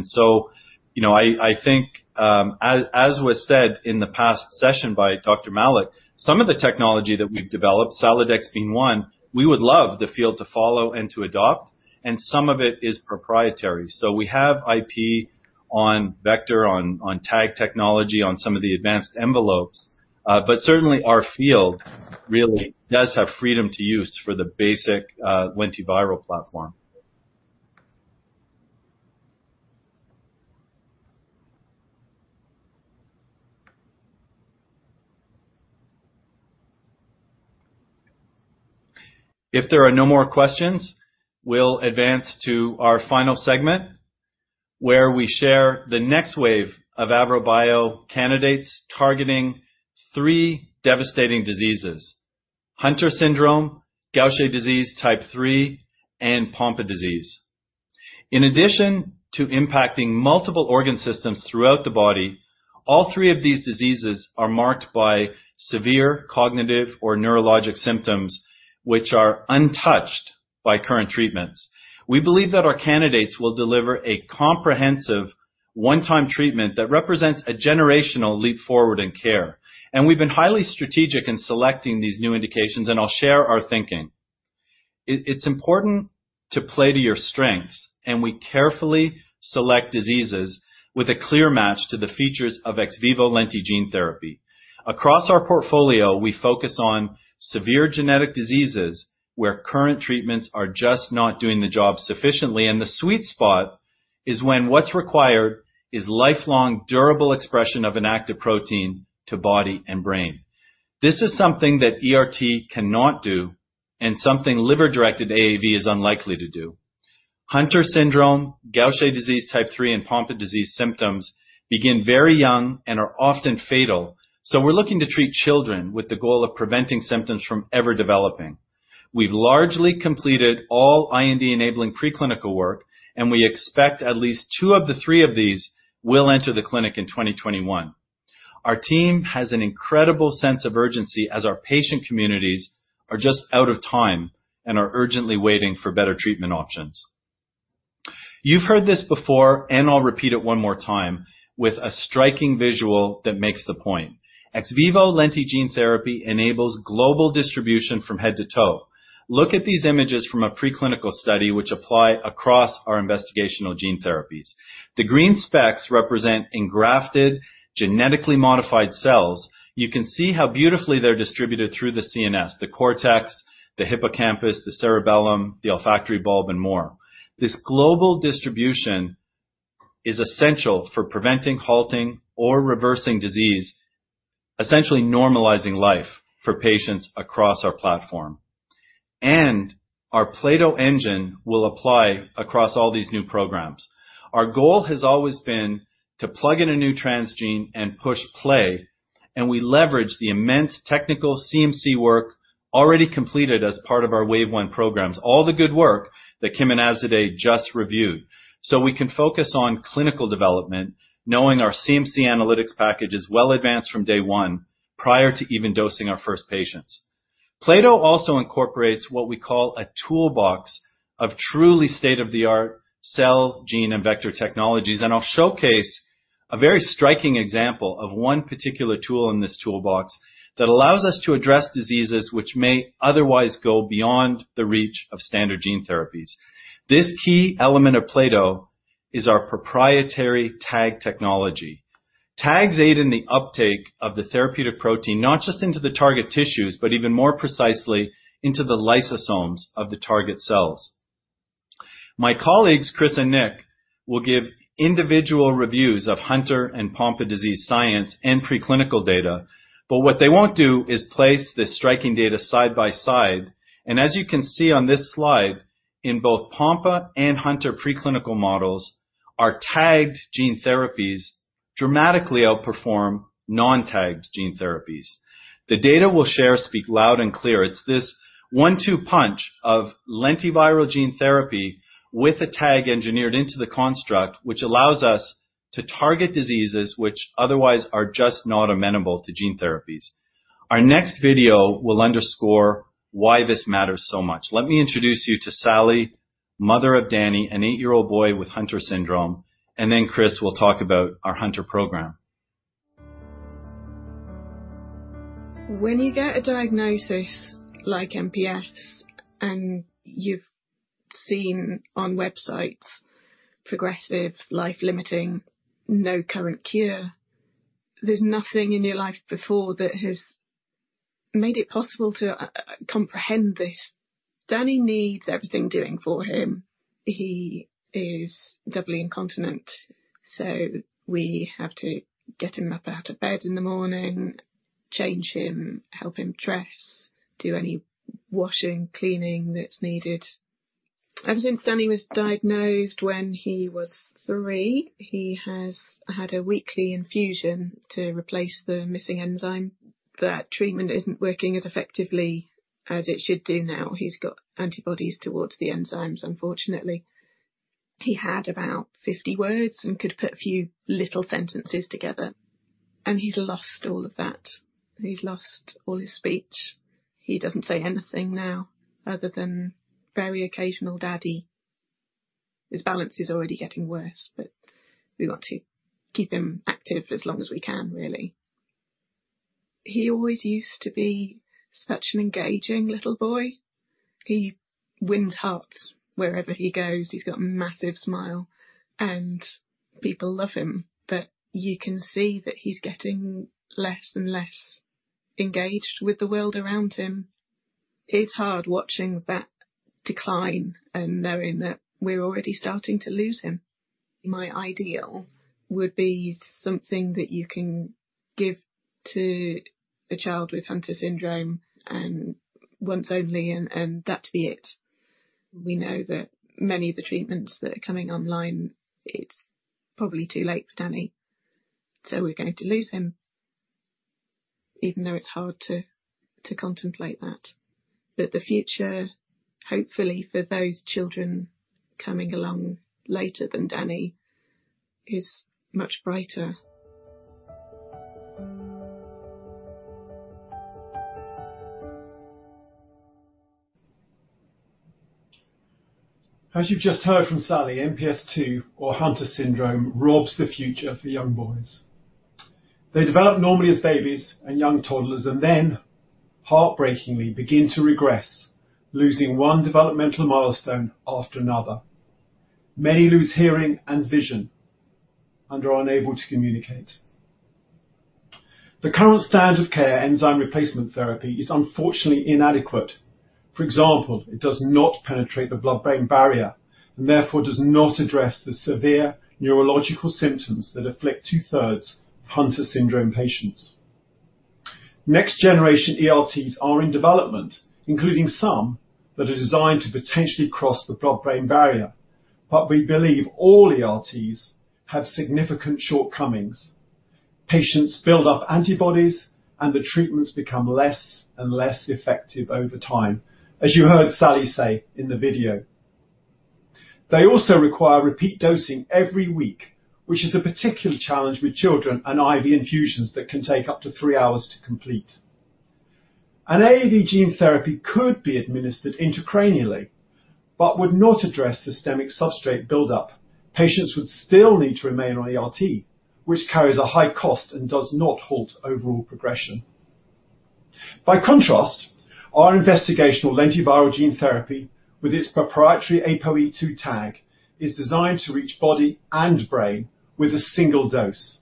I think, as was said in the past session by Dr. Malech, some of the technology that we have developed, Solidex being one, we would love the field to follow and to adopt, and some of it is proprietary. We have IP on vector, on tag technology, on some of the advanced envelopes. Certainly our field really does have freedom to use for the basic lentiviral platform. If there are no more questions, we'll advance to our final segment where we share the next wave of AVROBIO candidates targeting three devastating diseases, Hunter syndrome, Gaucher disease type 3, and Pompe disease. In addition to impacting multiple organ systems throughout the body, all three of these diseases are marked by severe cognitive or neurologic symptoms, which are untouched by current treatments. We believe that our candidates will deliver a comprehensive one-time treatment that represents a generational leap forward in care. We've been highly strategic in selecting these new indications, and I'll share our thinking. It's important to play to your strengths, and we carefully select diseases with a clear match to the features of ex vivo lenti-gene therapy. Across our portfolio, we focus on severe genetic diseases where current treatments are just not doing the job sufficiently, and the sweet spot is when what's required is lifelong durable expression of an active protein to body and brain. This is something that ERT cannot do and something liver-directed AAV is unlikely to do. Hunter syndrome, Gaucher disease type 3, and Pompe disease symptoms begin very young and are often fatal, so we're looking to treat children with the goal of preventing symptoms from ever developing. We've largely completed all IND-enabling preclinical work, and we expect at least two of the three of these will enter the clinic in 2021. Our team has an incredible sense of urgency as our patient communities are just out of time and are urgently waiting for better treatment options. You've heard this before, I'll repeat it one more time with a striking visual that makes the point. Ex vivo lenti-gene therapy enables global distribution from head to toe. Look at these images from a preclinical study which apply across our investigational gene therapies. The green specks represent engrafted, genetically modified cells. You can see how beautifully they're distributed through the CNS, the cortex, the hippocampus, the cerebellum, the olfactory bulb, and more. This global distribution is essential for preventing, halting, or reversing disease, essentially normalizing life for patients across our platform. Our plato engine will apply across all these new programs. Our goal has always been to plug in a new transgene and push play. We leverage the immense technical CMC work already completed as part of our wave 1 programs, all the good work that Kim and Azadeh just reviewed. We can focus on clinical development, knowing our CMC analytics package is well advanced from day 1, prior to even dosing our first patients. plato also incorporates what we call a toolbox of truly state-of-the-art cell, gene, and vector technologies. I'll showcase a very striking example of 1 particular tool in this toolbox that allows us to address diseases which may otherwise go beyond the reach of standard gene therapies. This key element of plato is our proprietary TAG technology. Tags aid in the uptake of the therapeutic protein, not just into the target tissues, but even more precisely into the lysosomes of the target cells. My colleagues, Chris and Niek, will give individual reviews of Hunter and Pompe disease science and preclinical data. What they won't do is place the striking data side by side. As you can see on this slide, in both Pompe and Hunter preclinical models, our tagged gene therapies dramatically outperform non-tagged gene therapies. The data we'll share speak loud and clear. It's this one-two punch of lentiviral gene therapy with a tag engineered into the construct, which allows us to target diseases which otherwise are just not amenable to gene therapies. Our next video will underscore why this matters so much. Let me introduce you to Sally, mother of Danny, an eight-year-old boy with Hunter syndrome, and then Chris will talk about our Hunter program. When you get a diagnosis like MPS, and you've seen on websites progressive, life-limiting, no current cure, there's nothing in your life before that has made it possible to comprehend this. Danny needs everything doing for him. He is doubly incontinent, so we have to get him up out of bed in the morning, change him, help him dress, do any washing, cleaning that's needed. Ever since Danny was diagnosed when he was three, he has had a weekly infusion to replace the missing enzyme. That treatment isn't working as effectively as it should do now. He's got antibodies towards the enzymes, unfortunately. He had about 50 words and could put a few little sentences together, and he's lost all of that. He's lost all his speech. He doesn't say anything now other than very occasional "Daddy." His balance is already getting worse, but we want to keep him active as long as we can, really. He always used to be such an engaging little boy. He wins hearts wherever he goes. He's got a massive smile, and people love him, but you can see that he's getting less and less engaged with the world around him. It's hard watching that decline and knowing that we're already starting to lose him. My ideal would be something that you can give to a child with Hunter syndrome, and once only, and that be it. We know that many of the treatments that are coming online, it's probably too late for Danny, so we're going to lose him, even though it's hard to contemplate that. The future, hopefully, for those children coming along later than Danny, is much brighter. As you've just heard from Sally, MPS II, or Hunter syndrome, robs the future for young boys. They develop normally as babies and young toddlers, and then, heartbreakingly, begin to regress, losing one developmental milestone after another. Many lose hearing and vision and are unable to communicate. The current standard of care, enzyme replacement therapy, is unfortunately inadequate. For example, it does not penetrate the blood-brain barrier and therefore does not address the severe neurological symptoms that afflict two-thirds of Hunter syndrome patients. Next-generation ERTs are in development, including some that are designed to potentially cross the blood-brain barrier. We believe all ERTs have significant shortcomings. Patients build up antibodies, and the treatments become less and less effective over time, as you heard Sally say in the video. They also require repeat dosing every week, which is a particular challenge with children and IV infusions that can take up to three hours to complete. An AAV gene therapy could be administered intracranially but would not address systemic substrate buildup. Patients would still need to remain on ERT, which carries a high cost and does not halt overall progression. By contrast, our investigational lentiviral gene therapy with its proprietary ApoE2 tag is designed to reach body and brain with a single dose.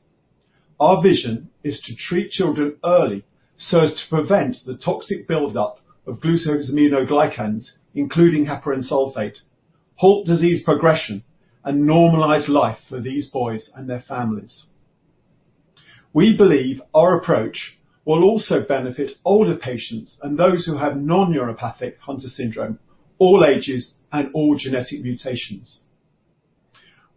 Our vision is to treat children early so as to prevent the toxic buildup of glycosaminoglycans, including heparan sulfate, halt disease progression, and normalize life for these boys and their families. We believe our approach will also benefit older patients and those who have non-neuropathic Hunter syndrome, all ages, and all genetic mutations.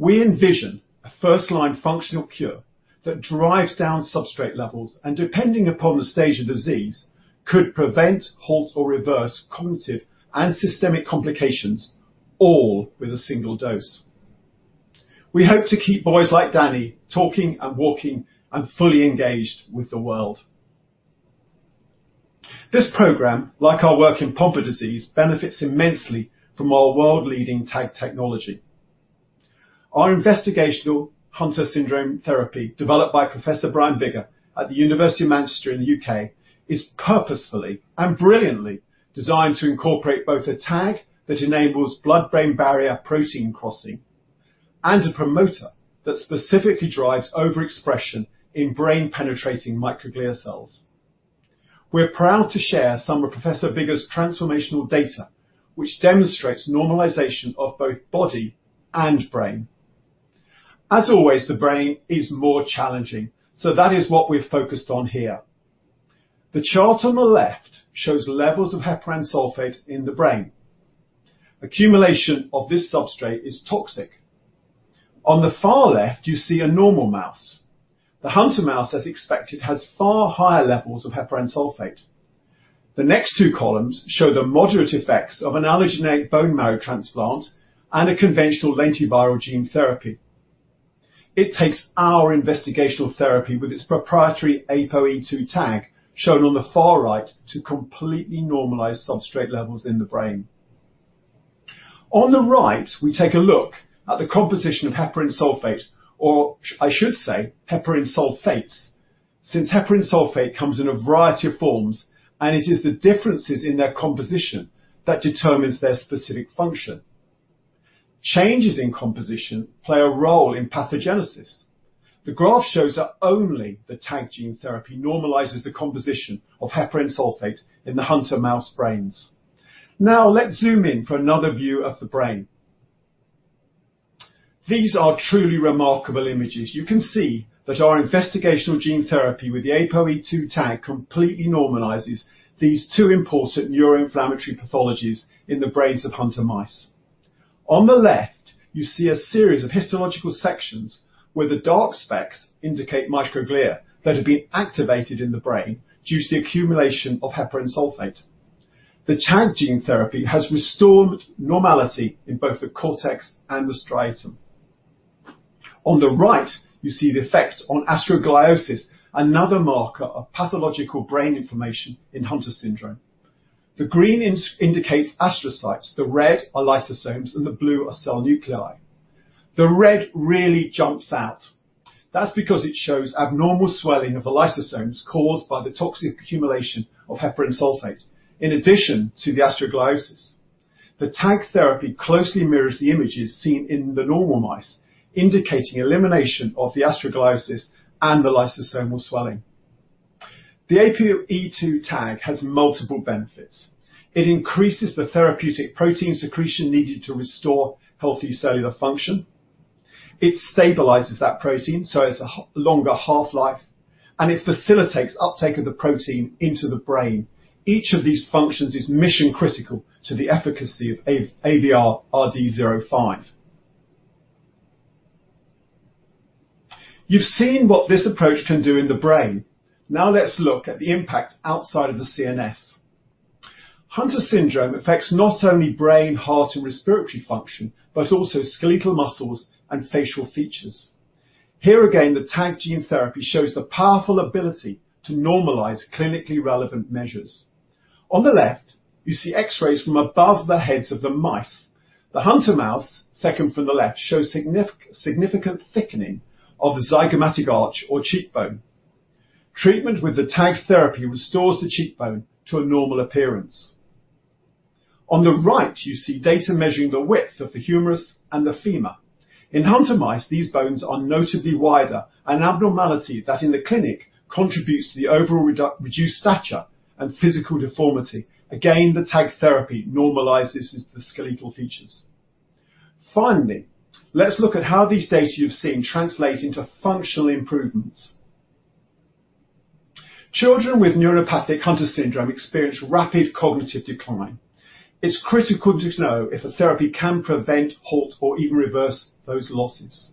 We envision a first-line functional cure that drives down substrate levels and, depending upon the stage of disease, could prevent, halt, or reverse cognitive and systemic complications, all with a single dose. We hope to keep boys like Danny talking and walking and fully engaged with the world. This program, like our work in Pompe disease, benefits immensely from our world-leading tag technology. Our investigational Hunter syndrome therapy, developed by Professor Brian Bigger at The University of Manchester in the U.K., is purposefully and brilliantly designed to incorporate both a tag that enables blood-brain barrier protein crossing and a promoter that specifically drives overexpression in brain-penetrating microglia cells. We're proud to share some of Professor Bigger's transformational data, which demonstrates normalization of both body and brain. As always, the brain is more challenging, that is what we're focused on here. The chart on the left shows levels of heparan sulfate in the brain. Accumulation of this substrate is toxic. On the far left, you see a normal mouse. The Hunter mouse, as expected, has far higher levels of heparan sulfate. The next two columns show the moderate effects of an allogeneic bone marrow transplant and a conventional lentiviral gene therapy. It takes our investigational therapy with its proprietary ApoE2 tag, shown on the far right, to completely normalize substrate levels in the brain. On the right, we take a look at the composition of heparan sulfate, or I should say heparan sulfates, since heparan sulfate comes in a variety of forms, and it is the differences in their composition that determines their specific function. Changes in composition play a role in pathogenesis. The graph shows that only the tagged gene therapy normalizes the composition of heparan sulfate in the Hunter mouse brains. Let's zoom in for another view of the brain. These are truly remarkable images. You can see that our investigational gene therapy with the ApoE2 tag completely normalizes these two important neuroinflammatory pathologies in the brains of Hunter mice. On the left, you see a series of histological sections where the dark specks indicate microglia that have been activated in the brain due to the accumulation of heparan sulfate. The tagged gene therapy has restored normality in both the cortex and the striatum. On the right, you see the effect on astrogliosis, another marker of pathological brain inflammation in Hunter syndrome. The green indicates astrocytes, the red are lysosomes, and the blue are cell nuclei. The red really jumps out. That's because it shows abnormal swelling of the lysosomes caused by the toxic accumulation of heparan sulfate, in addition to the astrogliosis. The tagged therapy closely mirrors the images seen in the normal mice, indicating elimination of the astrogliosis and the lysosomal swelling. The ApoE2 tag has multiple benefits. It increases the therapeutic protein secretion needed to restore healthy cellular function. It stabilizes that protein, so it has a longer half-life. It facilitates uptake of the protein into the brain. Each of these functions is mission critical to the efficacy of AVR-RD-05. You've seen what this approach can do in the brain. Now let's look at the impact outside of the CNS. Hunter syndrome affects not only brain, heart, and respiratory function, but also skeletal muscles and facial features. Here again, the tagged gene therapy shows the powerful ability to normalize clinically relevant measures. On the left, you see X-rays from above the heads of the mice. The Hunter mouse, second from the left, shows significant thickening of the zygomatic arch or cheekbone. Treatment with the tagged therapy restores the cheekbone to a normal appearance. On the right, you see data measuring the width of the humerus and the femur. In Hunter mice, these bones are notably wider, an abnormality that in the clinic contributes to the overall reduced stature and physical deformity. Again, the tagged therapy normalizes the skeletal features. Finally, let's look at how these data you've seen translate into functional improvements. Children with neuropathic Hunter syndrome experience rapid cognitive decline. It's critical to know if a therapy can prevent, halt, or even reverse those losses.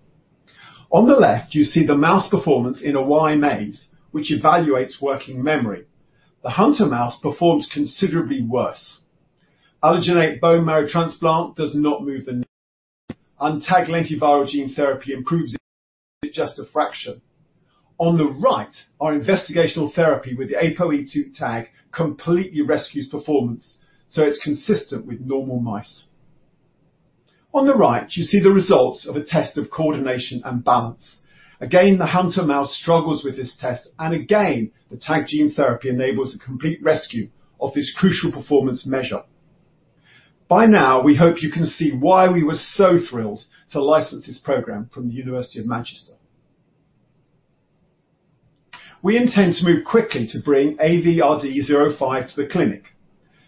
On the left, you see the mouse performance in a Y maze, which evaluates working memory. The Hunter mouse performs considerably worse. Allogeneic bone marrow transplant does not move the needle. Untagged lentiviral gene therapy improves it just a fraction. On the right, our investigational therapy with the ApoE2 tag completely rescues performance. It's consistent with normal mice. On the right, you see the results of a test of coordination and balance. Again, the Hunter mouse struggles with this test. Again, the tagged gene therapy enables a complete rescue of this crucial performance measure. By now, we hope you can see why we were so thrilled to license this program from The University of Manchester. We intend to move quickly to bring AVR-RD-05 to the clinic.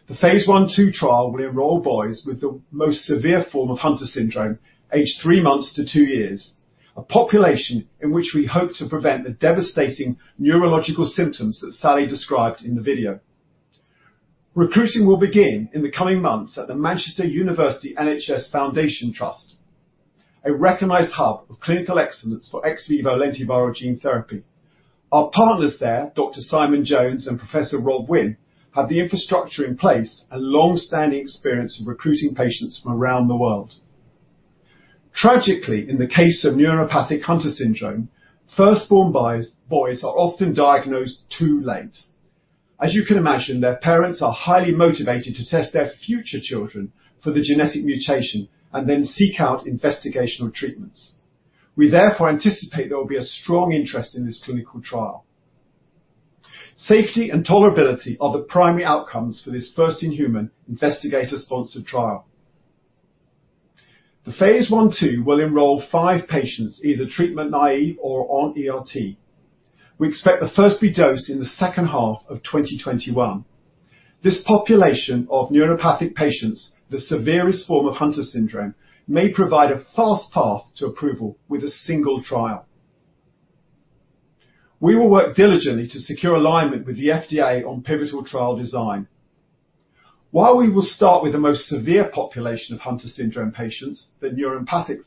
The phase I/II trial will enroll boys with the most severe form of Hunter syndrome aged three months to two years, a population in which we hope to prevent the devastating neurological symptoms that Sally described in the video. Recruiting will begin in the coming months at the Manchester University NHS Foundation Trust, a recognized hub of clinical excellence for ex vivo lentiviral gene therapy. Our partners there, Dr. Simon Jones and Professor Rob Wynn, have the infrastructure in place and longstanding experience of recruiting patients from around the world. Tragically, in the case of neuropathic Hunter syndrome, firstborn boys are often diagnosed too late. As you can imagine, their parents are highly motivated to test their future children for the genetic mutation and then seek out investigational treatments. We therefore anticipate there will be a strong interest in this clinical trial. Safety and tolerability are the primary outcomes for this first in human investigator sponsored trial. The phase I/II will enroll five patients, either treatment naive or on ERT. We expect the first be dosed in the second half of 2021. This population of neuropathic patients, the severest form of Hunter syndrome, may provide a fast path to approval with a single trial. We will work diligently to secure alignment with the FDA on pivotal trial design. While we will start with the most severe population of Hunter syndrome patients, the neuropathic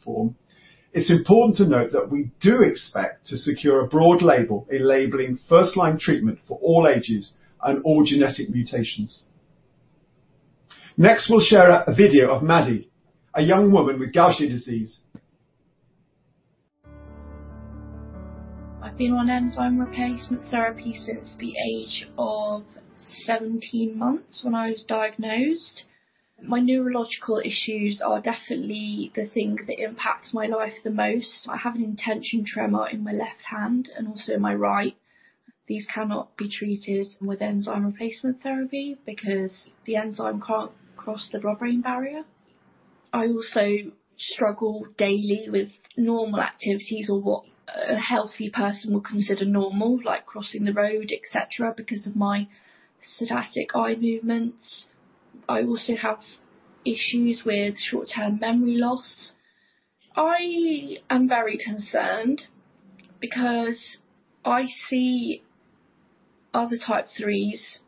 form, it's important to note that we do expect to secure a broad label in labeling first-line treatment for all ages and all genetic mutations. Next, we'll share a video of Maddie, a young woman with Gaucher disease. I've been on enzyme replacement therapy since the age of 17 months when I was diagnosed. My neurological issues are definitely the thing that impacts my life the most. I have an intention tremor in my left hand and also my right. These cannot be treated with enzyme replacement therapy because the enzyme can't cross the blood-brain barrier. I also struggle daily with normal activities or what a healthy person would consider normal, like crossing the road, et cetera, because of my nystagmus eye movements. I also have issues with short-term memory loss. I am very concerned because I see other type 3s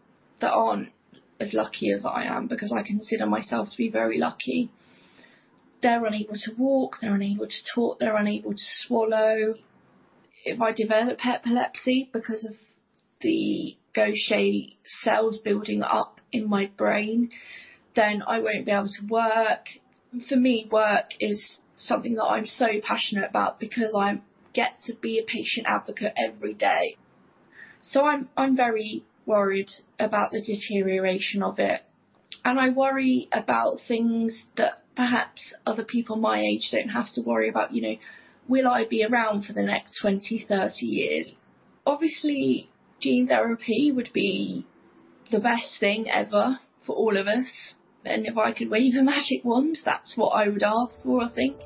that aren't as lucky as I am, because I consider myself to be very lucky. They're unable to walk. They're unable to talk. They're unable to swallow. If I develop epilepsy because of the Gaucher cells building up in my brain, then I won't be able to work. For me, work is something that I'm so passionate about because I get to be a patient advocate every day. I'm very worried about the deterioration of it, and I worry about things that perhaps other people my age don't have to worry about. Will I be around for the next 20, 30 years? Obviously, gene therapy would be the best thing ever for all of us, and if I could wave a magic wand, that's what I would ask for, I think.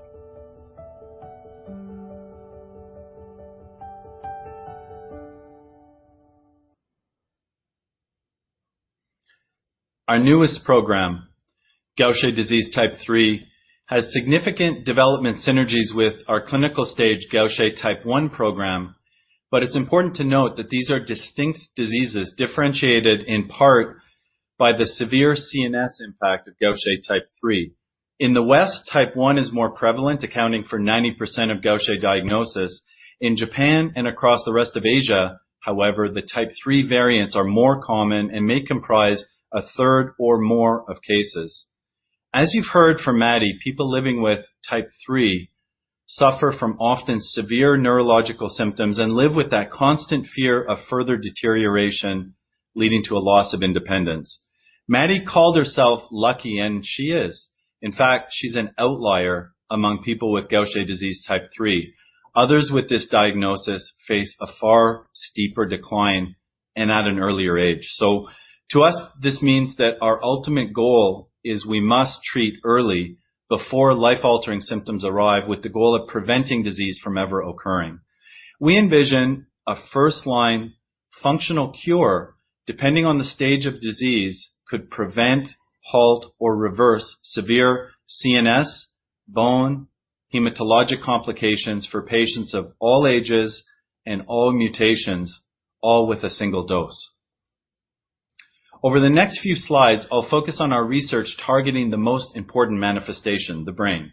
Our newest program, Gaucher disease type 3, has significant development synergies with our clinical stage Gaucher type 1 program. It's important to note that these are distinct diseases differentiated in part by the severe CNS impact of Gaucher disease type 3. In the West, type 1 is more prevalent, accounting for 90% of Gaucher diagnosis. In Japan and across the rest of Asia, however, the type 3 variants are more common and may comprise a third or more of cases. As you've heard from Maddie, people living with type 3 suffer from often severe neurological symptoms and live with that constant fear of further deterioration, leading to a loss of independence. Maddie called herself lucky. She is. In fact, she's an outlier among people with Gaucher disease type 3. Others with this diagnosis face a far steeper decline and at an earlier age. To us, this means that our ultimate goal is we must treat early before life altering symptoms arrive with the goal of preventing disease from ever occurring. We envision a first line functional cure, depending on the stage of disease, could prevent, halt, or reverse severe CNS, bone, hematologic complications for patients of all ages and all mutations, all with a single dose. Over the next few slides, I'll focus on our research targeting the most important manifestation, the brain.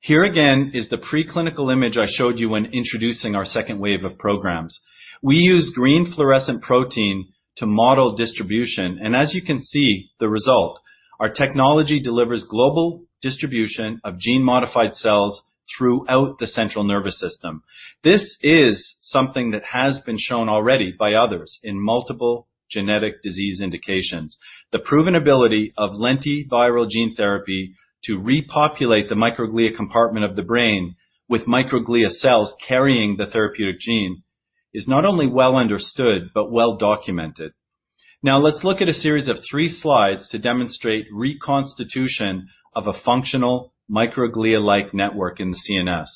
Here again is the preclinical image I showed you when introducing our second wave of programs. We use green fluorescent protein to model distribution, and as you can see, the result, our technology delivers global distribution of gene modified cells throughout the central nervous system. This is something that has been shown already by others in multiple genetic disease indications. The proven ability of lentiviral gene therapy to repopulate the microglia compartment of the brain with microglia cells carrying the therapeutic gene is not only well understood but well documented. Let's look at a series of three slides to demonstrate reconstitution of a functional microglia-like network in the CNS.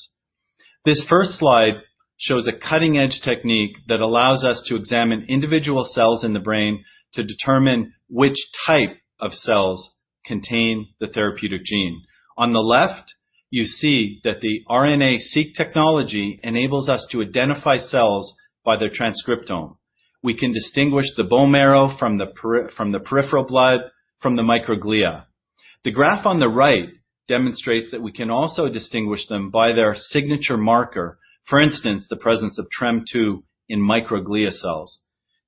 This first slide shows a cutting-edge technique that allows us to examine individual cells in the brain to determine which type of cells contain the therapeutic gene. On the left, you see that the RNA-Seq technology enables us to identify cells by their transcriptome. We can distinguish the bone marrow from the peripheral blood, from the microglia. The graph on the right demonstrates that we can also distinguish them by their signature marker, for instance, the presence of TREM2 in microglia cells.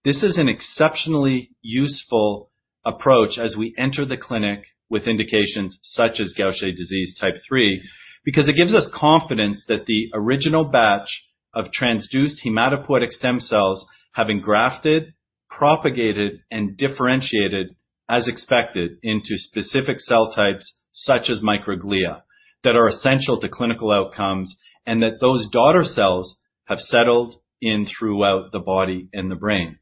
This is an exceptionally useful approach as we enter the clinic with indications such as Gaucher disease type 3 because it gives us confidence that the original batch of transduced hematopoietic stem cells have engrafted, propagated, and differentiated as expected into specific cell types such as microglia that are essential to clinical outcomes, and that those daughter cells have settled in throughout the body and the brain.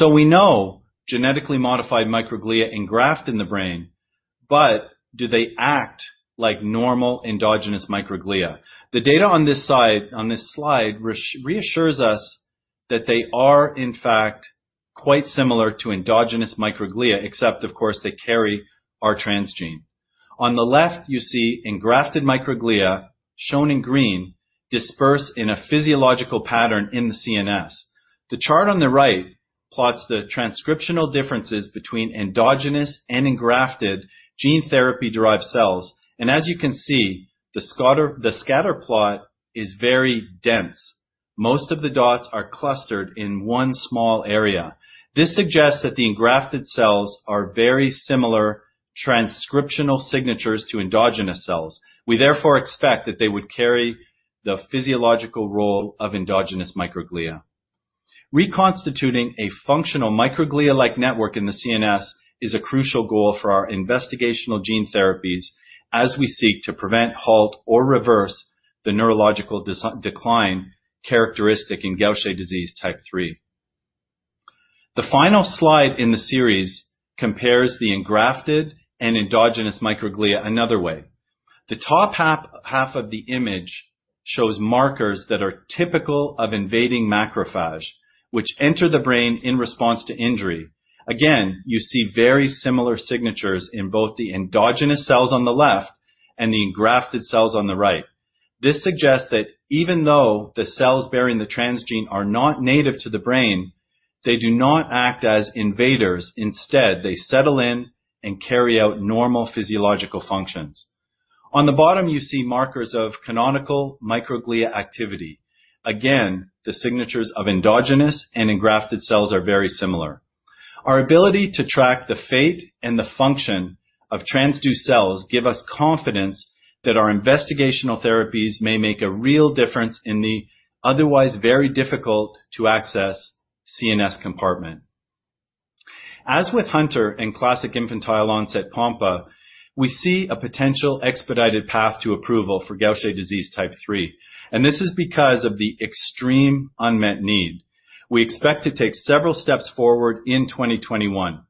We know genetically modified microglia engraft in the brain, but do they act like normal endogenous microglia? The data on this slide reassures us that they are, in fact, quite similar to endogenous microglia, except of course, they carry our transgene. On the left, you see engrafted microglia, shown in green, dispersed in a physiological pattern in the CNS. The chart on the right plots the transcriptional differences between endogenous and engrafted gene therapy-derived cells. As you can see, the scatter plot is very dense. Most of the dots are clustered in one small area. This suggests that the engrafted cells are very similar transcriptional signatures to endogenous cells. We therefore expect that they would carry the physiological role of endogenous microglia. Reconstituting a functional microglia-like network in the CNS is a crucial goal for our investigational gene therapies as we seek to prevent, halt, or reverse the neurological decline characteristic in Gaucher disease type 3. The final slide in the series compares the engrafted and endogenous microglia another way. The top half of the image shows markers that are typical of invading macrophage, which enter the brain in response to injury. Again, you see very similar signatures in both the endogenous cells on the left and the engrafted cells on the right. This suggests that even though the cells bearing the transgene are not native to the brain, they do not act as invaders. Instead, they settle in and carry out normal physiological functions. On the bottom, you see markers of canonical microglia activity. Again, the signatures of endogenous and engrafted cells are very similar. Our ability to track the fate and the function of transduced cells give us confidence that our investigational therapies may make a real difference in the otherwise very difficult-to-access CNS compartment. As with Hunter and classic infantile-onset Pompe, we see a potential expedited path to approval for Gaucher disease type 3, and this is because of the extreme unmet need. We expect to take several steps forward in 2021.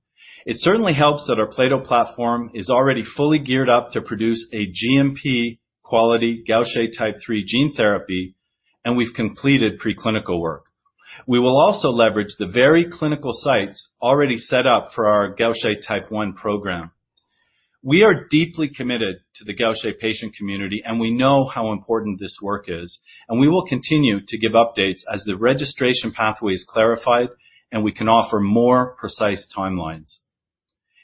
It certainly helps that our plato platform is already fully geared up to produce a GMP quality Gaucher type 3 gene therapy, and we've completed preclinical work. We will also leverage the very clinical sites already set up for our Gaucher type 1 program. We are deeply committed to the Gaucher patient community, and we know how important this work is, and we will continue to give updates as the registration pathway is clarified, and we can offer more precise timelines.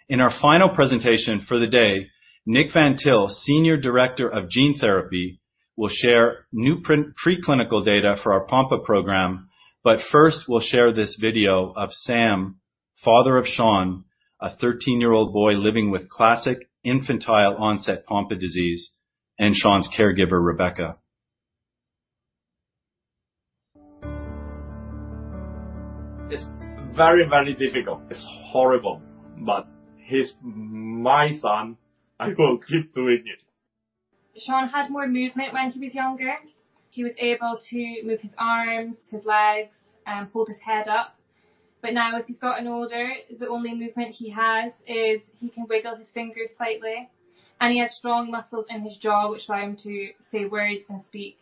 In our final presentation for the day, Niek van Til, senior director of gene therapy, will share new preclinical data for our Pompe program. First, we'll share this video of Sam, father of Sean, a 13-year-old boy living with classic infantile-onset Pompe disease, and Sean's caregiver, Rebecca. It's very, very difficult. It's horrible. He's my son. I will keep doing it. Sean had more movement when he was younger. He was able to move his arms, his legs, and pulled his head up. Now as he's gotten older, the only movement he has is he can wiggle his fingers slightly, and he has strong muscles in his jaw, which allow him to say words and speak.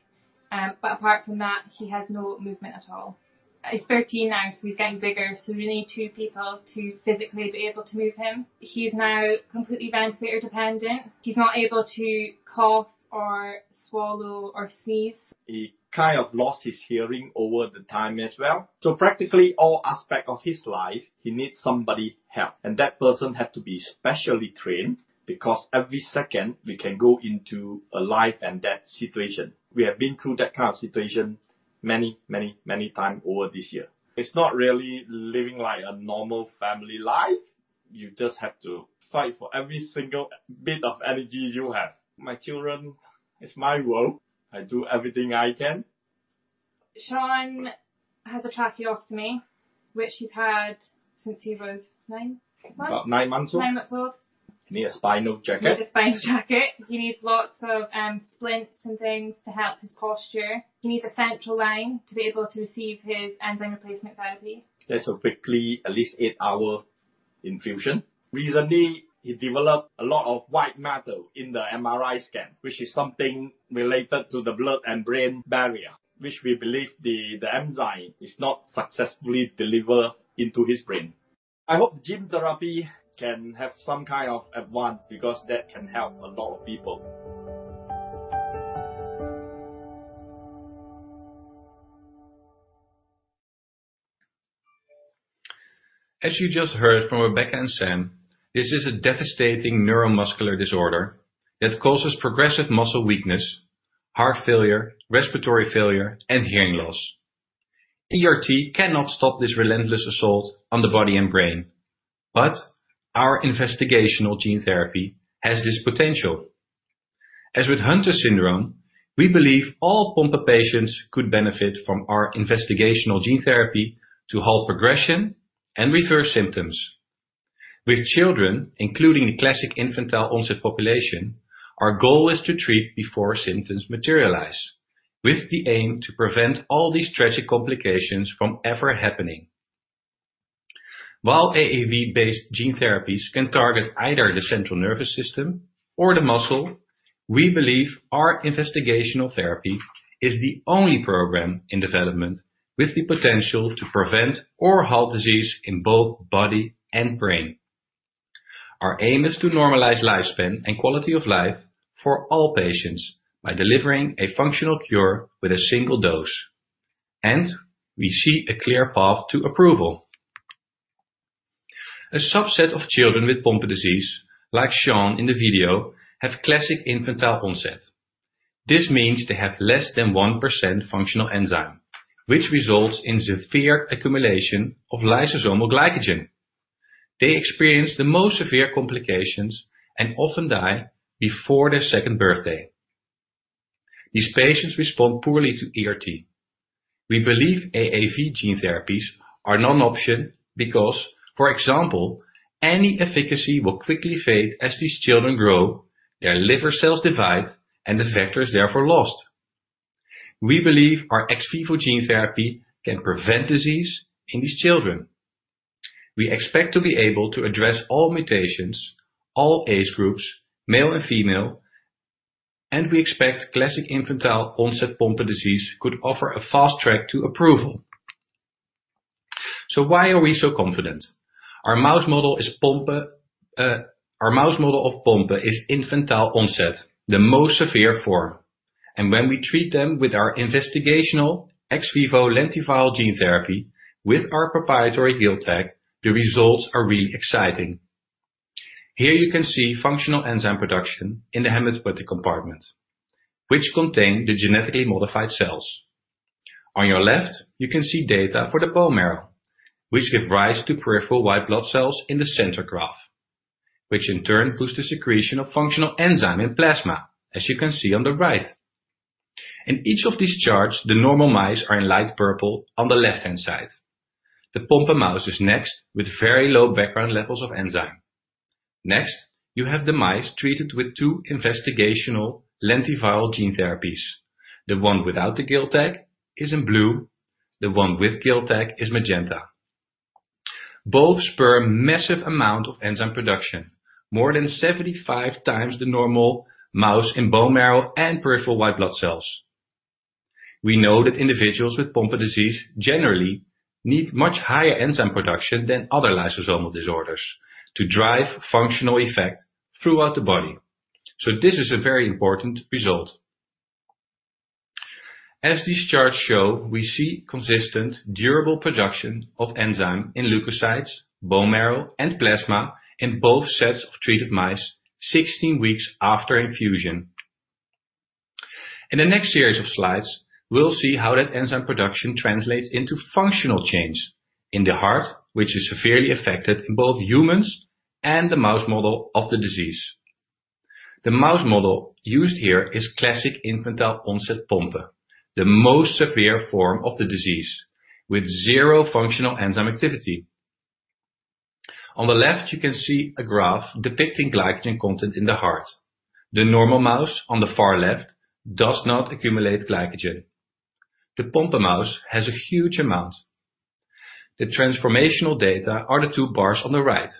Apart from that, he has no movement at all. He's 13 now, so he's getting bigger, so we need two people to physically be able to move him. He's now completely ventilator-dependent. He's not able to cough or swallow or sneeze. He kind of lost his hearing over the time as well. Practically all aspect of his life, he needs somebody help, and that person have to be specially trained because every second we can go into a life and death situation. We have been through that kind of situation many, many, many times over this year. It's not really living like a normal family life. You just have to fight for every single bit of energy you have. My children is my world. I do everything I can. Sean has a tracheostomy, which he's had since he was nine months? About nine months old. Nine months old. He need a spinal jacket. Need a spine jacket. He needs lots of splints and things to help his posture. He needs a central line to be able to receive his enzyme replacement therapy. That's typically at least 8-hour infusion. Recently, he developed a lot of white matter in the MRI scan, which is something related to the blood-brain barrier. We believe the enzyme is not successfully delivered into his brain. I hope gene therapy can have some kind of advance because that can help a lot of people. As you just heard from Rebecca and Sam, this is a devastating neuromuscular disorder that causes progressive muscle weakness, heart failure, respiratory failure, and hearing loss. ERT cannot stop this relentless assault on the body and brain. Our investigational gene therapy has this potential. As with Hunter syndrome, we believe all Pompe patients could benefit from our investigational gene therapy to halt progression and reverse symptoms. With children, including the classic infantile-onset population, our goal is to treat before symptoms materialize with the aim to prevent all these tragic complications from ever happening. While AAV-based gene therapies can target either the central nervous system or the muscle, we believe our investigational therapy is the only program in development with the potential to prevent or halt disease in both body and brain. Our aim is to normalize lifespan and quality of life for all patients by delivering a functional cure with a single dose, and we see a clear path to approval. A subset of children with Pompe disease, like Sean in the video, have classic infantile onset. This means they have less than 1% functional enzyme, which results in severe accumulation of lysosomal glycogen. They experience the most severe complications and often die before their second birthday. These patients respond poorly to ERT. the results are really exciting. Here you can see functional enzyme production in the hematopoietic compartment, which contain the genetically modified cells. On your left, you can see data for the bone marrow, which give rise to peripheral white blood cells in the center graph, which in turn boosts the secretion of functional enzyme in plasma, as you can see on the right. In each of these charts, the normal mice are in light purple on the left-hand side. The Pompe mouse is next with very low background levels of enzyme. Next, you have the mice treated with two investigational lentiviral gene therapies. The one without the GILT tag is in blue. The one with GILT tag is magenta. Both spur a massive amount of enzyme production, more than 75 times the normal mouse in bone marrow and peripheral white blood cells. We know that individuals with Pompe disease generally need much higher enzyme production than other lysosomal disorders to drive functional effect throughout the body. This is a very important result. As these charts show, we see consistent durable production of enzyme in leukocytes, bone marrow, and plasma in both sets of treated mice 16 weeks after infusion. In the next series of slides, we'll see how that enzyme production translates into functional change in the heart, which is severely affected in both humans and the mouse model of the disease. The mouse model used here is classic infantile-onset Pompe, the most severe form of the disease, with zero functional enzyme activity. On the left, you can see a graph depicting glycogen content in the heart. The normal mouse on the far left does not accumulate glycogen. The Pompe mouse has a huge amount. The transformational data are the two bars on the right,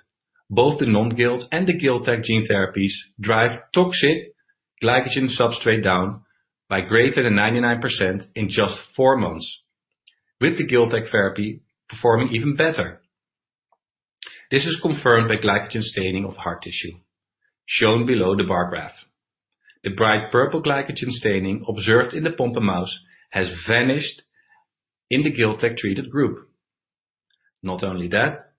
both the non-GILT tag and the GILT tag gene therapies drive toxic glycogen substrate down by greater than 99% in just four months, with the GILT tag therapy performing even better. This is confirmed by glycogen staining of heart tissue shown below the bar graph. The bright purple glycogen staining observed in the Pompe mouse has vanished in the GILT tag treated group. Not only that,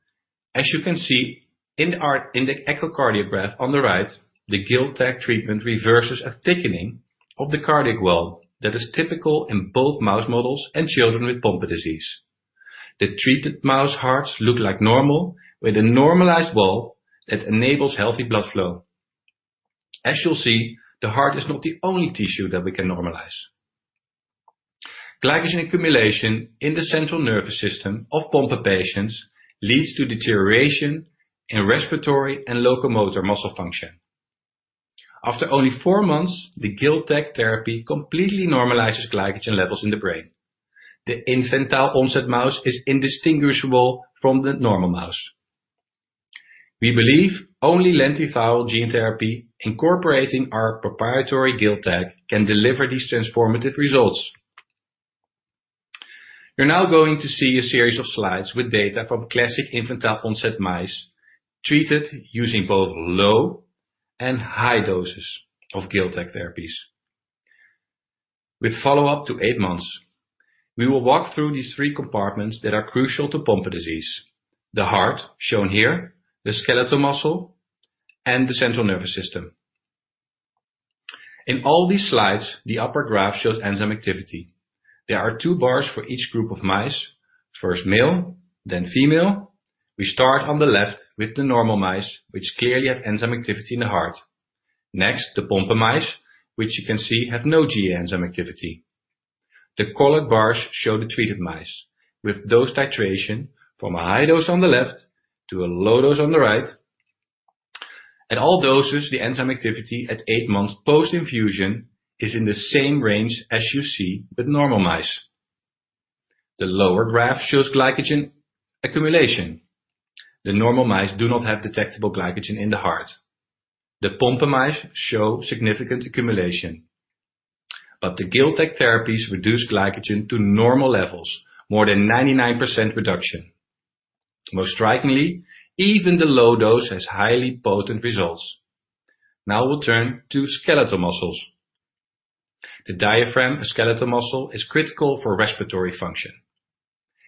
as you can see in the echocardiograph on the right, the GILT tag treatment reverses a thickening of the cardiac wall that is typical in both mouse models and children with Pompe disease. The treated mouse hearts look like normal with a normalized wall that enables healthy blood flow. As you'll see, the heart is not the only tissue that we can normalize. Glycogen accumulation in the central nervous system of Pompe patients leads to deterioration in respiratory and locomotor muscle function. After only four months, the GILT tag therapy completely normalizes glycogen levels in the brain. The infantile-onset mouse is indistinguishable from the normal mouse. We believe only lentiviral gene therapy incorporating our proprietary GILT tag can deliver these transformative results. You're now going to see a series of slides with data from classic infantile-onset mice treated using both low and high doses of GILT tag therapies with follow-up to eight months. We will walk through these three compartments that are crucial to Pompe disease: the heart shown here, the skeletal muscle, and the central nervous system. In all these slides, the upper graph shows enzyme activity. There are two bars for each group of mice, first male, then female. We start on the left with the normal mice, which clearly have enzyme activity in the heart. Next, the Pompe mice, which you can see have no GAA enzyme activity. The colored bars show the treated mice with dose titration from a high dose on the left to a low dose on the right. At all doses, the enzyme activity at eight months post-infusion is in the same range as you see with normal mice. The lower graph shows glycogen accumulation. The normal mice do not have detectable glycogen in the heart. The Pompe mice show significant accumulation, but the GILT tag therapies reduce glycogen to normal levels, more than 99% reduction. Most strikingly, even the low dose has highly potent results. Now we'll turn to skeletal muscles. The diaphragm, a skeletal muscle, is critical for respiratory function.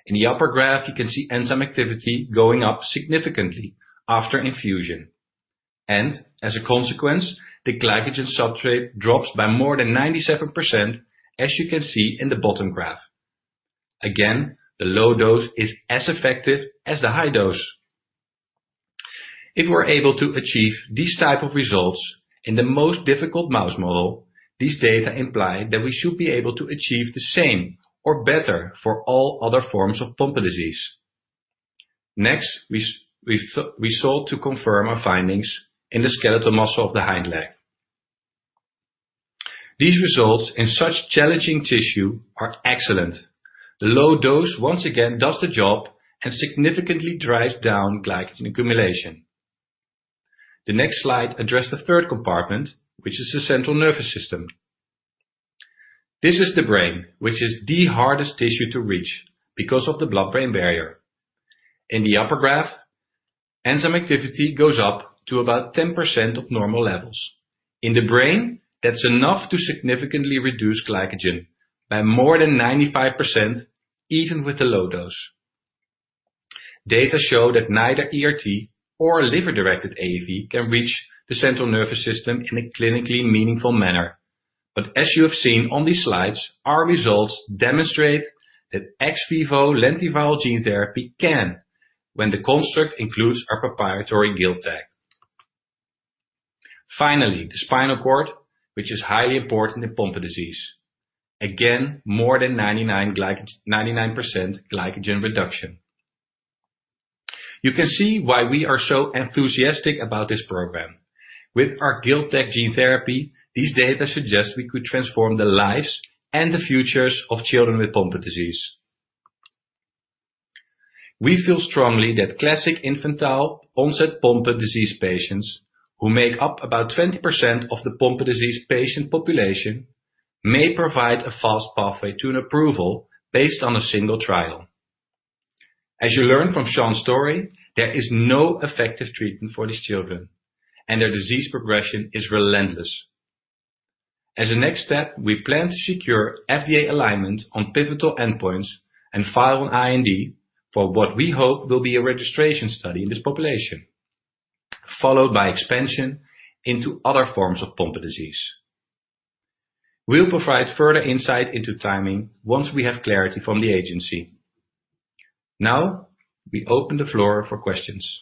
In the upper graph, you can see enzyme activity going up significantly after infusion, and as a consequence, the glycogen substrate drops by more than 97%, as you can see in the bottom graph. Again, the low dose is as effective as the high dose. If we're able to achieve these type of results in the most difficult mouse model, these data imply that we should be able to achieve the same or better for all other forms of Pompe disease. Next, we sought to confirm our findings in the skeletal muscle of the hind leg. These results in such challenging tissue are excellent. The low dose once again does the job and significantly drives down glycogen accumulation. The next slide addresses the third compartment, which is the central nervous system. This is the brain, which is the hardest tissue to reach because of the blood-brain barrier. In the upper graph, enzyme activity goes up to about 10% of normal levels. In the brain, that's enough to significantly reduce glycogen by more than 95%, even with the low dose. Data show that neither ERT or liver-directed AAV can reach the central nervous system in a clinically meaningful manner. As you have seen on these slides, our results demonstrate that ex vivo lentiviral gene therapy can when the construct includes our proprietary GILT tag. Finally, the spinal cord, which is highly important in Pompe disease. Again, more than 99% glycogen reduction. You can see why we are so enthusiastic about this program. With our GilTag gene therapy, these data suggest we could transform the lives and the futures of children with Pompe disease. We feel strongly that classic infantile-onset Pompe disease patients, who make up about 20% of the Pompe disease patient population, may provide a fast pathway to an approval based on a single trial. As you learned from Sean's story, there is no effective treatment for these children, and their disease progression is relentless. As a next step, we plan to secure FDA alignment on pivotal endpoints and file an IND for what we hope will be a registration study in this population, followed by expansion into other forms of Pompe disease. We'll provide further insight into timing once we have clarity from the agency. Now, we open the floor for questions.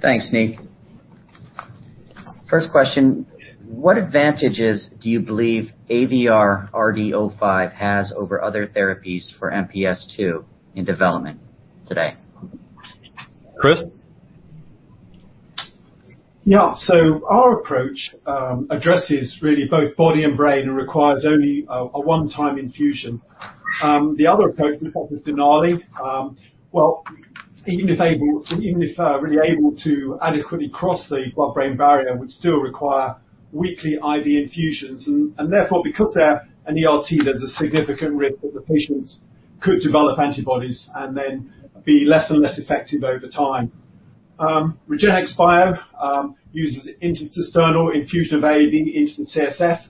Thanks, Niek. First question, what advantages do you believe AVR-RD-05 has over other therapies for MPS II in development today? Chris? Our approach addresses really both body and brain and requires only a one-time infusion. The other approach, with Denali, even if really able to adequately cross the blood-brain barrier, would still require weekly IV infusions. Therefore, because they're an ERT, there's a significant risk that the patients could develop antibodies and then be less and less effective over time. REGENXBIO uses an intra-cisternal infusion of AAV into the CSF,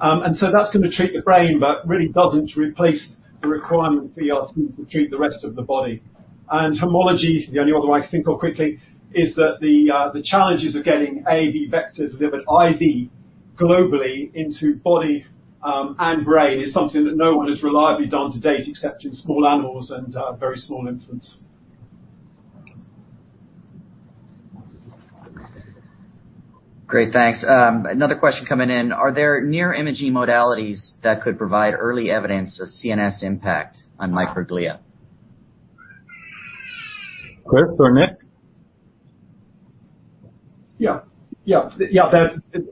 and that's going to treat the brain but really doesn't replace the requirement for ERT to treat the rest of the body. Homology, the only other one I can think of quickly, is that the challenges of getting AAV vectors delivered IV globally into body and brain is something that no one has reliably done to date except in small animals and very small infants. Great, thanks. Another question coming in, are there near imaging modalities that could provide early evidence of CNS impact on microglia? Chris or Niek? Yeah.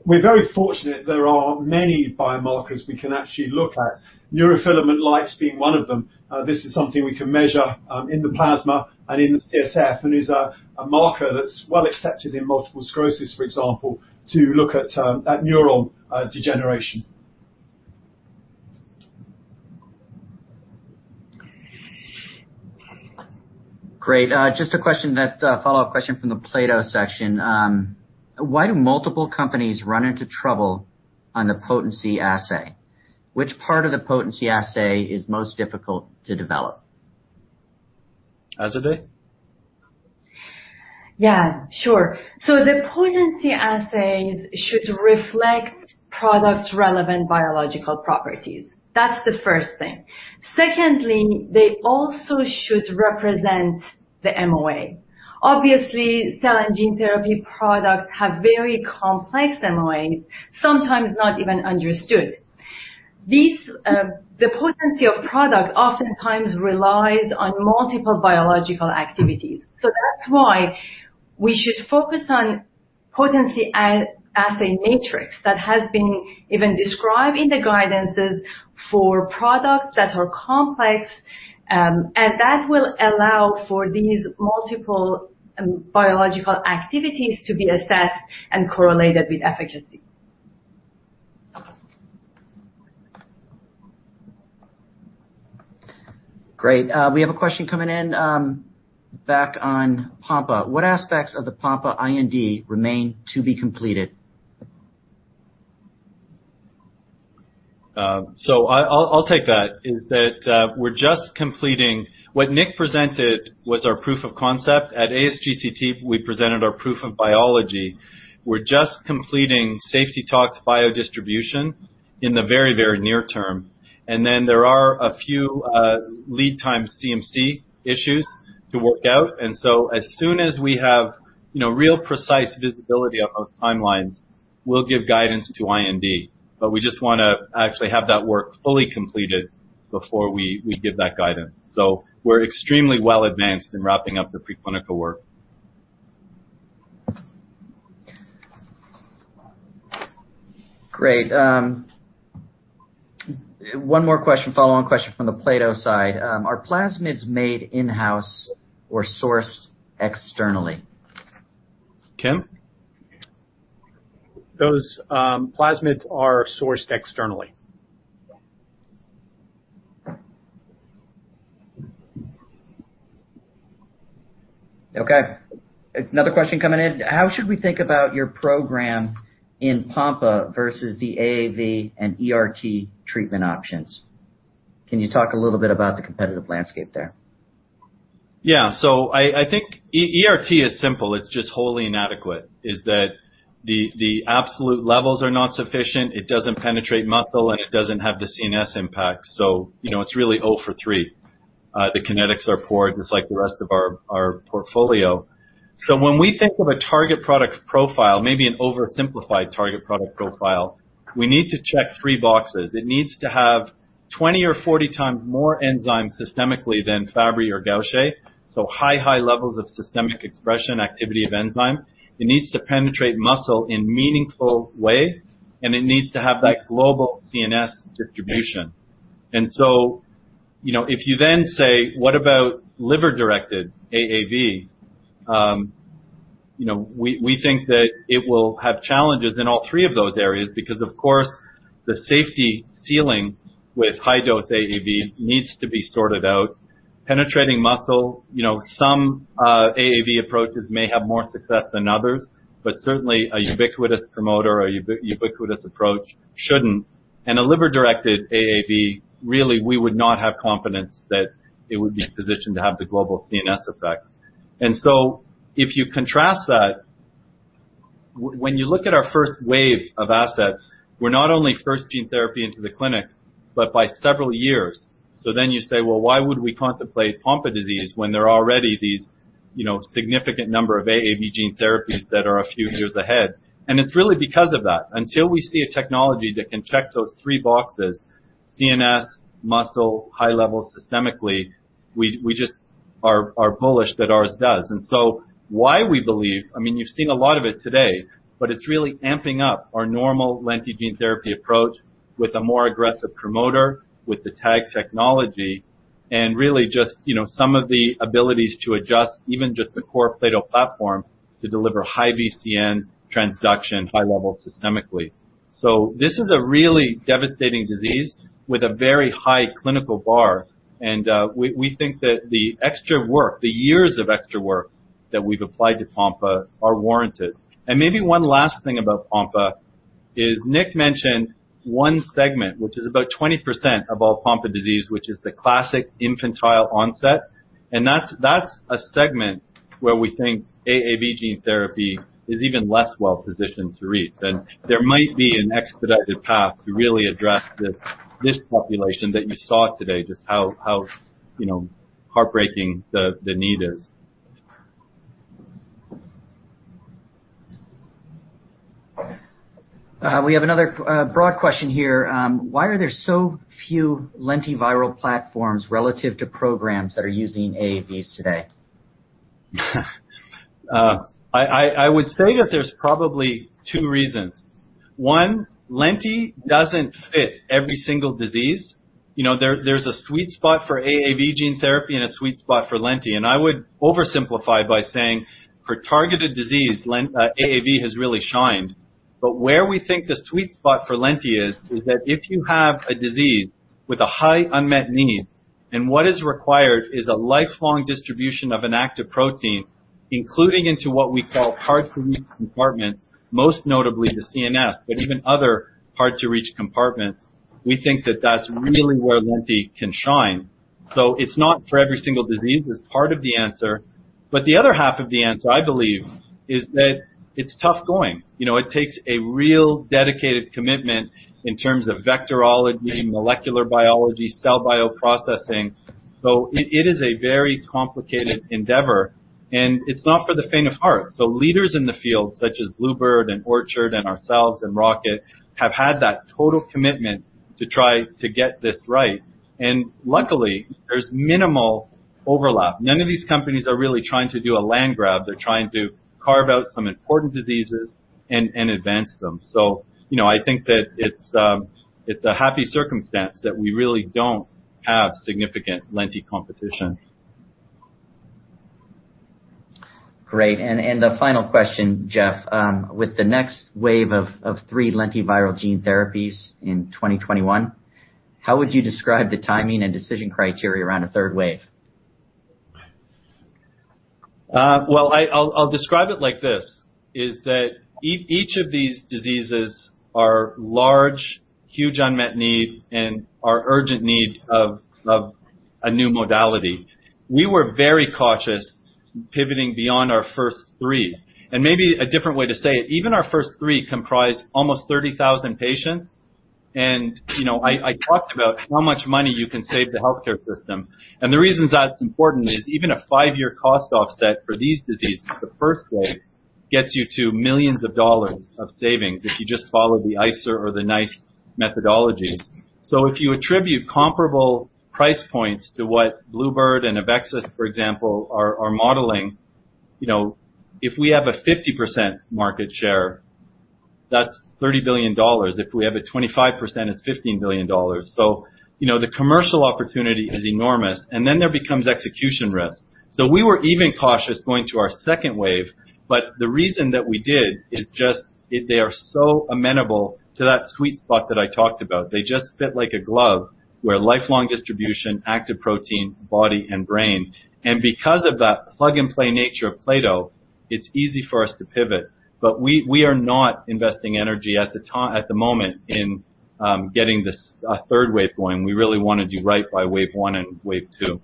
We're very fortunate there are many biomarkers we can actually look at, neurofilament light being one of them. This is something we can measure in the plasma and in the CSF, and is a marker that's well accepted in multiple sclerosis, for example, to look at neural degeneration. Great. Just a follow-up question from the plato section. Why do multiple companies run into trouble on the potency assay? Which part of the potency assay is most difficult to develop? Azadeh? Yeah, sure. The potency assays should reflect products' relevant biological properties. That's the first thing. Secondly, they also should represent the MOA. Obviously, cell and gene therapy products have very complex MOAs, sometimes not even understood. The potency of product oftentimes relies on multiple biological activities. That's why we should focus on potency as a matrix that has been even described in the guidances for products that are complex, and that will allow for these multiple biological activities to be assessed and correlated with efficacy. Great. We have a question coming in back on Pompe. What aspects of the Pompe IND remain to be completed? I'll take that. What Niek presented was our proof of concept. At ASGCT, we presented our proof of biology. We're just completing safety tox biodistribution in the very near term. There are a few lead time CMC issues to work out, as soon as we have real precise visibility on those timelines, we'll give guidance to IND. We just want to actually have that work fully completed before we give that guidance. We're extremely well advanced in wrapping up the preclinical work. Great. One more question, follow-on question from the plato side. Are plasmids made in-house or sourced externally? Kim? Those plasmids are sourced externally. Okay. Another question coming in. How should we think about your program in Pompe versus the AAV and ERT treatment options? Can you talk a little bit about the competitive landscape there? Yeah. I think ERT is simple. It's just wholly inadequate, is that the absolute levels are not sufficient. It doesn't penetrate muscle, and it doesn't have the CNS impact, so, it's really zero for three. The kinetics are poor, just like the rest of our portfolio. When we think of a target product profile, maybe an oversimplified target product profile, we need to check three boxes. It needs to have 20 or 40x more enzyme systemically than Fabry or Gaucher, so high levels of systemic expression activity of enzyme. It needs to penetrate muscle in a meaningful way, and it needs to have that global CNS distribution. If you then say, what about liver-directed AAV? We think that it will have challenges in all three of those areas because, of course, the safety ceiling with high-dose AAV needs to be sorted out. Penetrating muscle, some AAV approaches may have more success than others, but certainly a ubiquitous promoter or a ubiquitous approach shouldn't. A liver-directed AAV, really, we would not have confidence that it would be positioned to have the global CNS effect. You say, "Well, why would we contemplate Pompe disease when there are already these significant number of AAV gene therapies that are a few years ahead?" It's really because of that. Until we see a technology that can check those three boxes, CNS, muscle, high level systemically, we just are bullish that ours does. Why we believe, you've seen a lot of it today, but it's really amping up our normal lenti gene therapy approach with a more aggressive promoter, with the tag technology, and really just some of the abilities to adjust even just the core plato platform to deliver high VCN transduction high level systemically. This is a really devastating disease with a very high clinical bar, and we think that the extra work, the years of extra work that we've applied to Pompe are warranted. Maybe one last thing about Pompe is Niek mentioned one segment, which is about 20% of all Pompe disease, which is the classic infantile onset. That's a segment where we think AAV gene therapy is even less well positioned to treat than there might be an expedited path to really address this population that you saw today, just how heartbreaking the need is. We have another broad question here. Why are there so few lentiviral platforms relative to programs that are using AAVs today? I would say that there's probably two reasons. One, lenti doesn't fit every single disease. There's a sweet spot for AAV gene therapy and a sweet spot for lenti. I would oversimplify by saying for targeted disease, AAV has really shined. Where we think the sweet spot for lenti is that if you have a disease with a high unmet need, and what is required is a lifelong distribution of an active protein, including into what we call hard-to-reach compartments, most notably the CNS, but even other hard-to-reach compartments, we think that that's really where lenti can shine. It's not for every single disease. It's part of the answer. The other half of the answer, I believe, is that it's tough going. It takes a real dedicated commitment in terms of vectorology, molecular biology, cell bioprocessing. It is a very complicated endeavor, and it's not for the faint of heart. Leaders in the field, such as Bluebird and Orchard and ourselves and Rocket, have had that total commitment to try to get this right. Luckily, there's minimal overlap. None of these companies are really trying to do a land grab. They're trying to carve out some important diseases and advance them. I think that it's a happy circumstance that we really don't have significant lenti competition. Great. A final question, Geoff. With the next wave of three lentiviral gene therapies in 2021, how would you describe the timing and decision criteria around a third wave? Well, I'll describe it like this, is that each of these diseases are large, huge unmet need, and are urgent need of a new modality. We were very cautious pivoting beyond our first three. Maybe a different way to say it, even our first three comprise almost 30,000 patients, and I talked about how much money you can save the healthcare system. The reasons that's important is even a five-year cost offset for these diseases, the first wave, gets you to millions of dollars of savings if you just follow the ICER or the NICE methodologies. If you attribute comparable price points to what bluebird and AveXis, for example, are modeling, if we have a 50% market share, that's $30 billion. If we have a 25%, it's $15 billion. The commercial opportunity is enormous. Then there becomes execution risk. We were even cautious going to our wave 2, but the reason that we did is just they are so amenable to that sweet spot that I talked about. They just fit like a glove, where lifelong distribution, active protein, body, and brain. Because of that plug-and-play nature of plato, it's easy for us to pivot. We are not investing energy at the moment in getting a wave 3 going. We really want to do right by wave 1 and wave 2.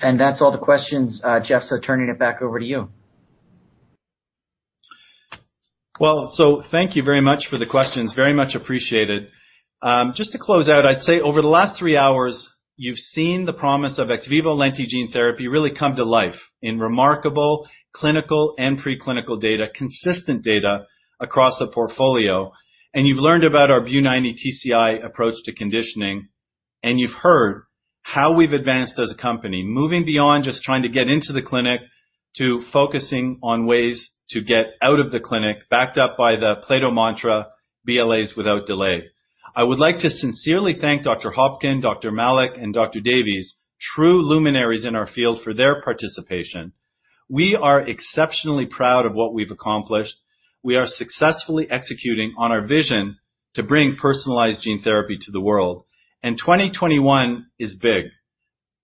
That's all the questions, Geoff, so turning it back over to you. Thank you very much for the questions. Very much appreciated. Just to close out, I'd say over the last three hours, you've seen the promise of ex vivo lenti gene therapy really come to life in remarkable clinical and preclinical data, consistent data across the portfolio. You've learned about our BU90 TCI approach to conditioning, and you've heard how we've advanced as a company, moving beyond just trying to get into the clinic to focusing on ways to get out of the clinic, backed up by the plato mantra, BLAs without delay. I would like to sincerely thank Dr. Hopkin, Dr. Malech, and Dr. Davies, true luminaries in our field, for their participation. We are exceptionally proud of what we've accomplished. We are successfully executing on our vision to bring personalized gene therapy to the world. 2021 is big,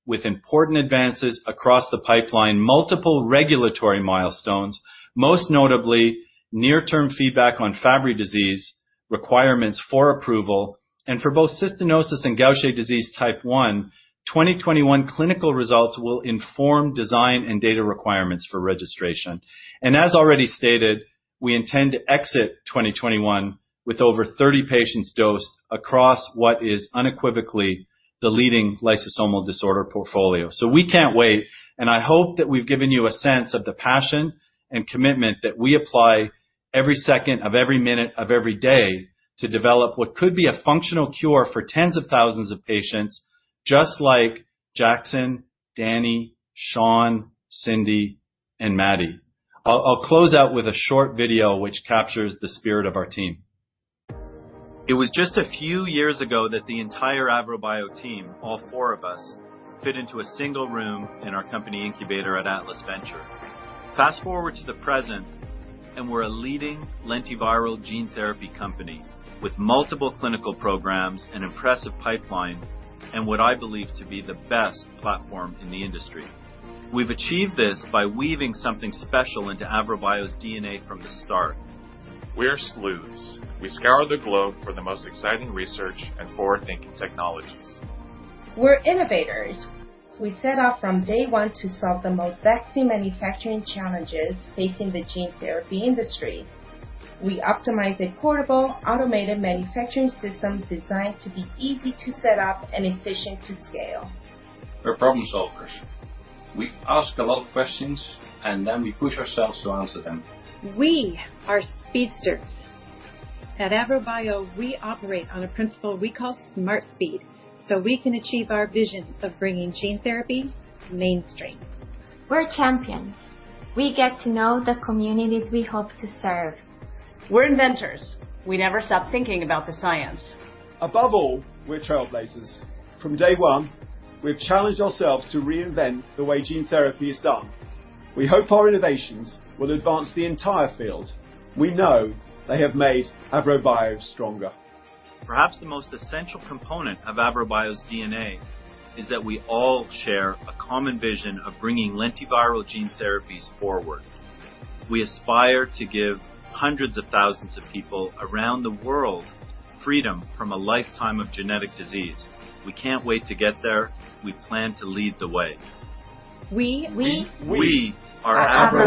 with important advances across the pipeline, multiple regulatory milestones, most notably near-term feedback on Fabry disease, requirements for approval, and for both cystinosis and Gaucher disease type 1, 2021 clinical results will inform design and data requirements for registration. As already stated, we intend to exit 2021 with over 30 patients dosed across what is unequivocally the leading lysosomal disorder portfolio. We can't wait, and I hope that we've given you a sense of the passion and commitment that we apply every second of every minute of every day to develop what could be a functional cure for tens of thousands of patients, just like Jackson, Danny, Sean, Cindy, and Maddie. I'll close out with a short video which captures the spirit of our team. It was just a few years ago that the entire AVROBIO team, all four of us, fit into a single room in our company incubator at Atlas Venture. Fast-forward to the present, we're a leading lentiviral gene therapy company with multiple clinical programs, an impressive pipeline, and what I believe to be the best platform in the industry. We've achieved this by weaving something special into AVROBIO's DNA from the start. We're sleuths. We scour the globe for the most exciting research and forward-thinking technologies. We're innovators. We set off from day one to solve the most vexing manufacturing challenges facing the gene therapy industry. We optimize a portable, automated manufacturing system designed to be easy to set up and efficient to scale. We're problem solvers. We ask a lot of questions, we push ourselves to answer them. We are speedsters. At AVROBIO, we operate on a principle we call smart speed. We can achieve our vision of bringing gene therapy to mainstream. We're champions. We get to know the communities we hope to serve. We're inventors. We never stop thinking about the science. Above all, we're trailblazers. From day one, we've challenged ourselves to reinvent the way gene therapy is done. We hope our innovations will advance the entire field. We know they have made AVROBIO stronger. Perhaps the most essential component of AVROBIO's DNA is that we all share a common vision of bringing lentiviral gene therapies forward. We aspire to give hundreds of thousands of people around the world freedom from a lifetime of genetic disease. We can't wait to get there. We plan to lead the way. We. We. We. We. We are AVROBIO.